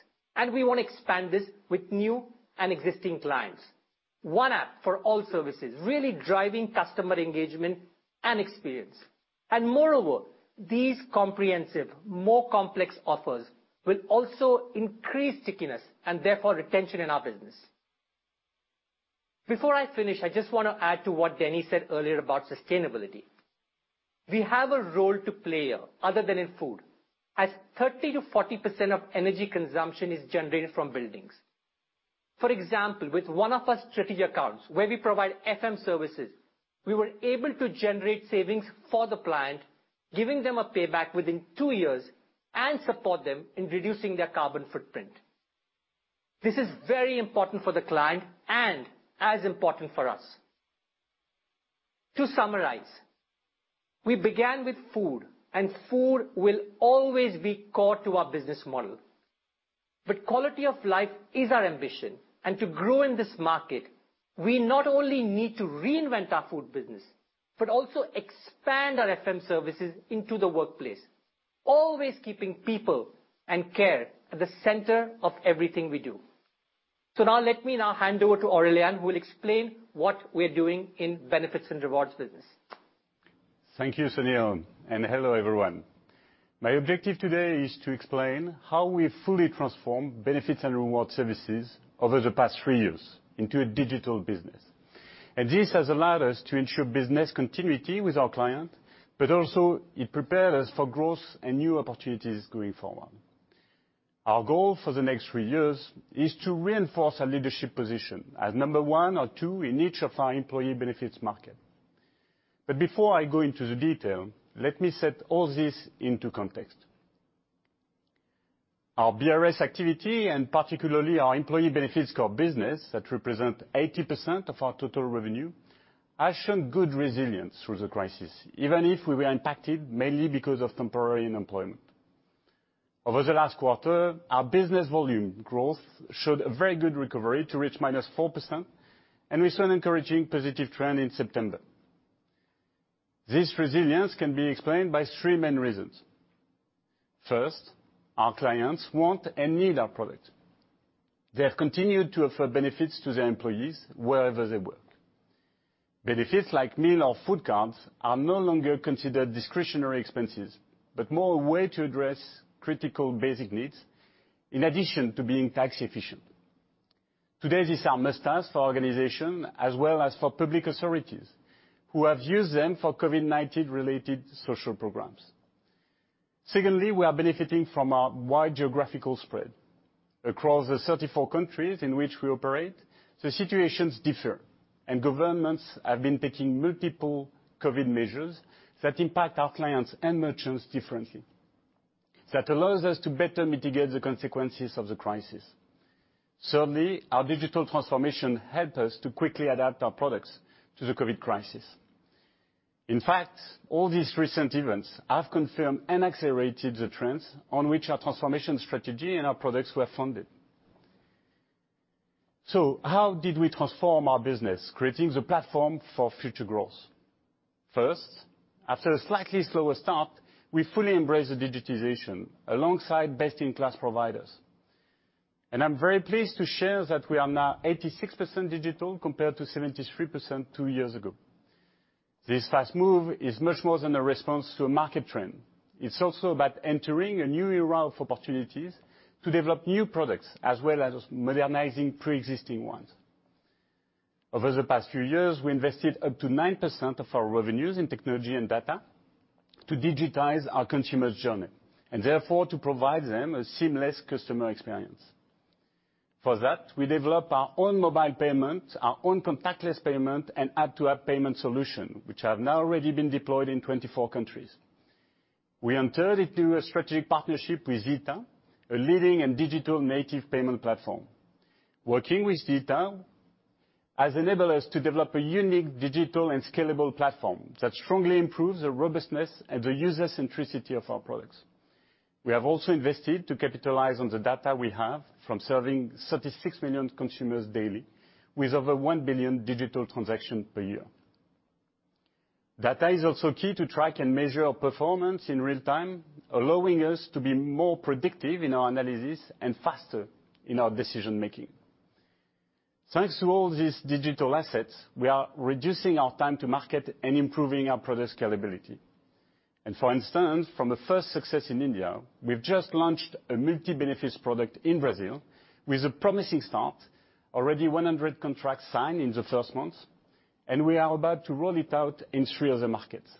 Speaker 16: We want to expand this with new and existing clients. One app for all services, really driving customer engagement and experience. Moreover, these comprehensive, more complex offers will also increase stickiness, and therefore retention in our business. Before I finish, I just want to add to what Denis said earlier about sustainability. We have a role to play other than in food, as 30%-40% of energy consumption is generated from buildings. For example, with one of our strategic accounts where we provide FM services, we were able to generate savings for the client, giving them a payback within two years, and support them in reducing their carbon footprint. This is very important for the client and as important for us. To summarize, we began with food. Food will always be core to our business model. Quality of life is our ambition. To grow in this market, we not only need to reinvent our food business, but also expand our FM services into the workplace, always keeping people and care at the center of everything we do. Let me now hand over to Aurélien, who will explain what we are doing in benefits and rewards business.
Speaker 17: Thank you, Sunil, and hello, everyone. My objective today is to explain how we fully transform Benefits and Rewards Services over the past three years into a digital business. This has allowed us to ensure business continuity with our client, but also it prepared us for growth and new opportunities going forward. Our goal for the next three years is to reinforce our leadership position as number one or two in each of our employee benefits market. Before I go into the detail, let me set all this into context. Our BRS activity, and particularly our employee benefits core business that represent 80% of our total revenue, has shown good resilience through the crisis, even if we were impacted mainly because of temporary unemployment. Over the last quarter, our business volume growth showed a very good recovery to reach -4%, we saw an encouraging positive trend in September. This resilience can be explained by three main reasons. First, our clients want and need our product. They have continued to offer benefits to their employees wherever they work. Benefits like meal or food cards are no longer considered discretionary expenses, more a way to address critical basic needs in addition to being tax efficient. Today, this is a must-have for organization as well as for public authorities who have used them for COVID-19 related social programs. Secondly, we are benefiting from our wide geographical spread. Across the 34 countries in which we operate, the situations differ, governments have been taking multiple COVID measures that impact our clients and merchants differently. That allows us to better mitigate the consequences of the crisis. Certainly, our digital transformation helped us to quickly adapt our products to the COVID crisis. All these recent events have confirmed and accelerated the trends on which our transformation strategy and our products were funded. How did we transform our business, creating the platform for future growth? First, after a slightly slower start, we fully embrace the digitization alongside best-in-class providers. I'm very pleased to share that we are now 86% digital, compared to 73% two years ago. This fast move is much more than a response to a market trend. It's also about entering a new era of opportunities to develop new products, as well as modernizing preexisting ones. Over the past few years, we invested up to 9% of our revenues in technology and data to digitize our consumer's journey, and therefore, to provide them a seamless customer experience. For that, we developed our own mobile payment, our own contactless payment, and app-to-app payment solution, which have now already been deployed in 24 countries. We entered into a strategic partnership with Zeta, a leading and digital native payment platform. Working with Zeta has enabled us to develop a unique digital and scalable platform that strongly improves the robustness and the user centricity of our products. We have also invested to capitalize on the data we have from serving 36 million consumers daily with over one billion digital transaction per year. Data is also key to track and measure our performance in real time, allowing us to be more predictive in our analysis and faster in our decision-making. Thanks to all these digital assets, we are reducing our time to market and improving our product scalability. For instance, from the first success in India, we've just launched a multi-benefits product in Brazil with a promising start. Already 100 contracts signed in the first month, and we are about to roll it out in three other markets.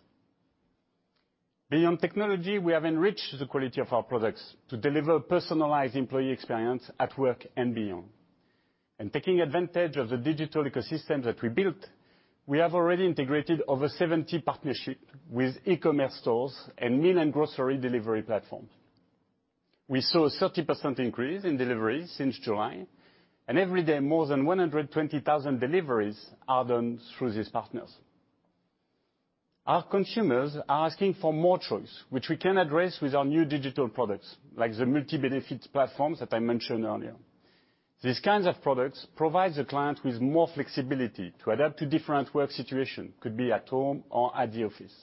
Speaker 17: Beyond technology, we have enriched the quality of our products to deliver personalized employee experience at work and beyond. Taking advantage of the digital ecosystem that we built, we have already integrated over 70 partnership with e-commerce stores and meal and grocery delivery platform. We saw a 30% increase in deliveries since July, and every day, more than 120,000 deliveries are done through these partners. Our consumers are asking for more choice, which we can address with our new digital products, like the multi-benefit platforms that I mentioned earlier. These kinds of products provide the client with more flexibility to adapt to different work situation. Could be at home or at the office.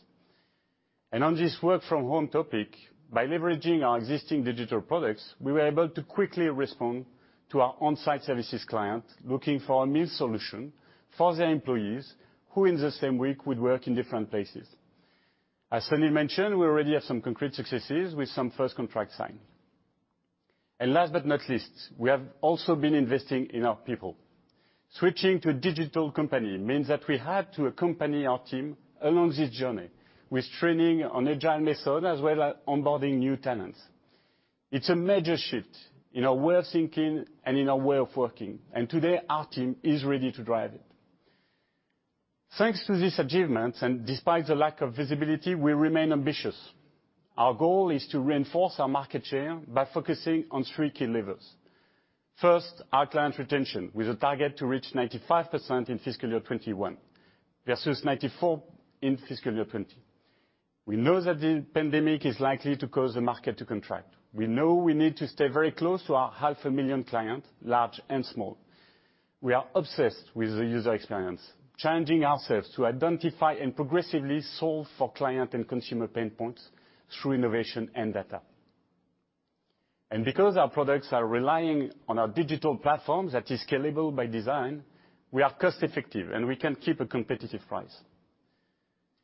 Speaker 17: On this work from home topic, by leveraging our existing digital products, we were able to quickly respond to our on-site services client looking for a meal solution for their employees, who in the same week would work in different places. As Sunil mentioned, we already have some concrete successes with some first contract signed. Last but not least, we have also been investing in our people. Switching to a digital company means that we had to accompany our team along this journey with training on agile method as well as onboarding new talents. It's a major shift in our way of thinking and in our way of working, and today our team is ready to drive it. Thanks to this achievement, and despite the lack of visibility, we remain ambitious. Our goal is to reinforce our market share by focusing on three key levers. First, our client retention, with a target to reach 95% in fiscal year 2021 versus 94% in fiscal year 2020. We know that the pandemic is likely to cause the market to contract. We know we need to stay very close to our half a million client, large and small. We are obsessed with the user experience, challenging ourselves to identify and progressively solve for client and consumer pain points through innovation and data. Because our products are relying on our digital platform that is scalable by design, we are cost-effective and we can keep a competitive price.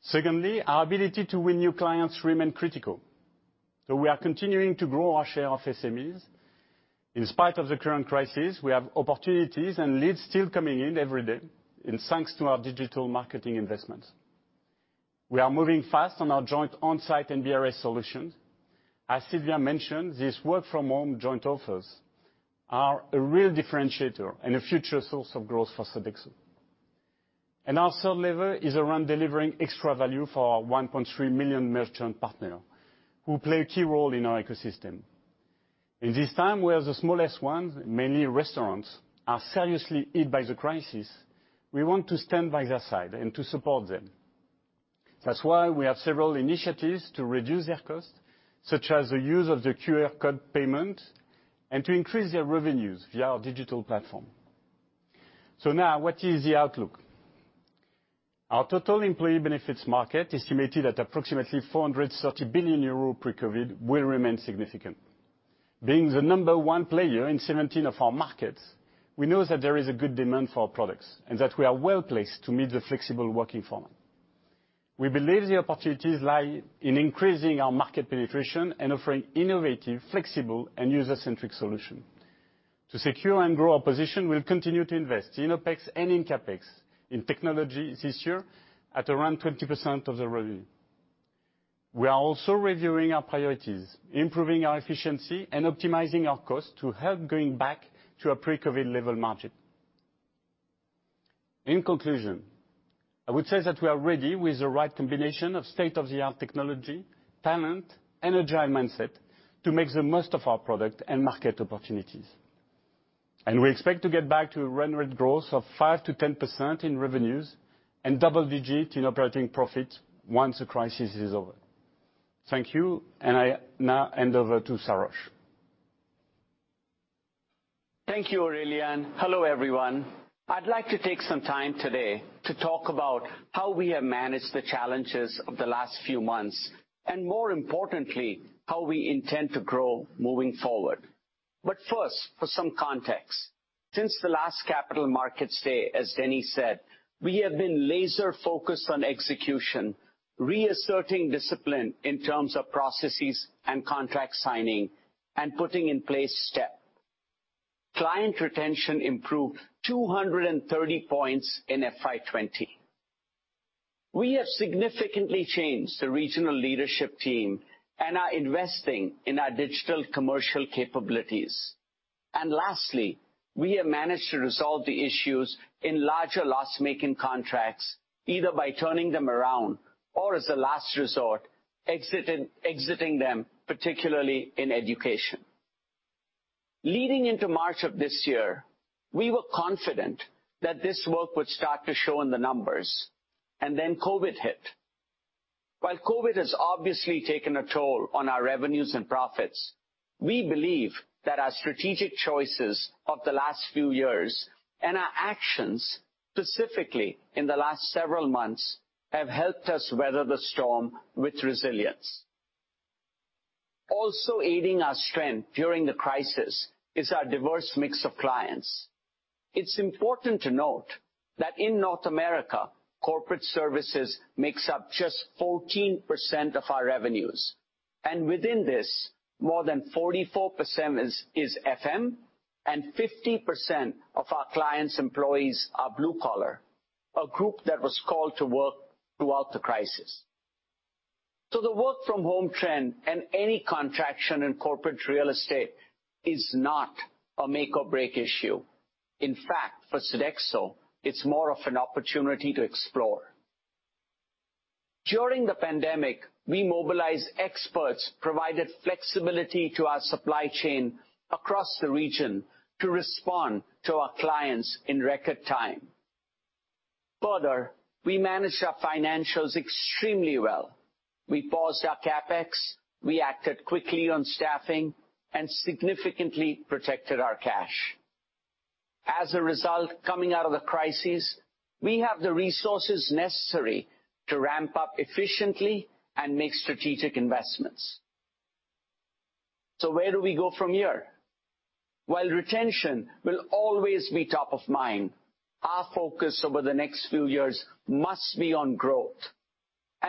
Speaker 17: Secondly, our ability to win new clients remain critical. We are continuing to grow our share of SMEs. In spite of the current crisis, we have opportunities and leads still coming in every day, and thanks to our digital marketing investments. We are moving fast on our joint on-site and BRS solutions. As Sylvia mentioned, this work from home joint offers are a real differentiator and a future source of growth for Sodexo. Our third lever is around delivering extra value for our 1.3 million merchant partner, who play a key role in our ecosystem. In this time where the smallest ones, mainly restaurants, are seriously hit by the crisis, we want to stand by their side and to support them. That's why we have several initiatives to reduce their cost, such as the use of the QR code payment, and to increase their revenues via our digital platform. What is the outlook? Our total employee benefits market, estimated at approximately 430 billion euro pre-COVID, will remain significant. Being the number one player in 17 of our markets, we know that there is a good demand for our products and that we are well-placed to meet the flexible working format. We believe the opportunities lie in increasing our market penetration and offering innovative, flexible, and user-centric solution. To secure and grow our position, we'll continue to invest in OPEX and in CapEx in technology this year at around 20% of the revenue. We are also reviewing our priorities, improving our efficiency and optimizing our cost to help going back to a pre-COVID level margin. In conclusion, I would say that we are ready with the right combination of state-of-the-art technology, talent, and agile mindset to make the most of our product and market opportunities. We expect to get back to run rate growth of 5%-10% in revenues and double-digit in operating profit once the crisis is over. Thank you. I now hand over to Sarosh.
Speaker 18: Thank you, Aurélien. Hello, everyone. I'd like to take some time today to talk about how we have managed the challenges of the last few months, and more importantly, how we intend to grow moving forward. First, for some context. Since the last Capital Markets Day, as Denis said, we have been laser focused on execution, reasserting discipline in terms of processes and contract signing, and putting in place STEP. Client retention improved 230 points in FY 2020. We have significantly changed the regional leadership team and are investing in our digital commercial capabilities. Lastly, we have managed to resolve the issues in larger loss-making contracts, either by turning them around or, as a last resort, exiting them, particularly in education. Leading into March of this year, we were confident that this work would start to show in the numbers, and then COVID hit. While COVID has obviously taken a toll on our revenues and profits, we believe that our strategic choices of the last few years and our actions, specifically in the last several months, have helped us weather the storm with resilience. Also aiding our strength during the crisis is our diverse mix of clients. It's important to note that in North America, corporate services makes up just 14% of our revenues. Within this, more than 44% is FM and 50% of our clients' employees are blue-collar, a group that was called to work throughout the crisis. The work-from-home trend and any contraction in corporate real estate is not a make-or-break issue. In fact, for Sodexo, it's more of an opportunity to explore. During the pandemic, we mobilized experts, provided flexibility to our supply chain across the region to respond to our clients in record time. We managed our financials extremely well. We paused our CapEx, we acted quickly on staffing, and significantly protected our cash. Coming out of the crisis, we have the resources necessary to ramp up efficiently and make strategic investments. Where do we go from here? While retention will always be top of mind, our focus over the next few years must be on growth.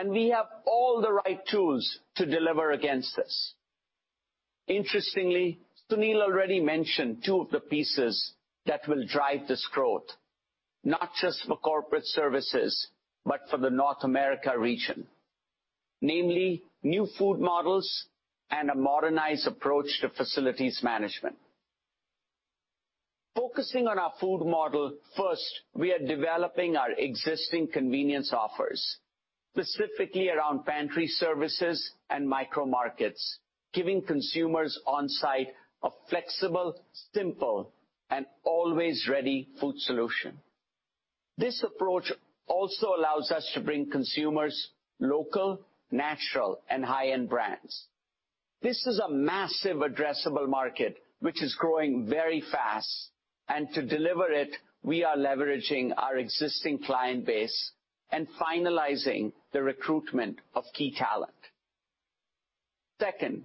Speaker 18: We have all the right tools to deliver against this. Interestingly, Sunil already mentioned two of the pieces that will drive this growth, not just for Corporate Services, but for the North America region. Namely, new food models and a modernized approach to facilities management. Focusing on our food model first, we are developing our existing convenience offers, specifically around pantry services and micro markets, giving consumers on-site a flexible, simple, and always ready food solution. This approach also allows us to bring consumers local, natural, and high-end brands. This is a massive addressable market, which is growing very fast. To deliver it, we are leveraging our existing client base and finalizing the recruitment of key talent. Second,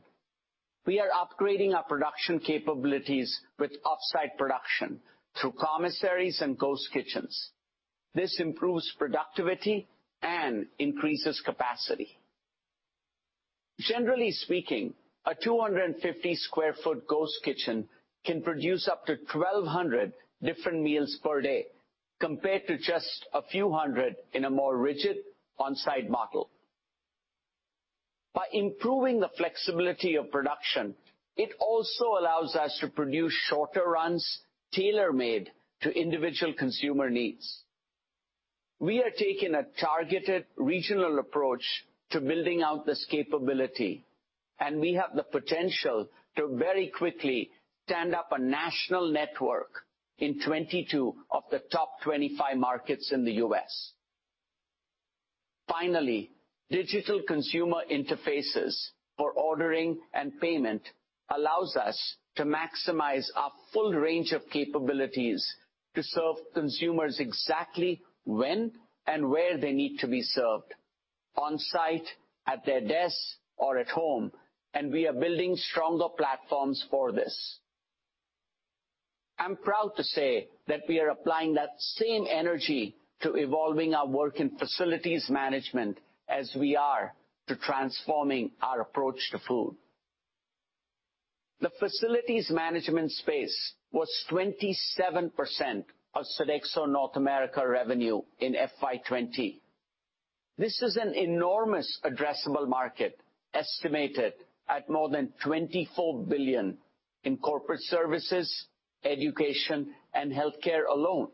Speaker 18: we are upgrading our production capabilities with off-site production through commissaries and ghost kitchens. This improves productivity and increases capacity. Generally speaking, a 250 sq ft ghost kitchen can produce up to 1,200 different meals per day, compared to just a few hundred in a more rigid on-site model. By improving the flexibility of production, it also allows us to produce shorter runs, tailor-made to individual consumer needs. We are taking a targeted regional approach to building out this capability. We have the potential to very quickly stand up a national network in 22 of the top 25 markets in the U.S. Finally, digital consumer interfaces for ordering and payment allows us to maximize our full range of capabilities to serve consumers exactly when and where they need to be served, on-site, at their desks, or at home. We are building stronger platforms for this. I'm proud to say that we are applying that same energy to evolving our work in facilities management as we are to transforming our approach to food. The facilities management space was 27% of Sodexo North America revenue in FY 2020. This is an enormous addressable market, estimated at more than 24 billion in corporate services, education, and healthcare alone.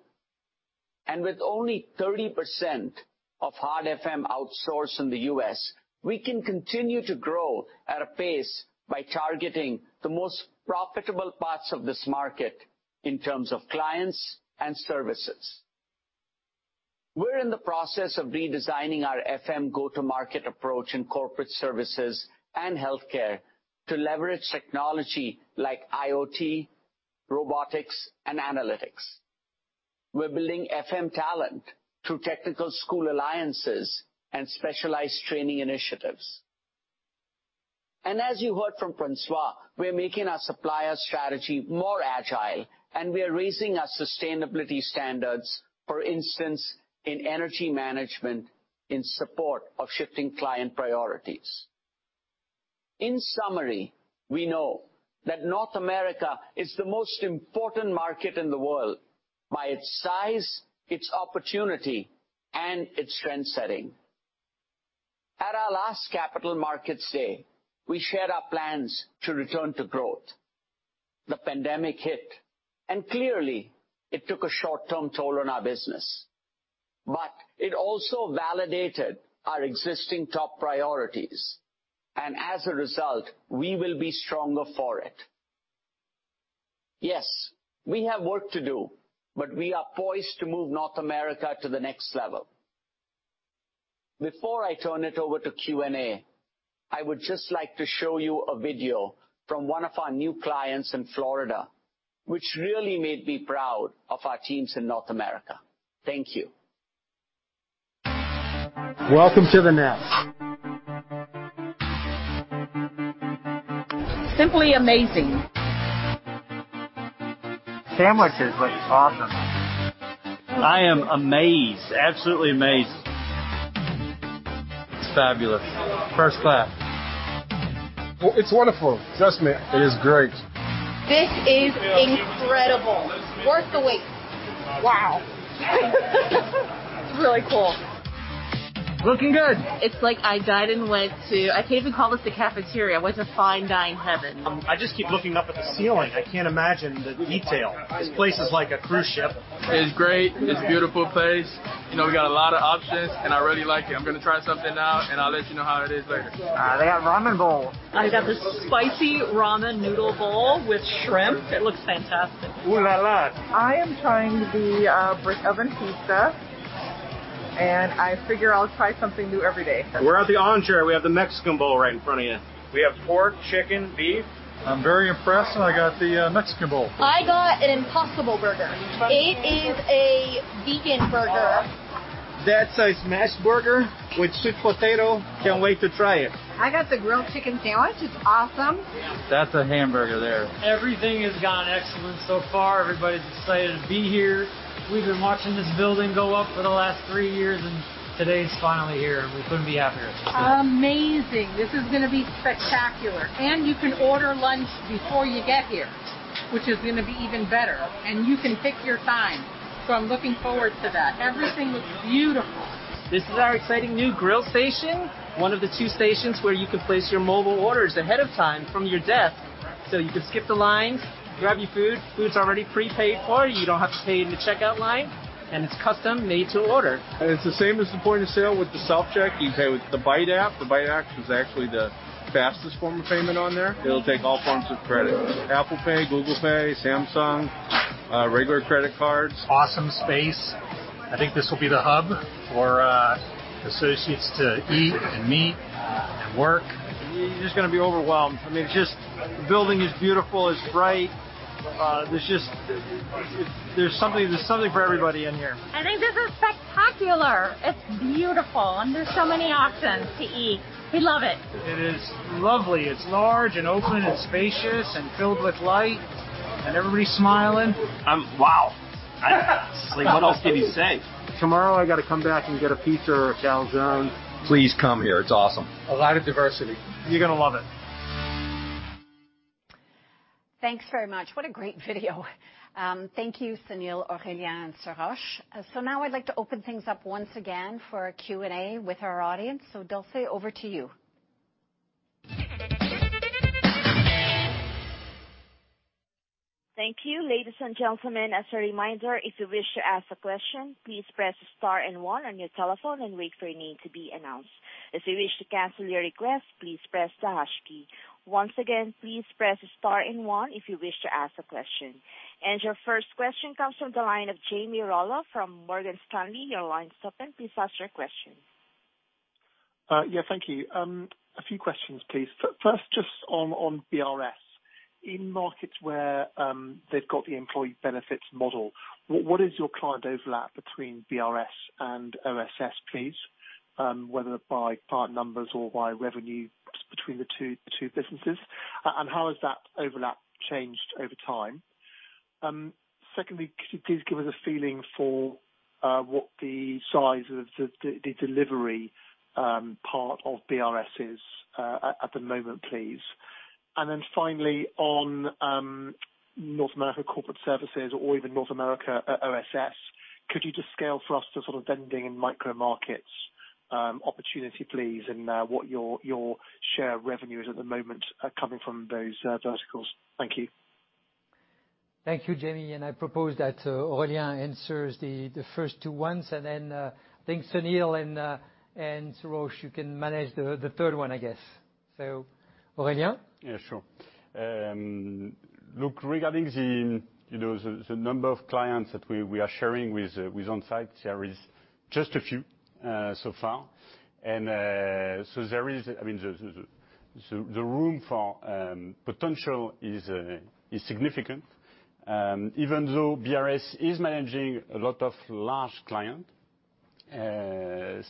Speaker 18: With only 30% of hard FM outsourced in the U.S., we can continue to grow at a pace by targeting the most profitable parts of this market in terms of clients and services. We're in the process of redesigning our FM go-to-market approach in corporate services and healthcare to leverage technology like IoT, robotics, and analytics. We're building FM talent through technical school alliances and specialized training initiatives. As you heard from François, we're making our supplier strategy more agile, and we are raising our sustainability standards, for instance, in energy management in support of shifting client priorities. In summary, we know that North America is the most important market in the world by its size, its opportunity, and its trendsetting. At our last Capital Markets Day, we shared our plans to return to growth. The pandemic hit, and clearly it took a short-term toll on our business. It also validated our existing top priorities. As a result, we will be stronger for it. Yes, we have work to do, but we are poised to move North America to the next level. Before I turn it over to Q&A, I would just like to show you a video from one of our new clients in Florida, which really made me proud of our teams in North America. Thank you.
Speaker 3: Welcome to The Nest. Simply amazing. Sandwiches look awesome. I am amazed, absolutely amazed. It's fabulous. First class. It's wonderful. Trust me. It is great. This is incredible. Worth the wait. Wow. It's really cool. Looking good. It's like I died and went to I can't even call this the cafeteria. It's a fine dine heaven. I just keep looking up at the ceiling. I can't imagine the detail. This place is like a cruise ship. It's great. It's a beautiful place. We got a lot of options, and I really like it. I'm gonna try something now, and I'll let you know how it is later. They got ramen bowls. I got this spicy ramen noodle bowl with shrimp. It looks fantastic. Ooh-la-la. I am trying the brick oven pizza, and I figure I'll try something new every day. We're at the entree. We have the Mexican bowl right in front of you. We have pork, chicken, beef. I'm very impressed, and I got the Mexican bowl. I got an Impossible Burger. It is a vegan burger That's a smashed burger with sweet potato. Can't wait to try it. I got the grilled chicken sandwich. It's awesome. That's a hamburger there. Everything has gone excellent so far. Everybody's excited to be here. We've been watching this building go up for the last three years, and today's finally here. We couldn't be happier. Amazing. This is gonna be spectacular. You can order lunch before you get here, which is gonna be even better, and you can pick your time. I'm looking forward to that. Everything looks beautiful. This is our exciting new grill station, one of the two stations where you can place your mobile orders ahead of time from your desk. You can skip the lines, grab your food. Food's already prepaid for you. You don't have to pay in the checkout line. It's custom made to order. It's the same as the point of sale with the self-check. You pay with the Byte app. The Byte app is actually the fastest form of payment on there. It'll take all forms of credit, Apple Pay, Google Pay, Samsung, regular credit cards. Awesome space. I think this will be the hub for associates to eat and meet and work. You're just gonna be overwhelmed. I mean, just the building is beautiful. It's bright. There's something for everybody in here. I think this is spectacular. It's beautiful, and there's so many options to eat. We love it. It is lovely. It's large and open and spacious and filled with light, and everybody's smiling. Wow. Like, what else can you say? Tomorrow, I gotta come back and get a pizza or a calzone. Please come here. It's awesome. A lot of diversity. You're gonna love it.
Speaker 1: Thanks very much. What a great video. Thank you, Sunil, Aurélien, and Sarosh. Now I'd like to open things up once again for a Q&A with our audience. Dulce, over to you.
Speaker 6: Thank you. Ladies and gentlemen, as a reminder, if you wish to ask a question, please press star and one on your telephone and wait for your name to be announced. If you wish to cancel your request, please press the hash key. Once again, please press star and one if you wish to ask a question. Your first question comes from the line of Jamie Rollo from Morgan Stanley. Your line's open. Please ask your question.
Speaker 10: Yeah, thank you. A few questions, please. First, just on BRS. In markets where they've got the employee benefits model, what is your client overlap between BRS and OSS, please? Whether by part numbers or by revenues between the two businesses. And how has that overlap changed over time? Secondly, could you please give us a feeling for what the size of the delivery part of BRS is at the moment, please? Finally, on North America corporate services or even North America OSS, could you just scale for us the sort of vending and micro markets opportunity, please, and what your share of revenue is at the moment coming from those verticals? Thank you.
Speaker 2: Thank you, Jamie. I propose that Aurélien answers the first two ones. I think, Sunil and Sarosh, you can manage the third one, I guess. Aurélien?
Speaker 17: Yeah, sure. Look, regarding the, you know, the number of clients that we are sharing with Onsite, there is just a few so far. There is, I mean, the room for potential is significant. Even though BRS is managing a lot of large client,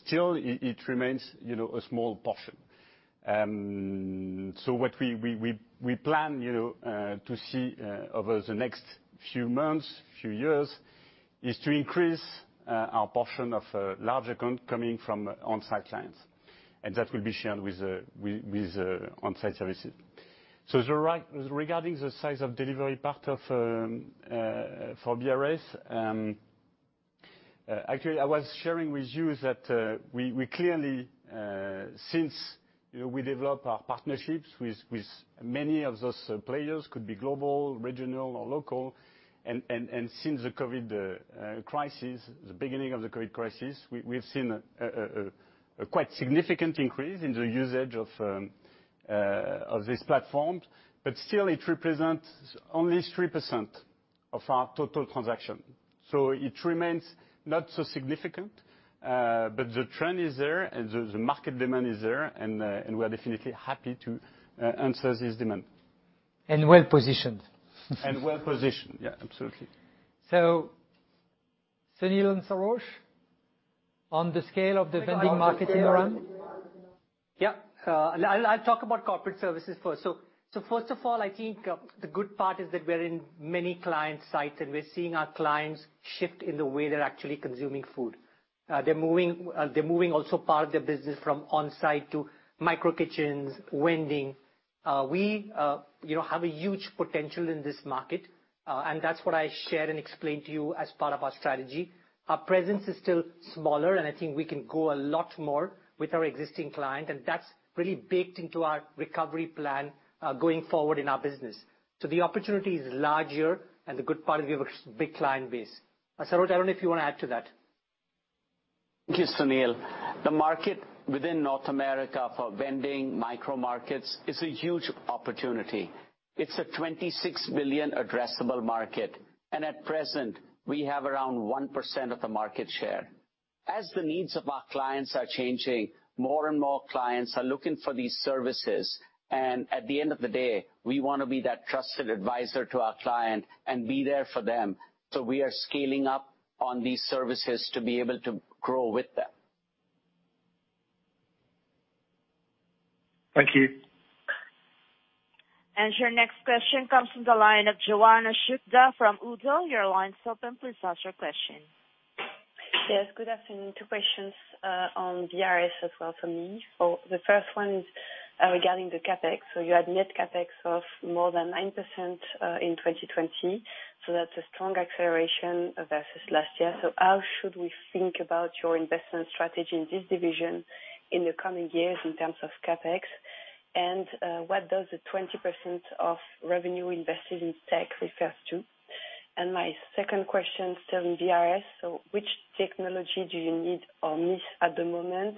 Speaker 17: still it remains, you know, a small portion. What we plan, you know, to see over the next few months, few years is to increase our portion of large account coming from Onsite clients. That will be shared with Onsite services. You're right. Regarding the size of delivery part of for BRS, actually, I was sharing with you that we clearly, since, you know, we developed our partnerships with many of those players, could be global, regional, or local, and since the COVID crisis, the beginning of the COVID crisis, we've seen a quite significant increase in the usage of this platform. Still, it represents only 3% of our total transaction. It remains not so significant, but the trend is there, and the market demand is there, and we are definitely happy to answer this demand.
Speaker 2: Well-positioned.
Speaker 17: Well-positioned. Yeah, absolutely.
Speaker 2: Sunil and Sarosh, on the scale of the vending market you're on?
Speaker 16: Yeah. I'll talk about corporate services first. First of all, I think the good part is that we're in many client sites, and we're seeing our clients shift in the way they're actually consuming food. They're moving also part of their business from onsite to micro kitchens, vending. We, you know, have a huge potential in this market, and that's what I shared and explained to you as part of our strategy. Our presence is still smaller, and I think we can go a lot more with our existing client, and that's really baked into our recovery plan, going forward in our business. The opportunity is larger, and the good part is we have a big client base. Sarosh, I don't know if you wanna add to that.
Speaker 18: Thank you, Sunil. The market within North America for vending, micro markets is a huge opportunity. It's a 26 billion addressable market. At present, we have around 1% of the market share. As the needs of our clients are changing, more and more clients are looking for these services. At the end of the day, we wanna be that trusted advisor to our client and be there for them. We are scaling up on these services to be able to grow with them.
Speaker 10: Thank you.
Speaker 6: Your next question comes from the line of Johanna Jourdain from ODDO. Your line's open. Please ask your question.
Speaker 19: Yes, good afternoon. Two questions, on BRS as well from me. The first one is regarding the CapEx. You had net CapEx of more than 9% in 2020. That's a strong acceleration versus last year. How should we think about your investment strategy in this division in the coming years in terms of CapEx? What does the 20% of revenue invested in tech refers to? My second question, still in BRS, so which technology do you need or miss at the moment?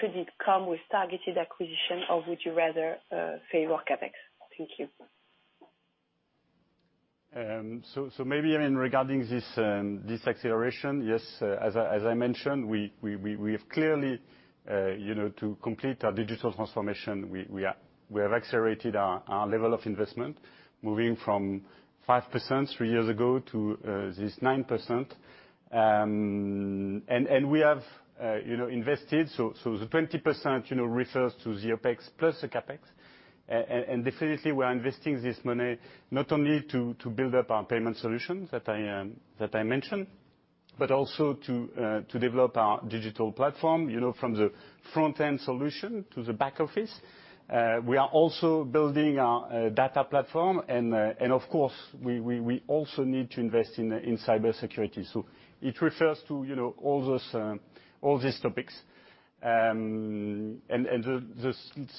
Speaker 19: Could it come with targeted acquisition, or would you rather favor CapEx? Thank you.
Speaker 17: Maybe in regarding this acceleration, yes. As I mentioned, to complete our digital transformation, we have accelerated our level of investment, moving from 5% three years ago to this 9%. We have invested. The 20% refers to the OpEx plus the CapEx. Definitely we're investing this money not only to build up our payment solutions that I mentioned, but also to develop our digital platform, from the front-end solution to the back office. We are also building our data platform, and of course, we also need to invest in cybersecurity. It refers to all these topics. The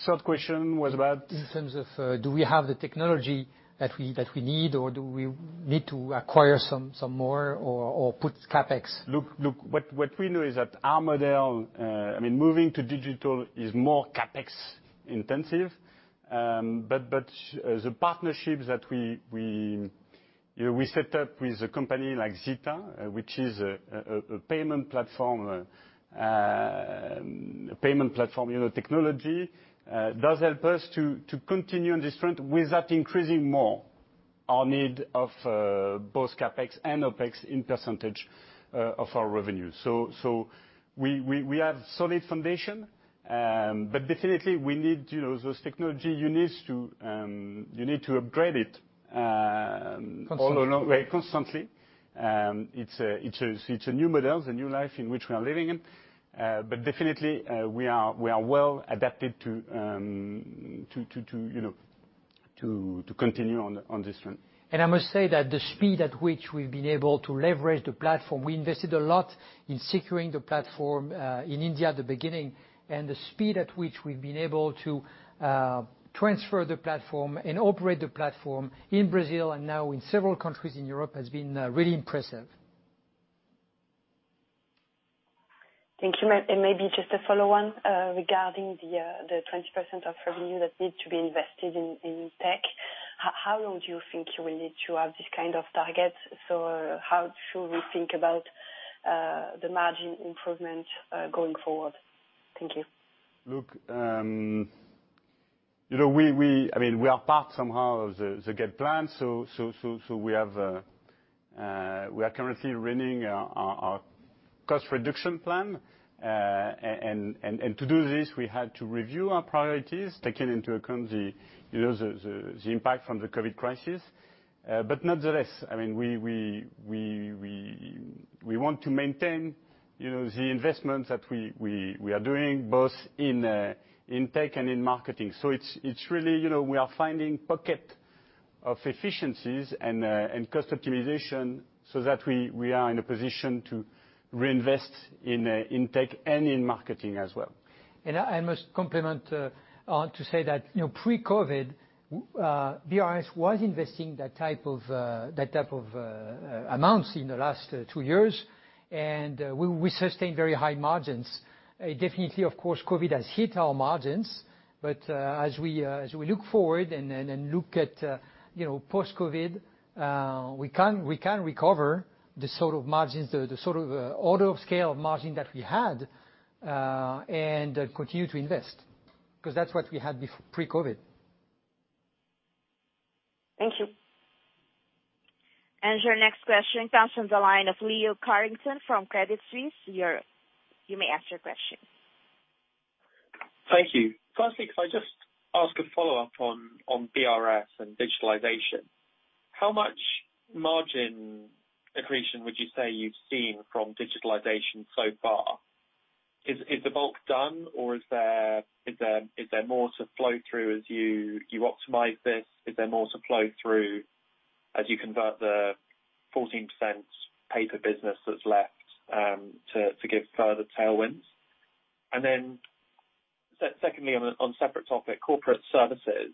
Speaker 17: third question was about?
Speaker 2: In terms of, do we have the technology that we need, or do we need to acquire some more or put CapEx?
Speaker 17: Look, what we know is that our model, moving to digital is more CapEx-intensive. The partnerships that we set up with a company like Zeta, which is a payment platform technology, does help us to continue on this front without increasing more our need of both CapEx and OpEx in percentage of our revenue. We have solid foundation, but definitely we need those technology. You need to upgrade it.
Speaker 2: Constantly.
Speaker 17: All along. Right. Constantly. It's a new model, it's a new life in which we are living in. Definitely, we are well adapted to continue on this front.
Speaker 2: I must say that the speed at which we've been able to leverage the platform, we invested a lot in securing the platform, in India at the beginning. The speed at which we've been able to transfer the platform and operate the platform in Brazil and now in several countries in Europe, has been really impressive.
Speaker 19: Thank you. Maybe just a follow-on, regarding the 20% of revenue that needs to be invested in tech. How long do you think you will need to have this kind of target? How should we think about the margin improvement, going forward? Thank you.
Speaker 17: Look, we are part somehow of the GET plan. We are currently running our cost-reduction plan. To do this, we had to review our priorities, taking into account the impact from the COVID crisis. Nonetheless, we want to maintain the investment that we are doing, both in tech and in marketing. It's really, we are finding pocket of efficiencies and cost optimization so that we are in a position to reinvest in tech and in marketing as well.
Speaker 2: I must compliment, to say that pre-COVID, BRS was investing that type of amounts in the last two years, and we sustained very high margins. Definitely, of course, COVID has hit our margins, but as we look forward and look at post-COVID, we can recover the sort of order of scale of margin that we had, and continue to invest. That's what we had pre-COVID.
Speaker 19: Thank you.
Speaker 6: Your next question comes from the line of Leo Carrington from Credit Suisse Europe. You may ask your question.
Speaker 20: Thank you. Firstly, could I just ask a follow-up on BRS and digitalization? How much margin accretion would you say you've seen from digitalization so far? Is the bulk done, or is there more to flow through as you optimize this? Is there more to flow through as you convert the 14% paper business that's left, to give further tailwinds? Secondly, on a separate topic, corporate services.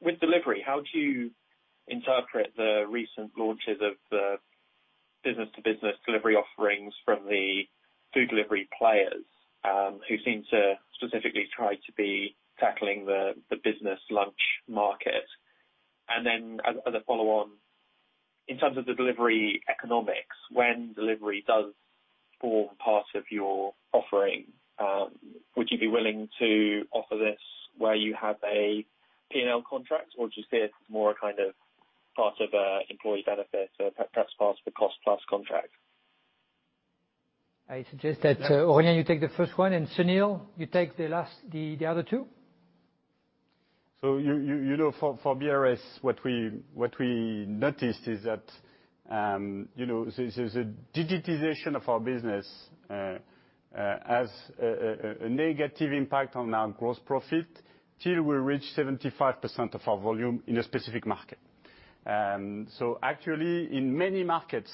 Speaker 20: With delivery, how do you interpret the recent launches of the business-to-business delivery offerings from the food delivery players, who seem to specifically try to be tackling the business lunch market? As a follow-on, in terms of the delivery economics, when delivery does form part of your offering, would you be willing to offer this where you have a P&L contract, or do you see it as more a kind of part of an employee benefit, perhaps part of a cost-plus contract?
Speaker 2: I suggest that, Aurélien, you take the first one, and Sunil, you take the other two.
Speaker 17: For BRS, what we noticed is that the digitization of our business has a negative impact on our gross profit till we reach 75% of our volume in a specific market. Actually, in many markets,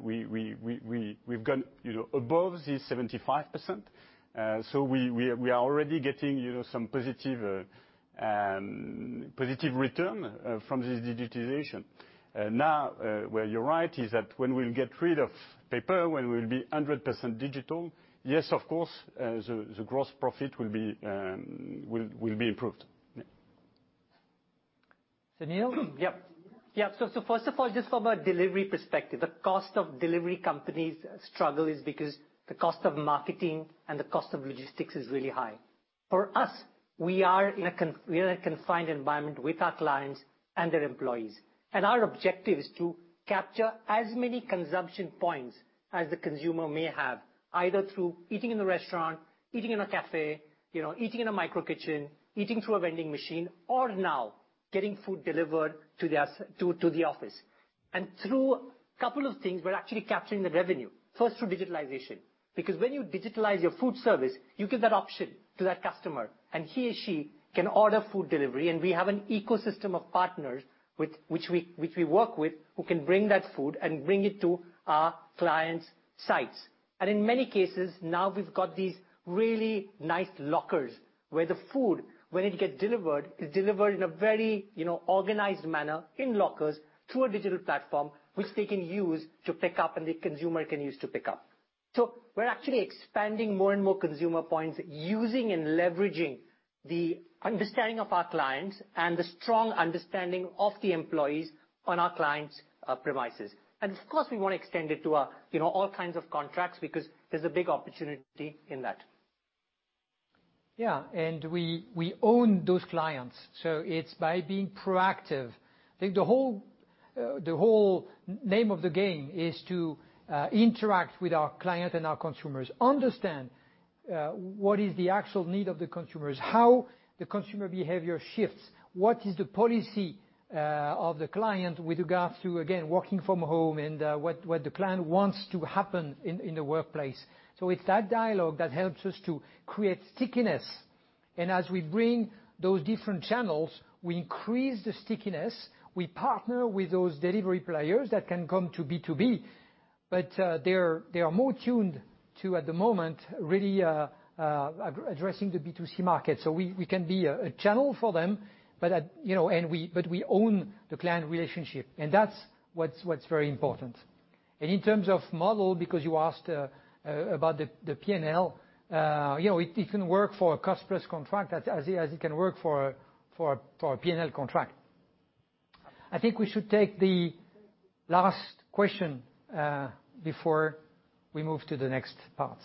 Speaker 17: we've gone above the 75%. We are already getting some positive return from this digitization. Where you're right is that when we get rid of paper, when we'll be 100% digital, yes, of course, the gross profit will be improved. Yeah.
Speaker 2: Sunil?
Speaker 16: First of all, just from a delivery perspective, the cost of delivery companies struggle is because the cost of marketing and the cost of logistics is really high. For us, we are in a confined environment with our clients and their employees. Our objective is to capture as many consumption points as the consumer may have, either through eating in the restaurant, eating in a cafe, eating in a micro-kitchen, eating through a vending machine, or now, getting food delivered to the office. Through couple of things, we're actually capturing the revenue. First, through digitalization, because when you digitalize your food service, you give that option to that customer, and he or she can order food delivery, and we have an ecosystem of partners which we work with, who can bring that food and bring it to our clients' sites. In many cases, now we've got these really nice lockers where the food, when it gets delivered, is delivered in a very organized manner in lockers through a digital platform, which they can use to pick up and the consumer can use to pick up. We're actually expanding more and more consumer points, using and leveraging the understanding of our clients and the strong understanding of the employees on our clients' premises. Of course, we want to extend it to all kinds of contracts because there's a big opportunity in that.
Speaker 2: Yeah. We own those clients. It's by being proactive. I think the whole name of the game is to interact with our client and our consumers, understand what is the actual need of the consumers, how the consumer behavior shifts, what is the policy of the client with regards to, again, working from home and what the client wants to happen in the workplace. It's that dialogue that helps us to create stickiness. As we bring those different channels, we increase the stickiness. We partner with those delivery players that can come to B2B. They are more tuned to, at the moment, really addressing the B2C market. We can be a channel for them, but we own the client relationship, and that's what's very important. In terms of model, because you asked about the P&L, it can work for a cost-plus contract as it can work for a P&L contract. I think we should take the last question before we move to the next part.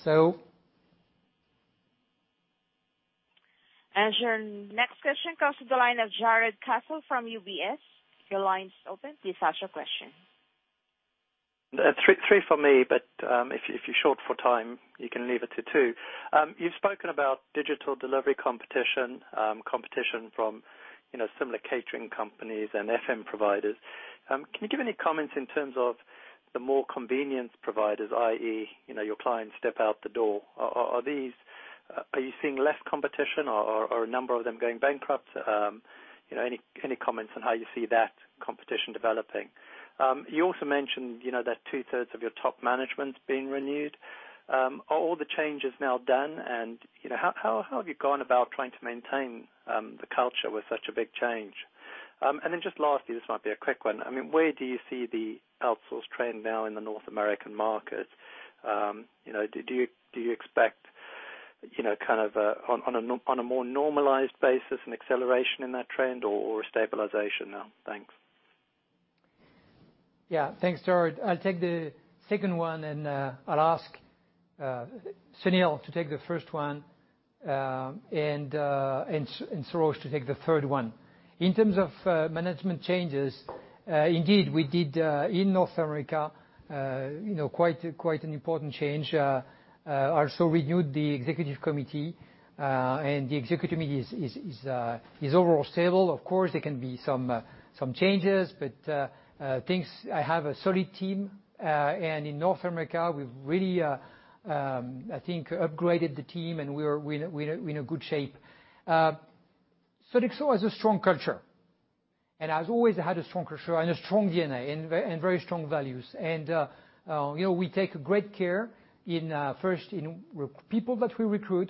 Speaker 6: Your next question comes to the line of Jarrod Castle from UBS. Your line is open. Please ask your question.
Speaker 14: Three from me, if you're short for time, you can leave it to two. You've spoken about digital delivery competition from similar catering companies and FM providers. Can you give any comments in terms of the more convenience providers, i.e., your clients step out the door? Are you seeing less competition or a number of them going bankrupt? Any comments on how you see that competition developing? You also mentioned that 2/3 of your top management's being renewed. Are all the changes now done, how have you gone about trying to maintain the culture with such a big change? Just lastly, this might be a quick one. Where do you see the outsource trend now in the North American market? Do you expect, kind of on a more normalized basis, an acceleration in that trend or a stabilization now? Thanks.
Speaker 2: Yeah. Thanks, Jarrod. I'll take the second one. I'll ask Sunil to take the first one. Sarosh to take the third one. In terms of management changes, indeed, we did, in North America, quite an important change. Also renewed the Executive Committee. The Executive Committee is overall stable. Of course, there can be some changes. I have a solid team. In North America, we've really, I think, upgraded the team. We are in a good shape. Sodexo has a strong culture, and has always had a strong culture and a strong DNA and very strong values. We take great care first in people that we recruit,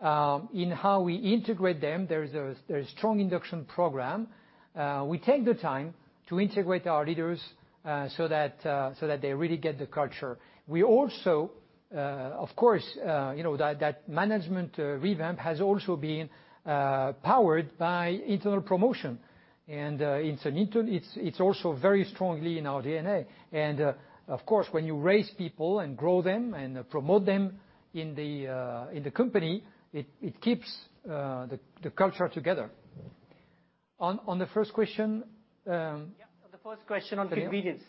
Speaker 2: in how we integrate them. There's a strong induction program. We take the time to integrate our leaders, that they really get the culture. We also, of course, that management revamp has also been powered by internal promotion. It's also very strongly in our DNA. Of course, when you raise people and grow them and promote them in the company, it keeps the culture together. On the first question.
Speaker 16: The first question on convenience.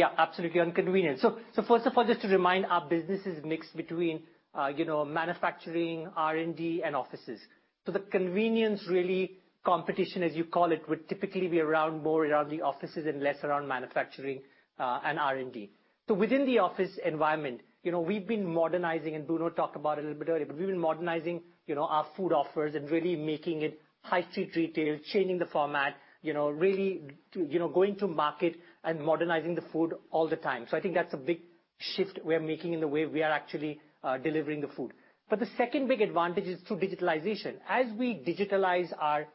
Speaker 16: Absolutely, on convenience. First of all, just to remind, our business is mixed between manufacturing, R&D, and offices. The convenience, really, competition, as you call it, would typically be more around the offices and less around manufacturing and R&D. Within the office environment, we've been modernizing, and Bruno talked about it a little bit earlier. We've been modernizing our food offers and really making it high street retail, changing the format, really going to market and modernizing the food all the time. I think that's a big shift we are making in the way we are actually delivering the food. The second big advantage is through digitalization. As we digitalize our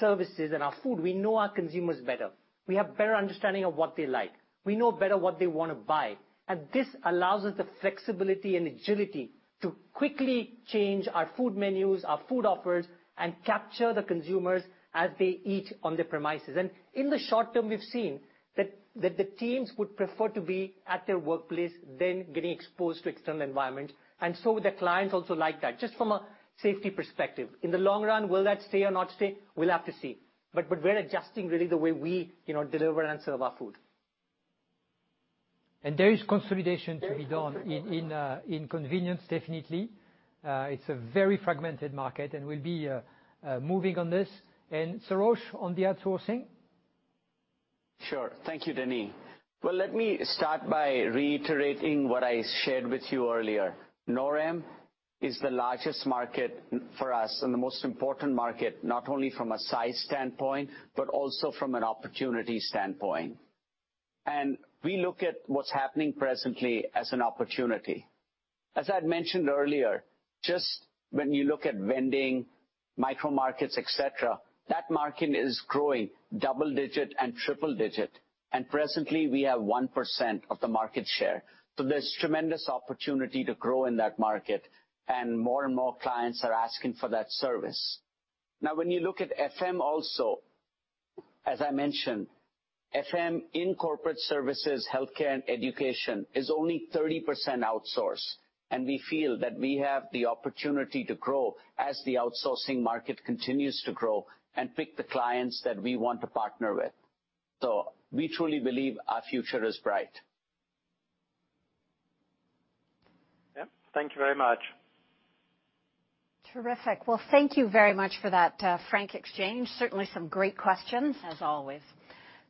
Speaker 16: services and our food, we know our consumers better. We have better understanding of what they like. We know better what they want to buy. This allows us the flexibility and agility to quickly change our food menus, our food offers, and capture the consumers as they eat on the premises. In the short term, we've seen that the teams would prefer to be at their workplace than getting exposed to external environment. The clients also like that, just from a safety perspective. In the long run, will that stay or not stay? We'll have to see. We're adjusting, really, the way we deliver and serve our food.
Speaker 2: There is consolidation to be done in convenience, definitely. It's a very fragmented market, and we'll be moving on this. Sarosh, on the outsourcing?
Speaker 18: Sure. Thank you, Denis. Well, let me start by reiterating what I shared with you earlier. NORAM is the largest market for us and the most important market, not only from a size standpoint, but also from an opportunity standpoint. We look at what's happening presently as an opportunity. As I'd mentioned earlier, just when you look at vending, micro markets, et cetera, that market is growing double digit and triple digit. Presently, we have 1% of the market share. There's tremendous opportunity to grow in that market, and more and more clients are asking for that service. Now, when you look at FM also, as I mentioned, FM in corporate services, healthcare, and education is only 30% outsourced. We feel that we have the opportunity to grow as the outsourcing market continues to grow and pick the clients that we want to partner with. We truly believe our future is bright.
Speaker 14: Yep. Thank you very much.
Speaker 1: Terrific. Well, thank you very much for that frank exchange. Certainly some great questions, as always.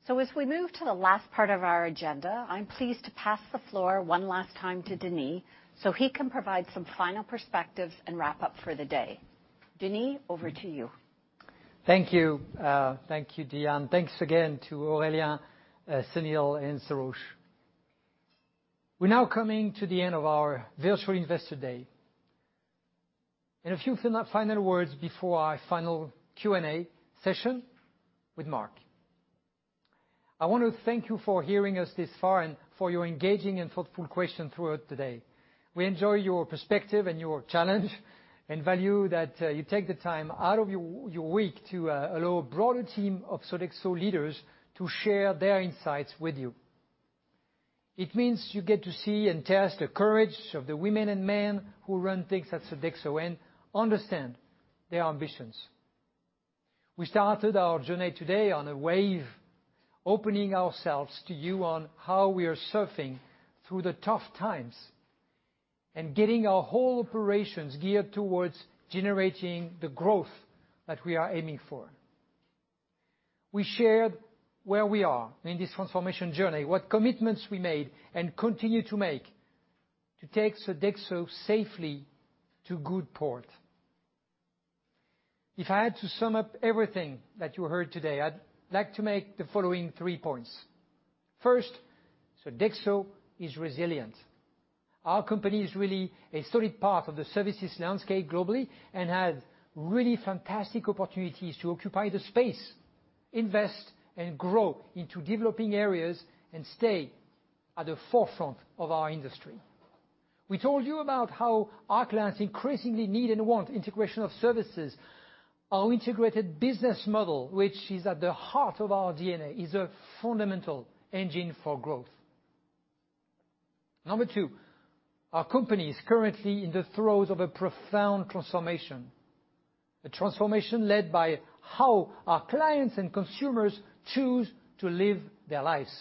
Speaker 1: As we move to the last part of our agenda, I'm pleased to pass the floor one last time to Denis so he can provide some final perspectives and wrap up for the day. Denis, over to you.
Speaker 2: Thank you. Thank you, Dianne. Thanks again to Aurélien, Sunil, and Sarosh. We're now coming to the end of our virtual Investor Day. A few final words before our final Q&A session with Marc. I want to thank you for hearing us this far and for your engaging and thoughtful questions throughout today. We enjoy your perspective and your challenge and value that you take the time out of your week to allow a broader team of Sodexo leaders to share their insights with you. It means you get to see and test the courage of the women and men who run things at Sodexo and understand their ambitions. We started our journey today on a wave, opening ourselves to you on how we are surfing through the tough times and getting our whole operations geared towards generating the growth that we are aiming for. We shared where we are in this transformation journey, what commitments we made, and continue to make to take Sodexo safely to good port. If I had to sum up everything that you heard today, I'd like to make the following three points. First, Sodexo is resilient. Our company is really a solid part of the services landscape globally and has really fantastic opportunities to occupy the space, invest, and grow into developing areas and stay at the forefront of our industry. We told you about how our clients increasingly need and want integration of services. Our integrated business model, which is at the heart of our DNA, is a fundamental engine for growth. Number two, our company is currently in the throes of a profound transformation, a transformation led by how our clients and consumers choose to live their lives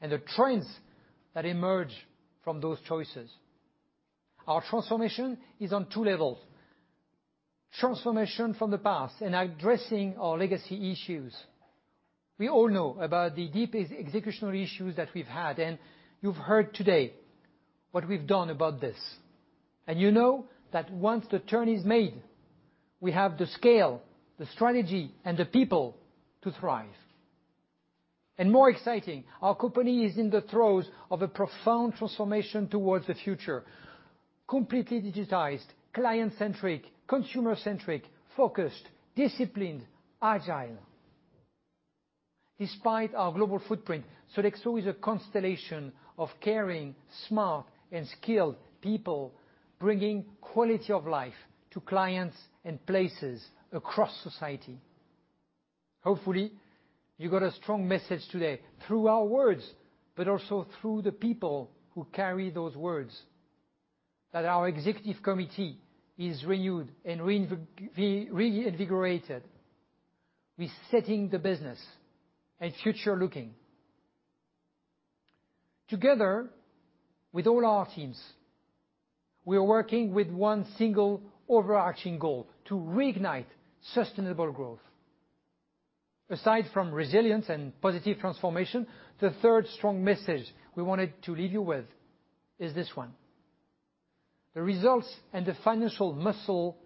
Speaker 2: and the trends that emerge from those choices. Our transformation is on two levels. Transformation from the past and addressing our legacy issues. We all know about the deep executional issues that we've had, and you've heard today what we've done about this. You know that once the turn is made, we have the scale, the strategy, and the people to thrive. More exciting, our company is in the throes of a profound transformation towards the future, completely digitized, client-centric, consumer-centric, focused, disciplined, agile. Despite our global footprint, Sodexo is a constellation of caring, smart, and skilled people, bringing quality of life to clients and places across society. Hopefully, you got a strong message today through our words, but also through the people who carry those words. That our executive committee is renewed and reinvigorated with setting the business and future-looking. Together with all our teams, we are working with one single overarching goal, to reignite sustainable growth. Aside from resilience and positive transformation, the third strong message we wanted to leave you with is this one. The results and the financial muscle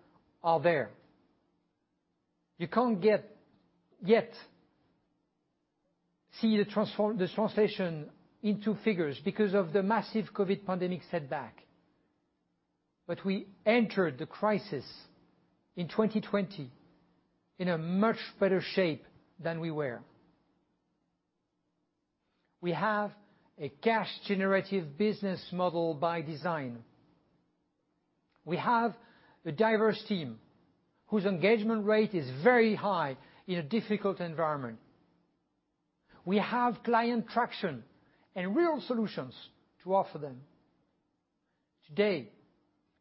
Speaker 2: are there. You can't yet see the translation into figures because of the massive COVID pandemic setback. We entered the crisis in 2020 in a much better shape than we were. We have a cash-generative business model by design. We have a diverse team whose engagement rate is very high in a difficult environment. We have client traction and real solutions to offer them. Today,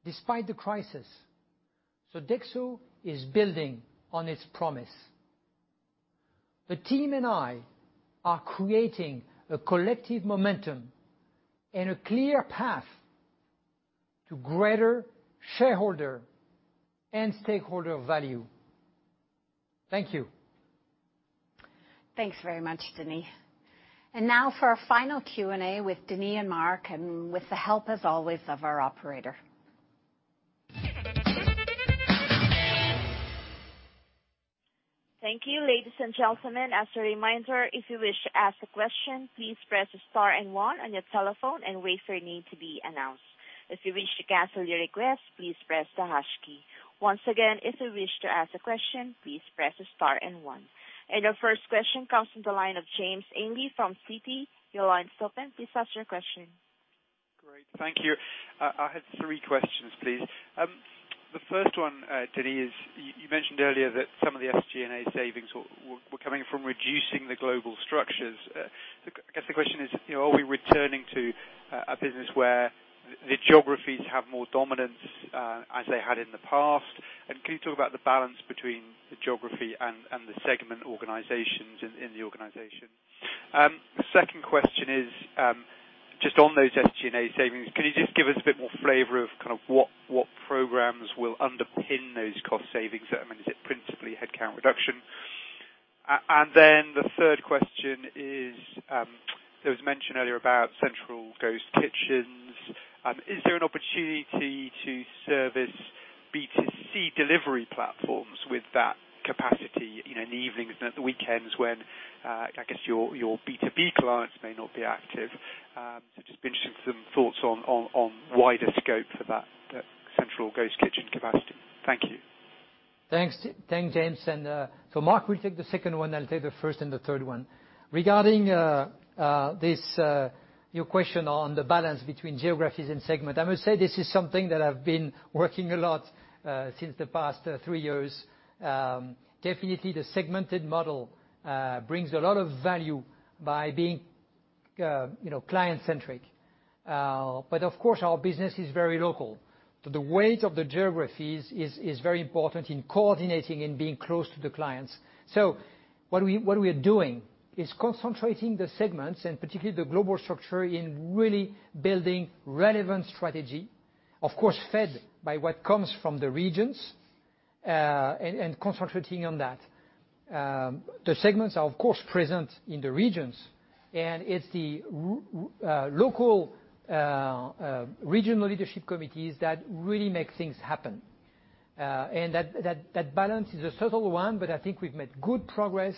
Speaker 2: despite the crisis, Sodexo is building on its promise. The team and I are creating a collective momentum and a clear path to greater shareholder and stakeholder value. Thank you.
Speaker 1: Thanks very much, Denis. Now for our final Q&A with Denis and Marc, and with the help, as always, of our operator.
Speaker 6: Thank you, ladies and gentlemen. As a reminder, if you wish to ask a question, please press star and one on your telephone and wait for your name to be announced. If you wish to cancel your request, please press the hash key. Once again, if you wish to ask a question, please press star and one. Your first question comes from the line of James Ainley from Citi. Your line's open. Please ask your question.
Speaker 9: Great. Thank you. I have three questions, please. The first one, Denis, you mentioned earlier that some of the SG&A savings were coming from reducing the global structures. I guess the question is, are we returning to a business where the geographies have more dominance, as they had in the past? Can you talk about the balance between the geography and the segment organizations in the organization? The second question is, just on those SG&A savings, can you just give us a bit more flavor of what programs will underpin those cost savings? I mean, is it principally headcount reduction? The third question is, there was mention earlier about central ghost kitchens. Is there an opportunity to service B2C delivery platforms with that capacity in the evenings and at the weekends when, I guess your B2B clients may not be active? Just be interested in some thoughts on wider scope for that central ghost kitchen capacity. Thank you.
Speaker 2: Thanks, James. Marc will take the second one. I'll take the first and the third one. Regarding your question on the balance between geographies and segment, I must say this is something that I've been working a lot since the past three years. Definitely the segmented model brings a lot of value by being client-centric. Of course, our business is very local. The weight of the geographies is very important in coordinating and being close to the clients. What we are doing is concentrating the segments and particularly the global structure in really building relevant strategy. Of course, fed by what comes from the regions, and concentrating on that. The segments are, of course, present in the regions, and it's the local regional leadership committees that really make things happen. That balance is a subtle one, but I think we've made good progress.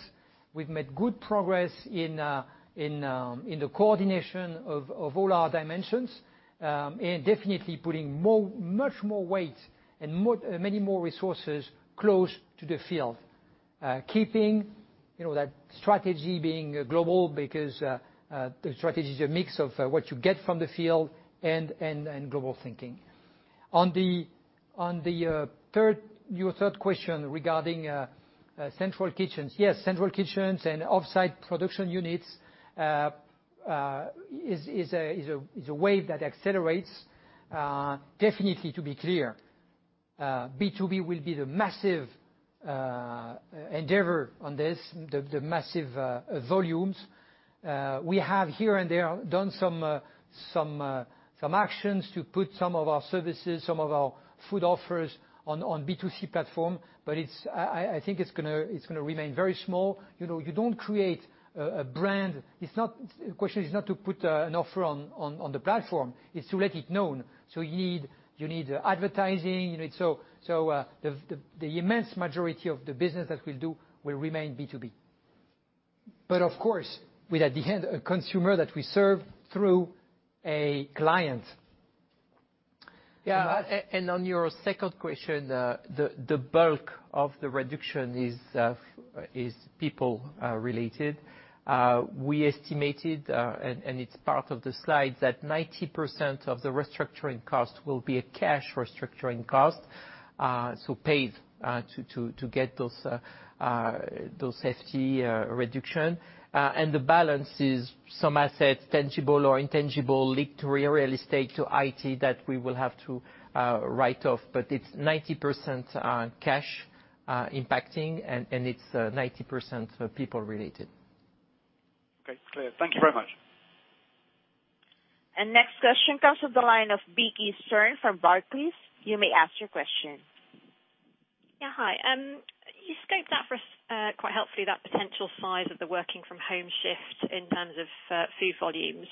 Speaker 2: We've made good progress in the coordination of all our dimensions, and definitely putting much more weight and many more resources close to the field. Keeping that strategy being global because the strategy is a mix of what you get from the field and global thinking. On your third question regarding central kitchens. Yes, central kitchens and offsite production units is a wave that accelerates. Definitely to be clear, B2B will be the massive endeavor on this, the massive volumes. We have here and there done some actions to put some of our services, some of our food offers on B2C platform. I think it's going to remain very small. You don't create a brand. The question is not to put an offer on the platform. It's to let it known. You need advertising. The immense majority of the business that we'll do will remain B2B. Of course, with at the end, a consumer that we serve through a client.
Speaker 4: Yeah. On your second question, the bulk of the reduction is people-related. We estimated, and it's part of the slide, that 90% of the restructuring cost will be a cash restructuring cost, so paid to get those FTE reduction. The balance is some assets, tangible or intangible, linked to real estate, to IT, that we will have to write off. It's 90% cash impacting and it's 90% people-related.
Speaker 9: Okay. It's clear. Thank you very much.
Speaker 6: Next question comes from the line of Vicky Stern from Barclays. You may ask your question.
Speaker 21: Yeah, hi. You scoped that for us quite helpfully, that potential size of the working from home shift in terms of food volumes.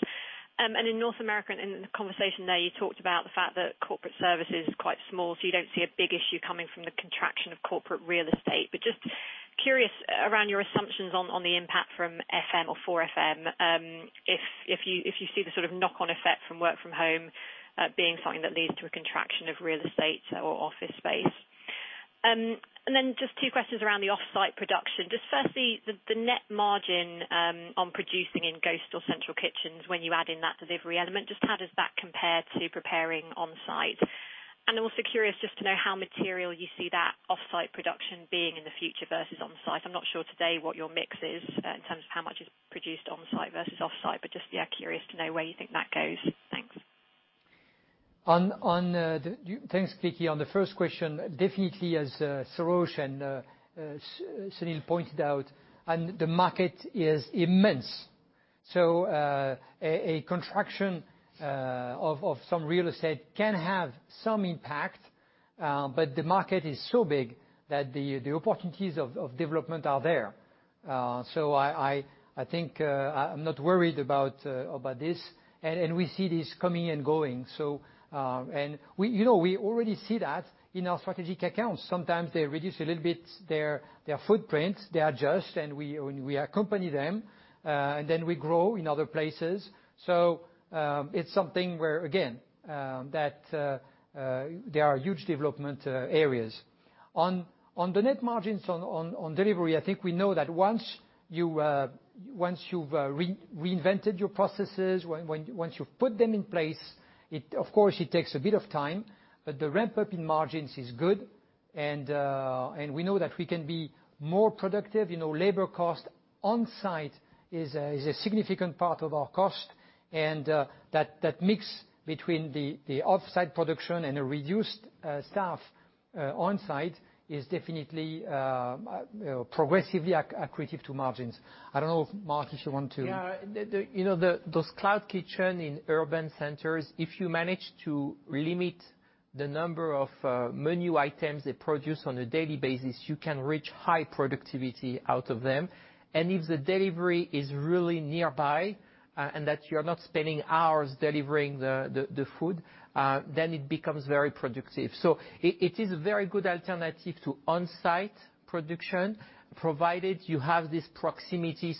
Speaker 21: In North America, in the conversation there, you talked about the fact that Corporate Services is quite small, so you don't see a big issue coming from the contraction of corporate real estate. Just curious around your assumptions on the impact from FM or for FM, if you see the sort of knock-on effect from work from home, being something that leads to a contraction of real estate or office space. Then just two questions around the offsite production. Just firstly, the net margin on producing in ghost or central kitchens when you add in that delivery element, just how does that compare to preparing on-site? I'm also curious just to know how material you see that offsite production being in the future versus on-site. I'm not sure today what your mix is in terms of how much is produced on-site versus offsite, just, yeah, curious to know where you think that goes. Thanks.
Speaker 2: Thanks, Vicky. On the first question, definitely as Sarosh and Sunil pointed out, the market is immense. A contraction of some real estate can have some impact, but the market is so big that the opportunities of development are there. I think I'm not worried about this. We see this coming and going. We already see that in our strategic accounts. Sometimes they reduce a little bit their footprint, they adjust, and we accompany them, and then we grow in other places. It's something where, again, that there are huge development areas. On the net margins on delivery, I think we know that once you've reinvented your processes, once you've put them in place, of course it takes a bit of time, but the ramp-up in margins is good and we know that we can be more productive. Labor cost on-site is a significant part of our cost, and that mix between the offsite production and a reduced staff on-site is definitely progressively accretive to margins. I don't know if Marc, if you want.
Speaker 4: Those cloud kitchen in urban centers, if you manage to limit the number of menu items they produce on a daily basis, you can reach high productivity out of them. If the delivery is really nearby and that you're not spending hours delivering the food, then it becomes very productive. It is a very good alternative to on-site production, provided you have this proximity.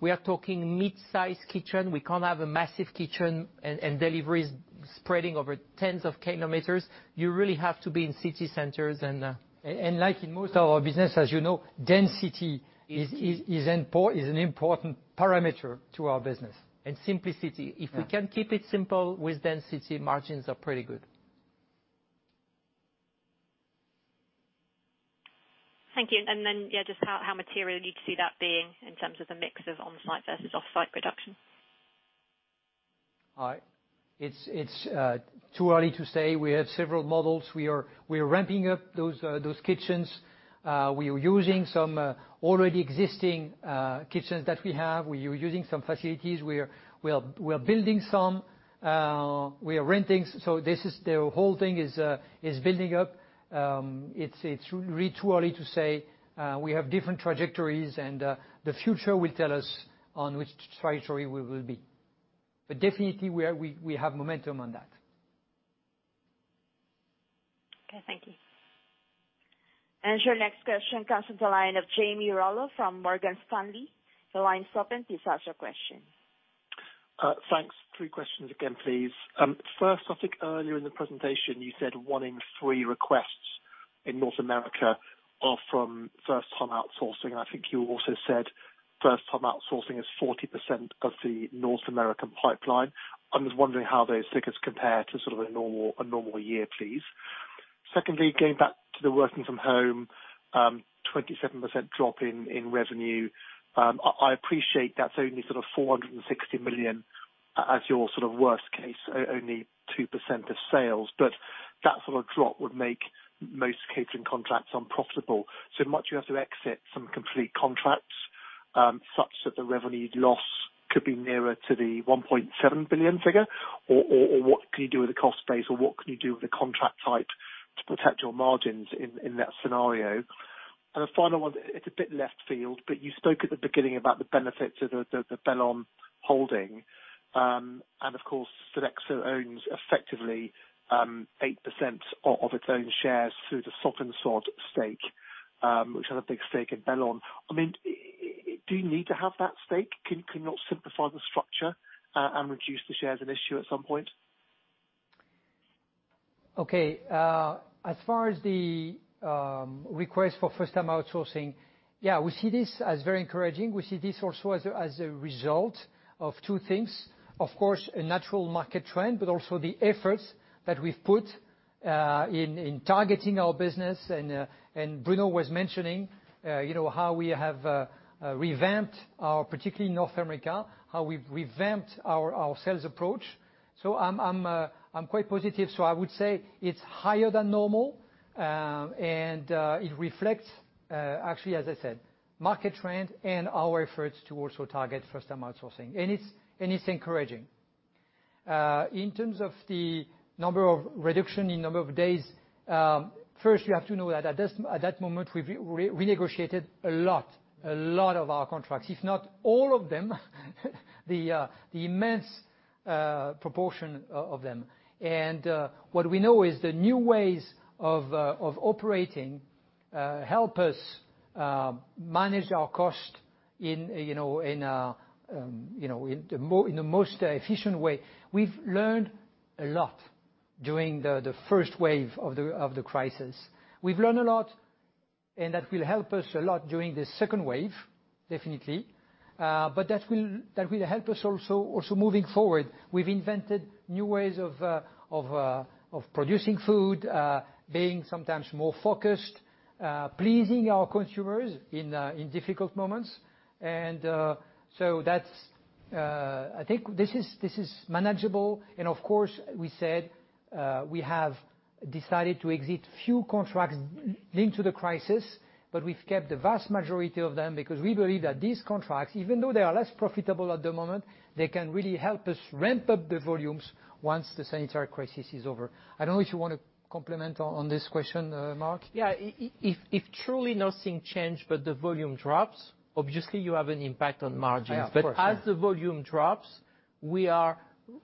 Speaker 4: We are talking mid-size kitchen. We can't have a massive kitchen and deliveries spreading over tens of kilometers. You really have to be in city centers and like in most of our business, as you know, density is an important parameter to our business, and simplicity.
Speaker 2: Yeah.
Speaker 4: If we can keep it simple with density, margins are pretty good.
Speaker 21: Thank you. Yeah, just how material you see that being in terms of the mix of on-site versus offsite production.
Speaker 2: It's too early to say. We have several models. We are ramping up those kitchens. We are using some already existing kitchens that we have. We are using some facilities. We're building some. We are renting. The whole thing is building up. It's really too early to say. We have different trajectories, and the future will tell us on which trajectory we will be. Definitely, we have momentum on that.
Speaker 21: Okay, thank you.
Speaker 6: Your next question comes from the line of Jamie Rollo from Morgan Stanley.
Speaker 10: Thanks. Three questions again, please. First, I think earlier in the presentation, you said one in three requests in North America are from first-time outsourcing. I think you also said first-time outsourcing is 40% of the North American pipeline. I'm just wondering how those figures compare to sort of a normal year, please. Secondly, going back to the working from home, 27% drop in revenue. I appreciate that's only sort of 460 million as your sort of worst case, only 2% of sales. That sort of drop would make most catering contracts unprofitable. Might you have to exit some complete contracts, such that the revenue loss could be nearer to the 1.7 billion figure? What can you do with the cost base, or what can you do with the contract type to protect your margins in that scenario? The final one, it's a bit left field, but you spoke at the beginning about the benefits of the Bellon holding. Of course, Sodexo owns effectively 8% of its own shares through the Sodexo stake, which has a big stake in Bellon. I mean, do you need to have that stake? Can you not simplify the structure, and reduce the shares at issue at some point?
Speaker 2: Okay. As far as the request for first-time outsourcing, yeah, we see this as very encouraging. We see this also as a result of two things. Of course, a natural market trend, but also the efforts that we've put in targeting our business. Bruno was mentioning how we have revamped our, particularly North America, how we've revamped our sales approach. I'm quite positive. I would say it's higher than normal. It reflects, actually as I said, market trend and our efforts to also target first-time outsourcing. It's encouraging. In terms of the reduction in number of days, first you have to know that at that moment, we renegotiated a lot of our contracts, if not all of them, the immense proportion of them. What we know is the new ways of operating help us manage our cost in the most efficient way. We've learned a lot during the first wave of the crisis. We've learned a lot. That will help us a lot during this second wave, definitely. That will help us also moving forward. We've invented new ways of producing food, being sometimes more focused, pleasing our consumers in difficult moments. I think this is manageable. Of course, we said, we have decided to exit few contracts linked to the crisis. We've kept the vast majority of them because we believe that these contracts, even though they are less profitable at the moment, they can really help us ramp up the volumes once the sanitary crisis is over. I don't know if you want to complement on this question, Marc?
Speaker 4: Yeah. If truly nothing changed, but the volume drops, obviously you have an impact on margins.
Speaker 2: Yeah, of course.
Speaker 4: As the volume drops, we are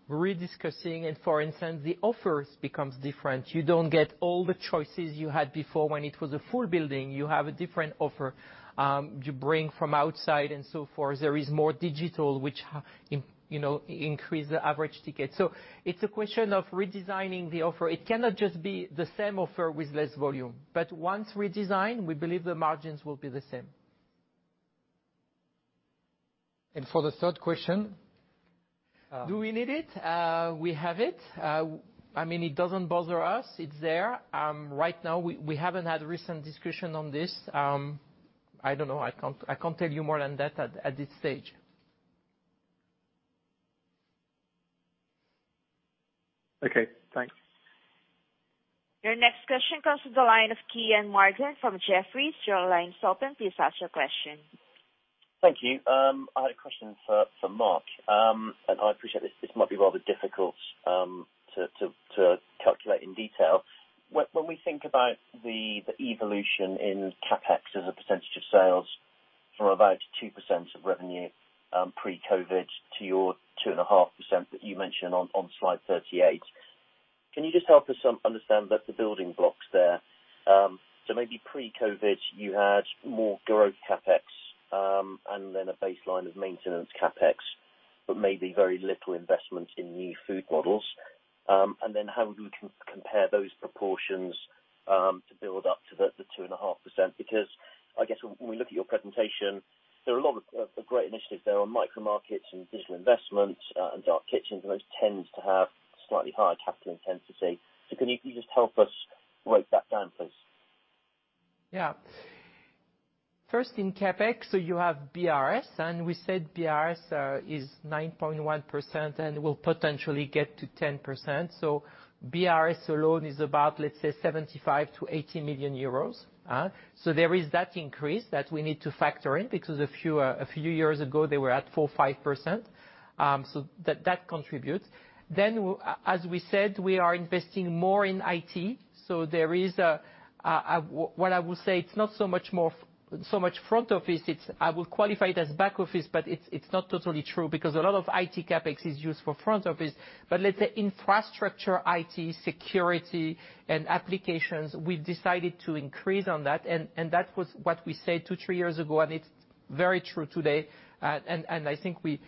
Speaker 4: re-discussing and for instance, the offers become different. You don't get all the choices you had before when it was a full building. You have a different offer. You bring from outside and so forth. There is more digital, which increases the average ticket. It's a question of redesigning the offer. It cannot just be the same offer with less volume. Once redesigned, we believe the margins will be the same.
Speaker 2: For the third question?
Speaker 4: Do we need it? We have it. It doesn't bother us. It's there. Right now, we haven't had recent discussion on this. I don't know. I can't tell you more than that at this stage.
Speaker 10: Okay, thanks.
Speaker 6: Your next question comes to the line of Kean Marden from Jefferies. Your line's open. Please ask your question.
Speaker 22: Thank you. I appreciate this might be rather difficult to calculate in detail. When we think about the evolution in CapEx as a percentage of sales from about 2% of revenue, pre-COVID to your 2.5% that you mentioned on slide 38, can you just help us understand the building blocks there? Maybe pre-COVID, you had more growth CapEx, and then a baseline of maintenance CapEx, but maybe very little investments in new food models. How we can compare those proportions, to build up to the 2.5%? I guess when we look at your presentation, there are a lot of great initiatives there on micro markets and digital investments, and dark kitchens, and those tend to have slightly higher capital intensity. Can you please help us break that down, please?
Speaker 4: Yeah. First in CapEx, you have BRS, and we said BRS is 9.1% and will potentially get to 10%. BRS alone is about, let's say 75 million-80 million euros. There is that increase that we need to factor in because a few years ago, they were at 4%, 5%, so that contributes. As we said, we are investing more in IT. There is, what I would say, it's not so much front office. I will qualify it as back office, but it's not totally true because a lot of IT CapEx is used for front office. Let's say infrastructure, IT, security and applications, we've decided to increase on that and that was what we said two, three years ago, and it's very true today. I think we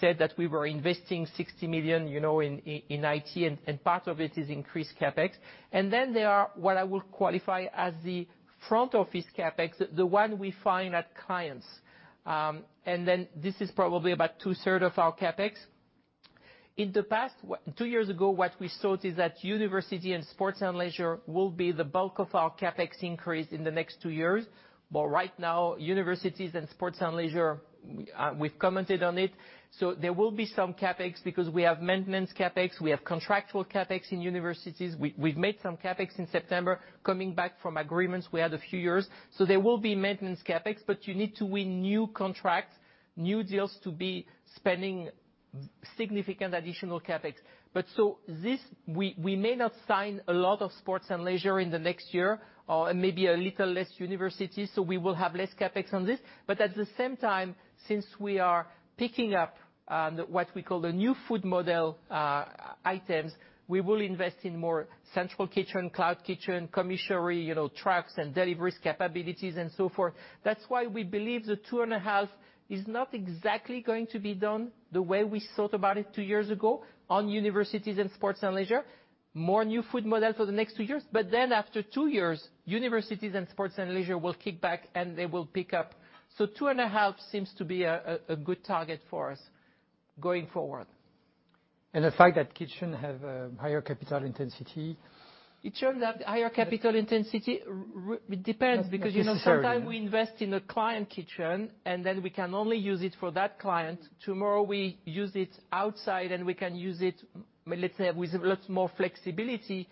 Speaker 4: said that we were investing 60 million in IT and part of it is increased CapEx. There are, what I will qualify as the front office CapEx, the one we find at clients. This is probably about 2/3 of our CapEx. Two years ago, what we thought is that university and sports and leisure will be the bulk of our CapEx increase in the next two years. Right now, universities and sports and leisure, we've commented on it. There will be some CapEx because we have maintenance CapEx. We have contractual CapEx in universities. We've made some CapEx in September, coming back from agreements we had a few years. There will be maintenance CapEx, but you need to win new contracts, new deals to be spending significant additional CapEx. We may not sign a lot of sports and leisure in the next year, or maybe a little less university, so we will have less CapEx on this. At the same time, since we are picking up, what we call the new food model items, we will invest in more central kitchen, cloud kitchen, commissary, trucks and deliveries capabilities and so forth. We believe the two and a half is not exactly going to be done the way we thought about it two years ago on universities and sports and leisure. More new food models for the next two years, after two years, universities and sports and leisure will kick back, and they will pick up. Two and a half seems to be a good target for us going forward.
Speaker 2: The fact that kitchen have a higher capital intensity.
Speaker 4: It turns out higher capital intensity, it depends because sometimes.
Speaker 2: Not necessary.
Speaker 4: We invest in a client kitchen, and then we can only use it for that client. Tomorrow, we use it outside, and we can use it, let's say, with a lot more flexibility.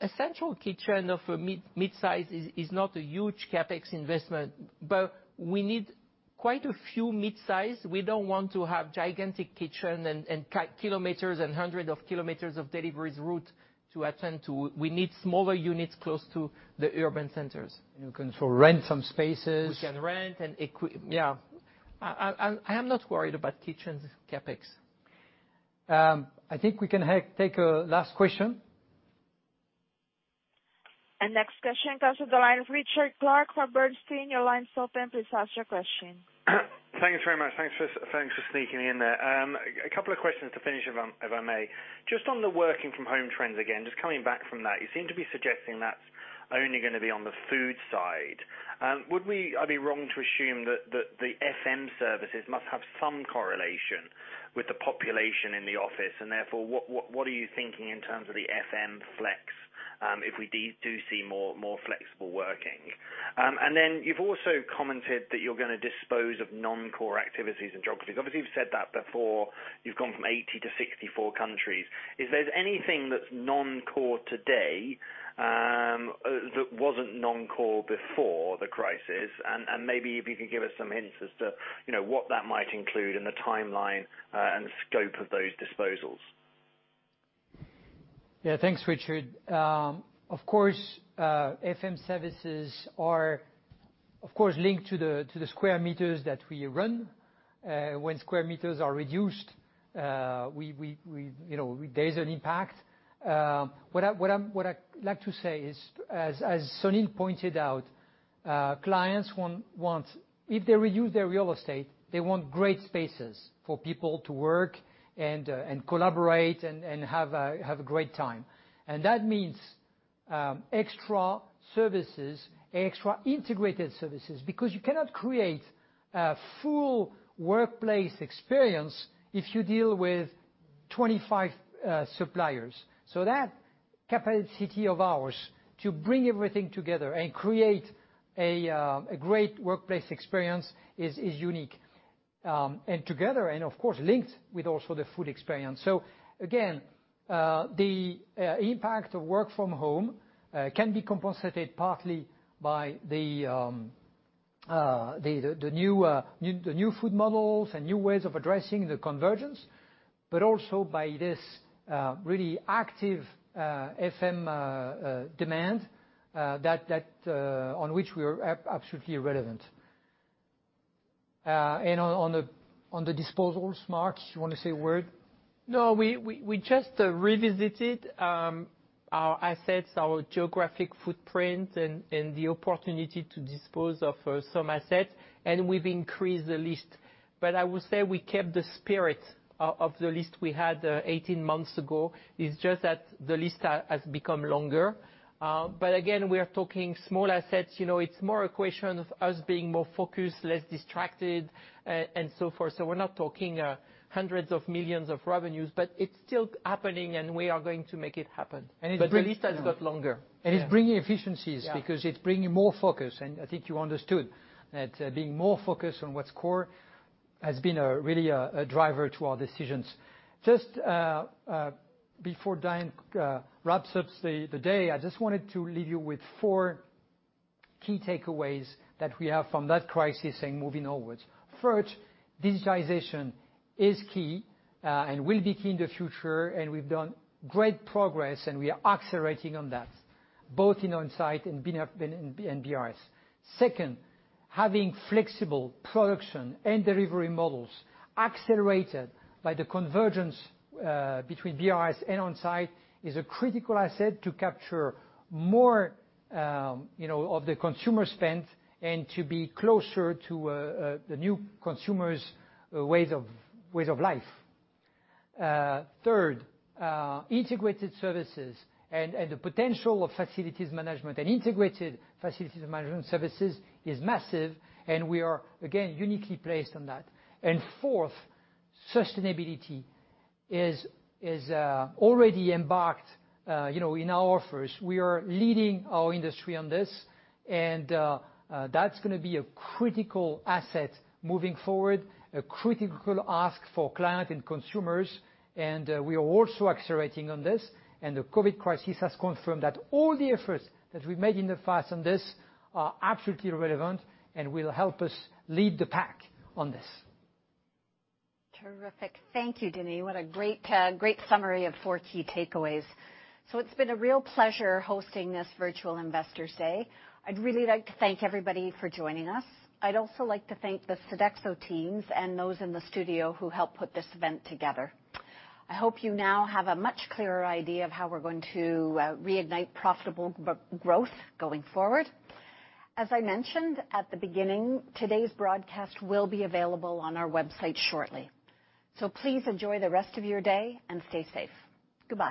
Speaker 4: A central kitchen of a mid-size is not a huge CapEx investment, but we need quite a few mid-size. We don't want to have gigantic kitchen and kilometers and hundred of kilometers of deliveries route to attend to. We need smaller units close to the urban centers.
Speaker 2: You can rent some spaces.
Speaker 4: We can rent and equip. Yeah. I am not worried about kitchens CapEx.
Speaker 2: I think we can take a last question.
Speaker 6: Next question comes to the line of Richard Clarke from Bernstein. Your line's open. Please ask your question.
Speaker 8: Thank you very much. Thanks for sneaking me in there. A couple of questions to finish, if I may. Just on the working from home trends, again, just coming back from that, you seem to be suggesting that's only gonna be on the food side. I'd be wrong to assume that the FM services must have some correlation with the population in the office, and therefore, what are you thinking in terms of the FM flex, if we do see more flexible working? You've also commented that you're gonna dispose of non-core activities and geographies. Obviously, you've said that before. You've gone from 80 to 64 countries. Is there anything that's non-core today, that wasn't non-core before the crisis? Maybe if you could give us some hints as to what that might include and the timeline, and scope of those disposals.
Speaker 2: Yeah. Thanks, Richard. Of course, FM services are, of course, linked to the sq m that we run. When square meters are reduced, there's an impact. What I'd like to say is, as Sunil pointed out, clients want, if they reuse their real estate, they want great spaces for people to work and collaborate and have a great time. That means, extra services, extra integrated services, because you cannot create a full workplace experience if you deal with 25 suppliers. That capacity of ours to bring everything together and create a great workplace experience is unique. Together and, of course, linked with also the food experience. Again, the impact of work from home can be compensated partly by the new food models and new ways of addressing the convergence, but also by this really active FM demand on which we are absolutely relevant. On the disposals, Marc, you want to say a word?
Speaker 4: We just revisited our assets, our geographic footprint, and the opportunity to dispose of some assets, and we've increased the list. I would say we kept the spirit of the list we had 18 months ago. It's just that the list has become longer. Again, we are talking small assets. It's more a question of us being more focused, less distracted, and so forth. We're not talking hundreds of millions of revenues, but it's still happening, and we are going to make it happen. The list has got longer. Yeah.
Speaker 2: It's bringing efficiencies because it's bringing more focus. I think you understood that being more focused on what's core has been really a driver to our decisions. Just before Dianne wraps up the day, I just wanted to leave you with four key takeaways that we have from that crisis and moving onwards. First, digitization is key and will be key in the future. We've done great progress, and we are accelerating on that, both in Onsite and BRS. Second, having flexible production and delivery models accelerated by the convergence between BRS and Onsite is a critical asset to capture more of the consumer spend and to be closer to the new consumer's ways of life. Third, integrated services and the potential of facilities management and integrated facilities management services is massive. We are, again, uniquely placed on that. Fourth, sustainability is already embarked in our offers. We are leading our industry on this. That's gonna be a critical asset moving forward, a critical ask for client and consumers, and we are also accelerating on this. The COVID crisis has confirmed that all the efforts that we've made in the past on this are absolutely relevant and will help us lead the pack on this.
Speaker 1: Terrific. Thank you, Denis. What a great summary of four key takeaways. It's been a real pleasure hosting this virtual Investor Day. I'd really like to thank everybody for joining us. I'd also like to thank the Sodexo teams and those in the studio who helped put this event together. I hope you now have a much clearer idea of how we're going to reignite profitable growth going forward. As I mentioned at the beginning, today's broadcast will be available on our website shortly. Please enjoy the rest of your day, and stay safe. Goodbye.